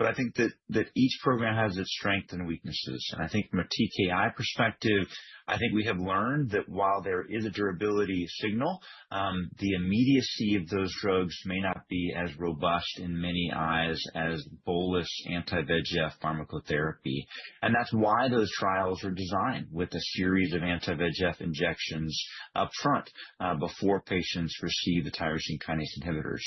I think that each program has its strengths and weaknesses. From a TKI perspective, I think we have learned that while there is a durability signal, the immediacy of those drugs may not be as robust in many eyes as bolus anti-VEGF pharmacotherapy. That's why those trials are designed with a series of anti-VEGF injections upfront before patients receive the tyrosine kinase inhibitors.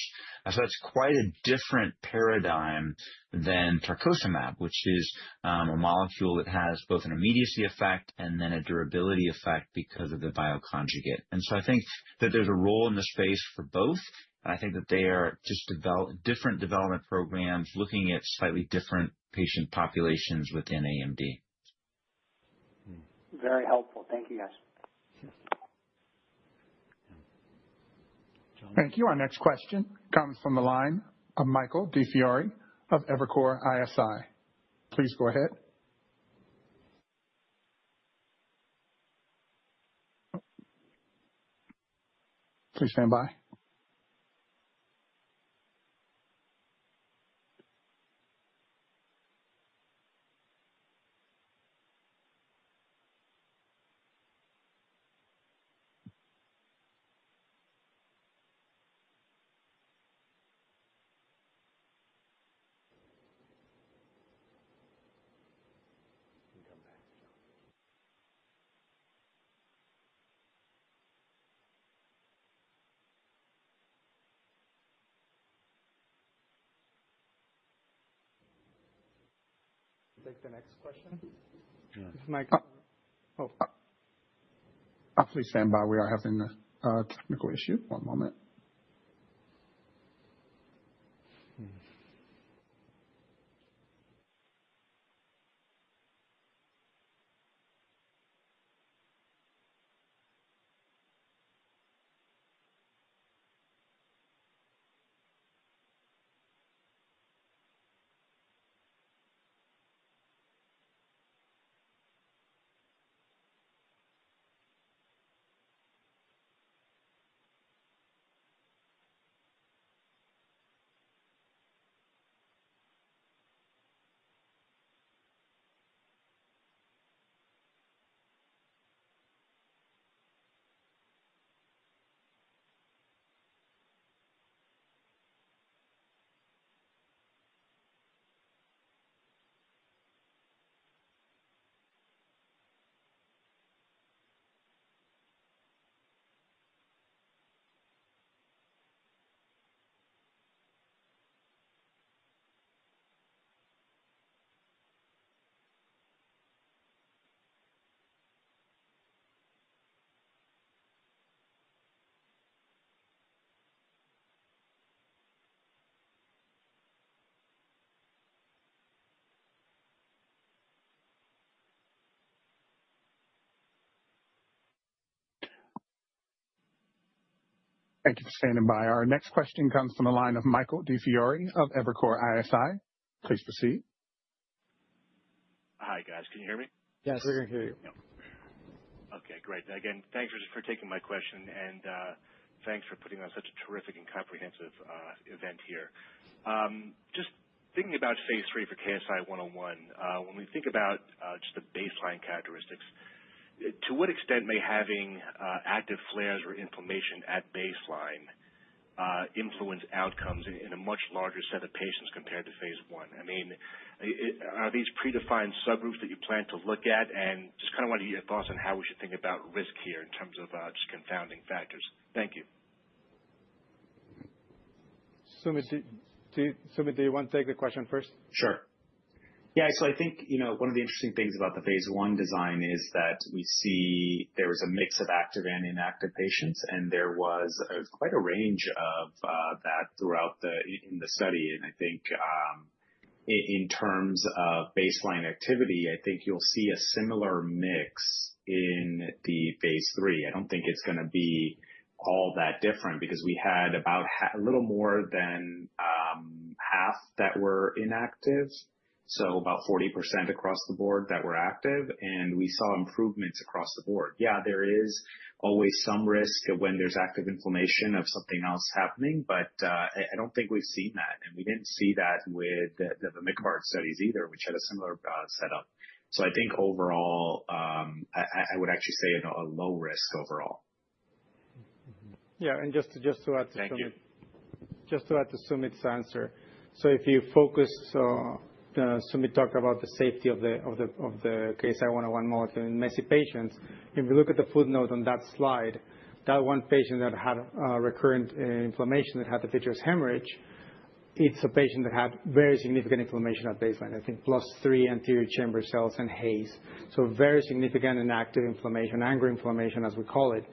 That's quite a different paradigm than tarcocimab, which is a molecule that has both an immediacy effect and then a durability effect because of the bioconjugate. I think that there's a role in the space for both. I think that they are just different development programs looking at slightly different patient populations within AMD. Very helpful. Thank you guys. Thank you. Our next question comes from Michael DiFiore of Evercore ISI, please go ahead. Please stand by. Take the next question. Please stand by we are having a technical issue. One moment. Thank you for standing by. Our next question comes from the line of Michael DiFiore of Evercore ISI, please proceed. Hi guys, can you hear me? Yes, we can hear you. Okay, great. Again, thanks for taking my question. Thanks for putting on such a terrific and comprehensive event here. Just thinking about phase III for KSI-101, when we think about just the baseline characteristics, to what extent may having active flares or inflammation at baseline influence outcomes in a much larger set of patients compared to phase I? I mean, are these predefined subgroups that you plan to look at and just kind of want your thoughts on how we should think about risk here in terms of just confounding factors? Thank you. Sumit, do you want to take the question first? Sure, yeah. I think one of the interesting things about the phase one design is that we see there was a mix of active and inactive patients, and there was quite a range of patients throughout the study. I think in terms of baseline activity, you'll see a similar mix in the phase III. I don't think it's going to be all that different because we had about a little more than half that were inactive, so about 40% across the board that were active, and we saw improvements across the board. There is always some risk that when there's active inflammation, something else happens. I don't think we've seen that, and we didn't see that with the [MART] studies either, which had a similar setup. I think overall, I would actually say a low risk overall. Yeah. Just to add to Sumit's answer. If you focus, Sumit talked about the safety of the KSI-101 model in MESI patients. If you look at the footnote on that slide, that one patient that had recurrent inflammation that had the vitreous hemorrhage, it's a patient that had very significant inflammation at baseline, I think plus three anterior chamber cells and haze. Very significant and active inflammation, anger inflammation, as we call it.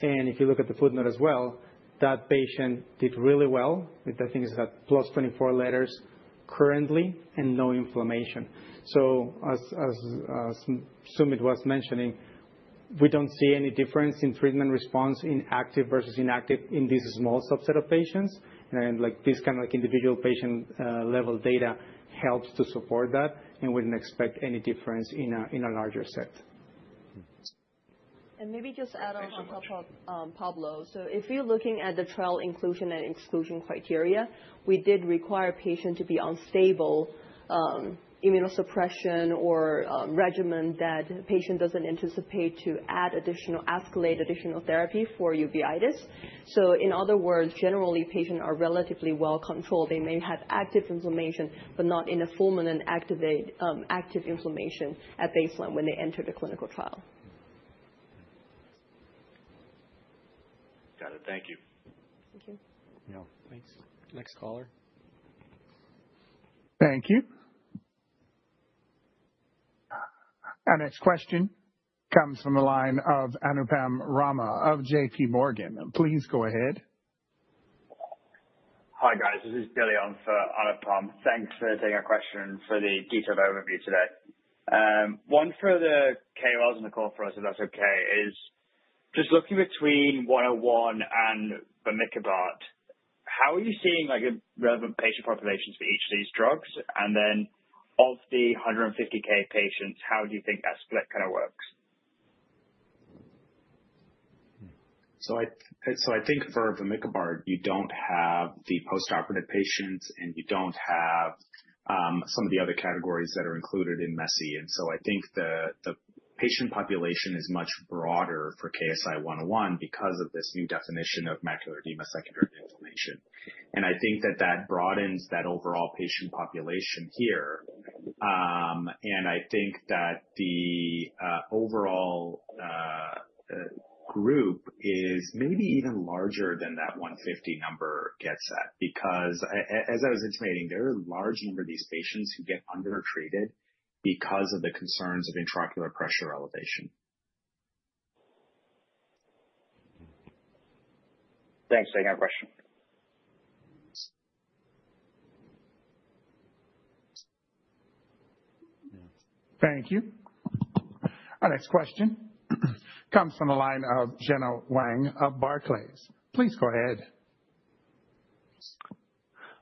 If you look at the footnote as well, that patient did really well. I think it's at +24 letters currently and no inflammation. As Sumit was mentioning, we don't see any difference in treatment response in active versus inactive in this small subset of patients. This kind of individual patient level data helps to support that, and we didn't expect any difference in a larger set. Maybe just add on top of Pablo. If you're looking at the trial inclusion and exclusion criteria, we did require patient to be on stable immunosuppression or regimen that patient doesn't anticipate to add additional escalate additional therapy for uveitis. In other words, generally patients are relatively well controlled. They may have active inflammation but not in a fulminant active inflammation at baseline when they enter the clinical trial. Got it. Thank you. Thank you. Next caller. Thank you. Our next question comes from the line of Anupam Rama of JP Morgan. Please go ahead. Hi guys, this is Billy on for Anupam. Thanks for taking a question and for the detailed overview today. One for the calls in the call. For us, if that's okay, is just looking between 101 and vamikibart. How are you seeing relevant patient populations for each of these drugs? Of the 150,000 patients, how do you think that split kind of works? I think for tarcocimab you don't have the post-operative patients and you don't have some of the other categories that are included in MESI. I think the patient population is much broader for KSI-101 because of this new definition of macular edema secondary to inflammation. I think that broadens that overall patient population here, and I think that the overall group is maybe even larger than that 150,000 number gets at because, as I was explaining, there are a large number of these patients who get under-treated because of the concerns of intraocular pressure elevation. Thanks. I got a question. Thank you. Our next question comes from the line of Gena Wang of Barclays. Please go ahead.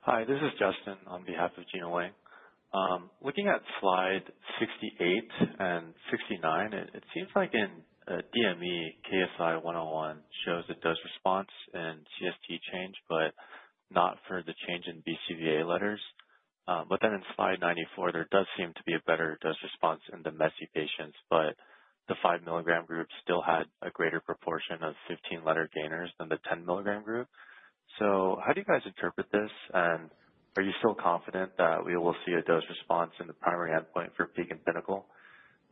Hi, this is Justin on behalf of Gena Wang. Looking at slide 68 and 69, it seems like in DME KSI-101 shows a dose response and CST change, but not for the change in BCVA letters. Then in slide 94 there does seem to be a better dose response in the MESI patients, but the 5 mg group still had a greater proportion of 15 letter gainers than the 10 mg group. How do you guys interpret this and are you still confident that we will see a dose response in the primary endpoint for PEAK and PINNACLE?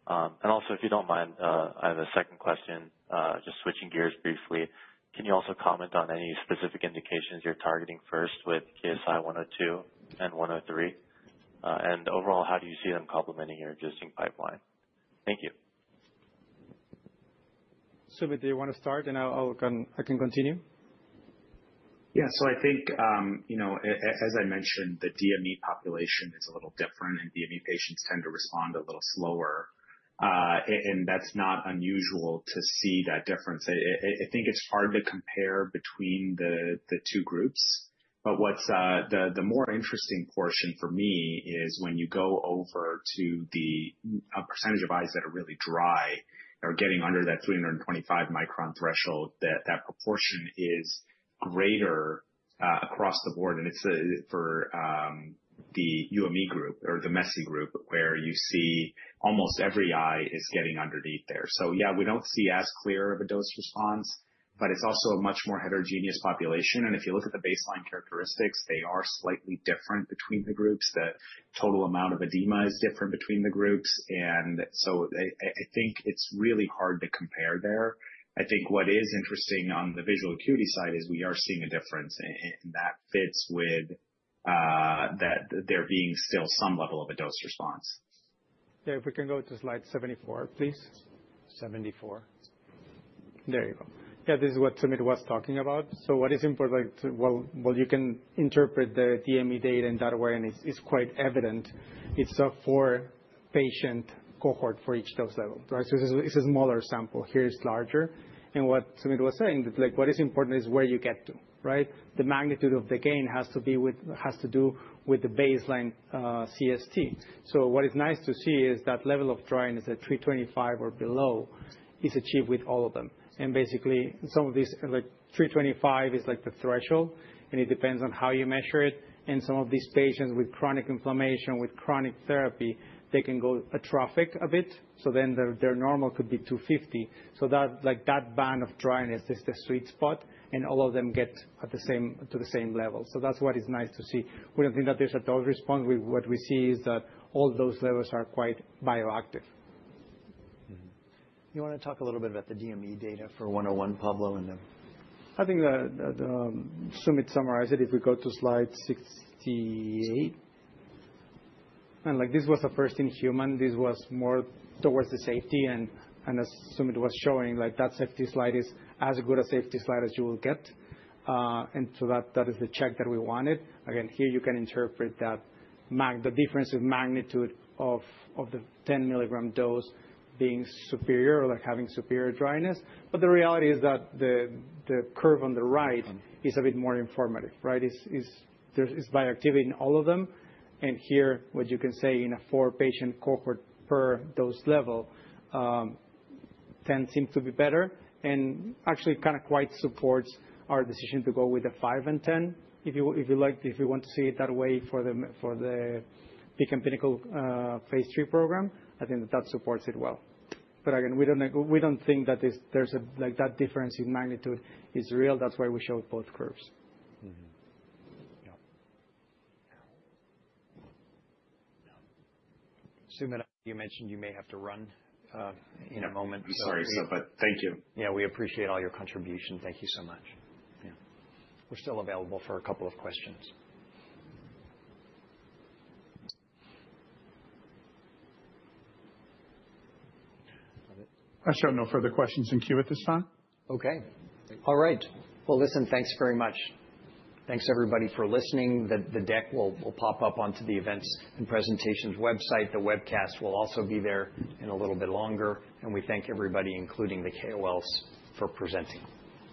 Also, if you don't mind, I have a second question just switching gears briefly. Can you also comment on any specific indications you're targeting first with KSI-102 and 103 and overall, how do you see them complementing your existing pipeline? Thank you. Sumit, do you want to start and I can continue? Yeah. I think, you know, as I mentioned, the DME population is a little different and DME patients tend to respond a little slower and that's not unusual to see that difference. I think it's hard to compare between the two groups. What's the more interesting portion for me is when you go over to the percentage of eyes that are really dry or getting under that 325 µm threshold, that proportion is greater across the board and it's for the UME group or the MESI group where you see almost every eye is getting underneath there. We don't see as clear off a dose response, it's also a much more heterogeneous population. If you look at the baseline characteristics, they are slightly different between the groups. That total amount of edema is different between the groups. I think it's really hard to compare there. I think what is interesting on the vaso acuity side is we are seeing a difference that fits with there being still some level of a dose response. If we can go to slide 74, please. There you go. Yeah. This is what Sumit was talking about. What is important? You can interpret the DME data in that way, and it's quite evident it's a four patient cohort for each dose level, right? It's a smaller sample here, it's larger. What Sumit was saying, that what is important is where you get to, right? The magnitude of the gain has to do with the baseline CST. What is nice to see is that level of dryness at 325 or below is achieved with all of them. Basically, some of these, like 325, is like the threshold, and it depends on how you measure it. Some of these patients with chronic inflammation, with chronic therapy, they can go atrophic a bit. Their normal could be 250. That band of dryness is the sweet spot, and all of them get to the same level. That is what is nice to see. We don't think that there's a dose response. What we see is that all those levels are quite bioactive. You want to talk a little bit about the DME data for 101, Pablo. I think that Sumit summarizes it. If we go to slide 68, this was a first in human. This was more towards the safety, and Sumit was showing that safety slide is as good a safety slide as you will get. That is the check that we wanted. Here you can interpret that the difference of magnitude of the 10 mg dose being superior or having superior dryness, but the reality is that the curve on the right is a bit more informative. Right. It's by activating all of them. Here, what you can say in a four patient cohort per dose level, 10 seems to be better and actually kind of quite supports our decision to go with the 5 and 10 if you like. If you want to see it that way for the PEAK and PINNACLE phase III program, I think that supports it well. We don't think that this, there's a like that difference in magnitude is real. That's why we show both curves. Sumit, you mentioned you may have to run in a moment. Sorry. Thank you. Yeah, we appreciate all your contribution. Thank you so much. We're still available for a couple of questions to us. I show no further questions in queue at this time. All right, listen. Thanks very much. Thanks, everybody, for listening. The deck will pop up onto the events and presentations website. The webcast will also be there a little bit longer. We thank everybody, including the KOLs, for presenting.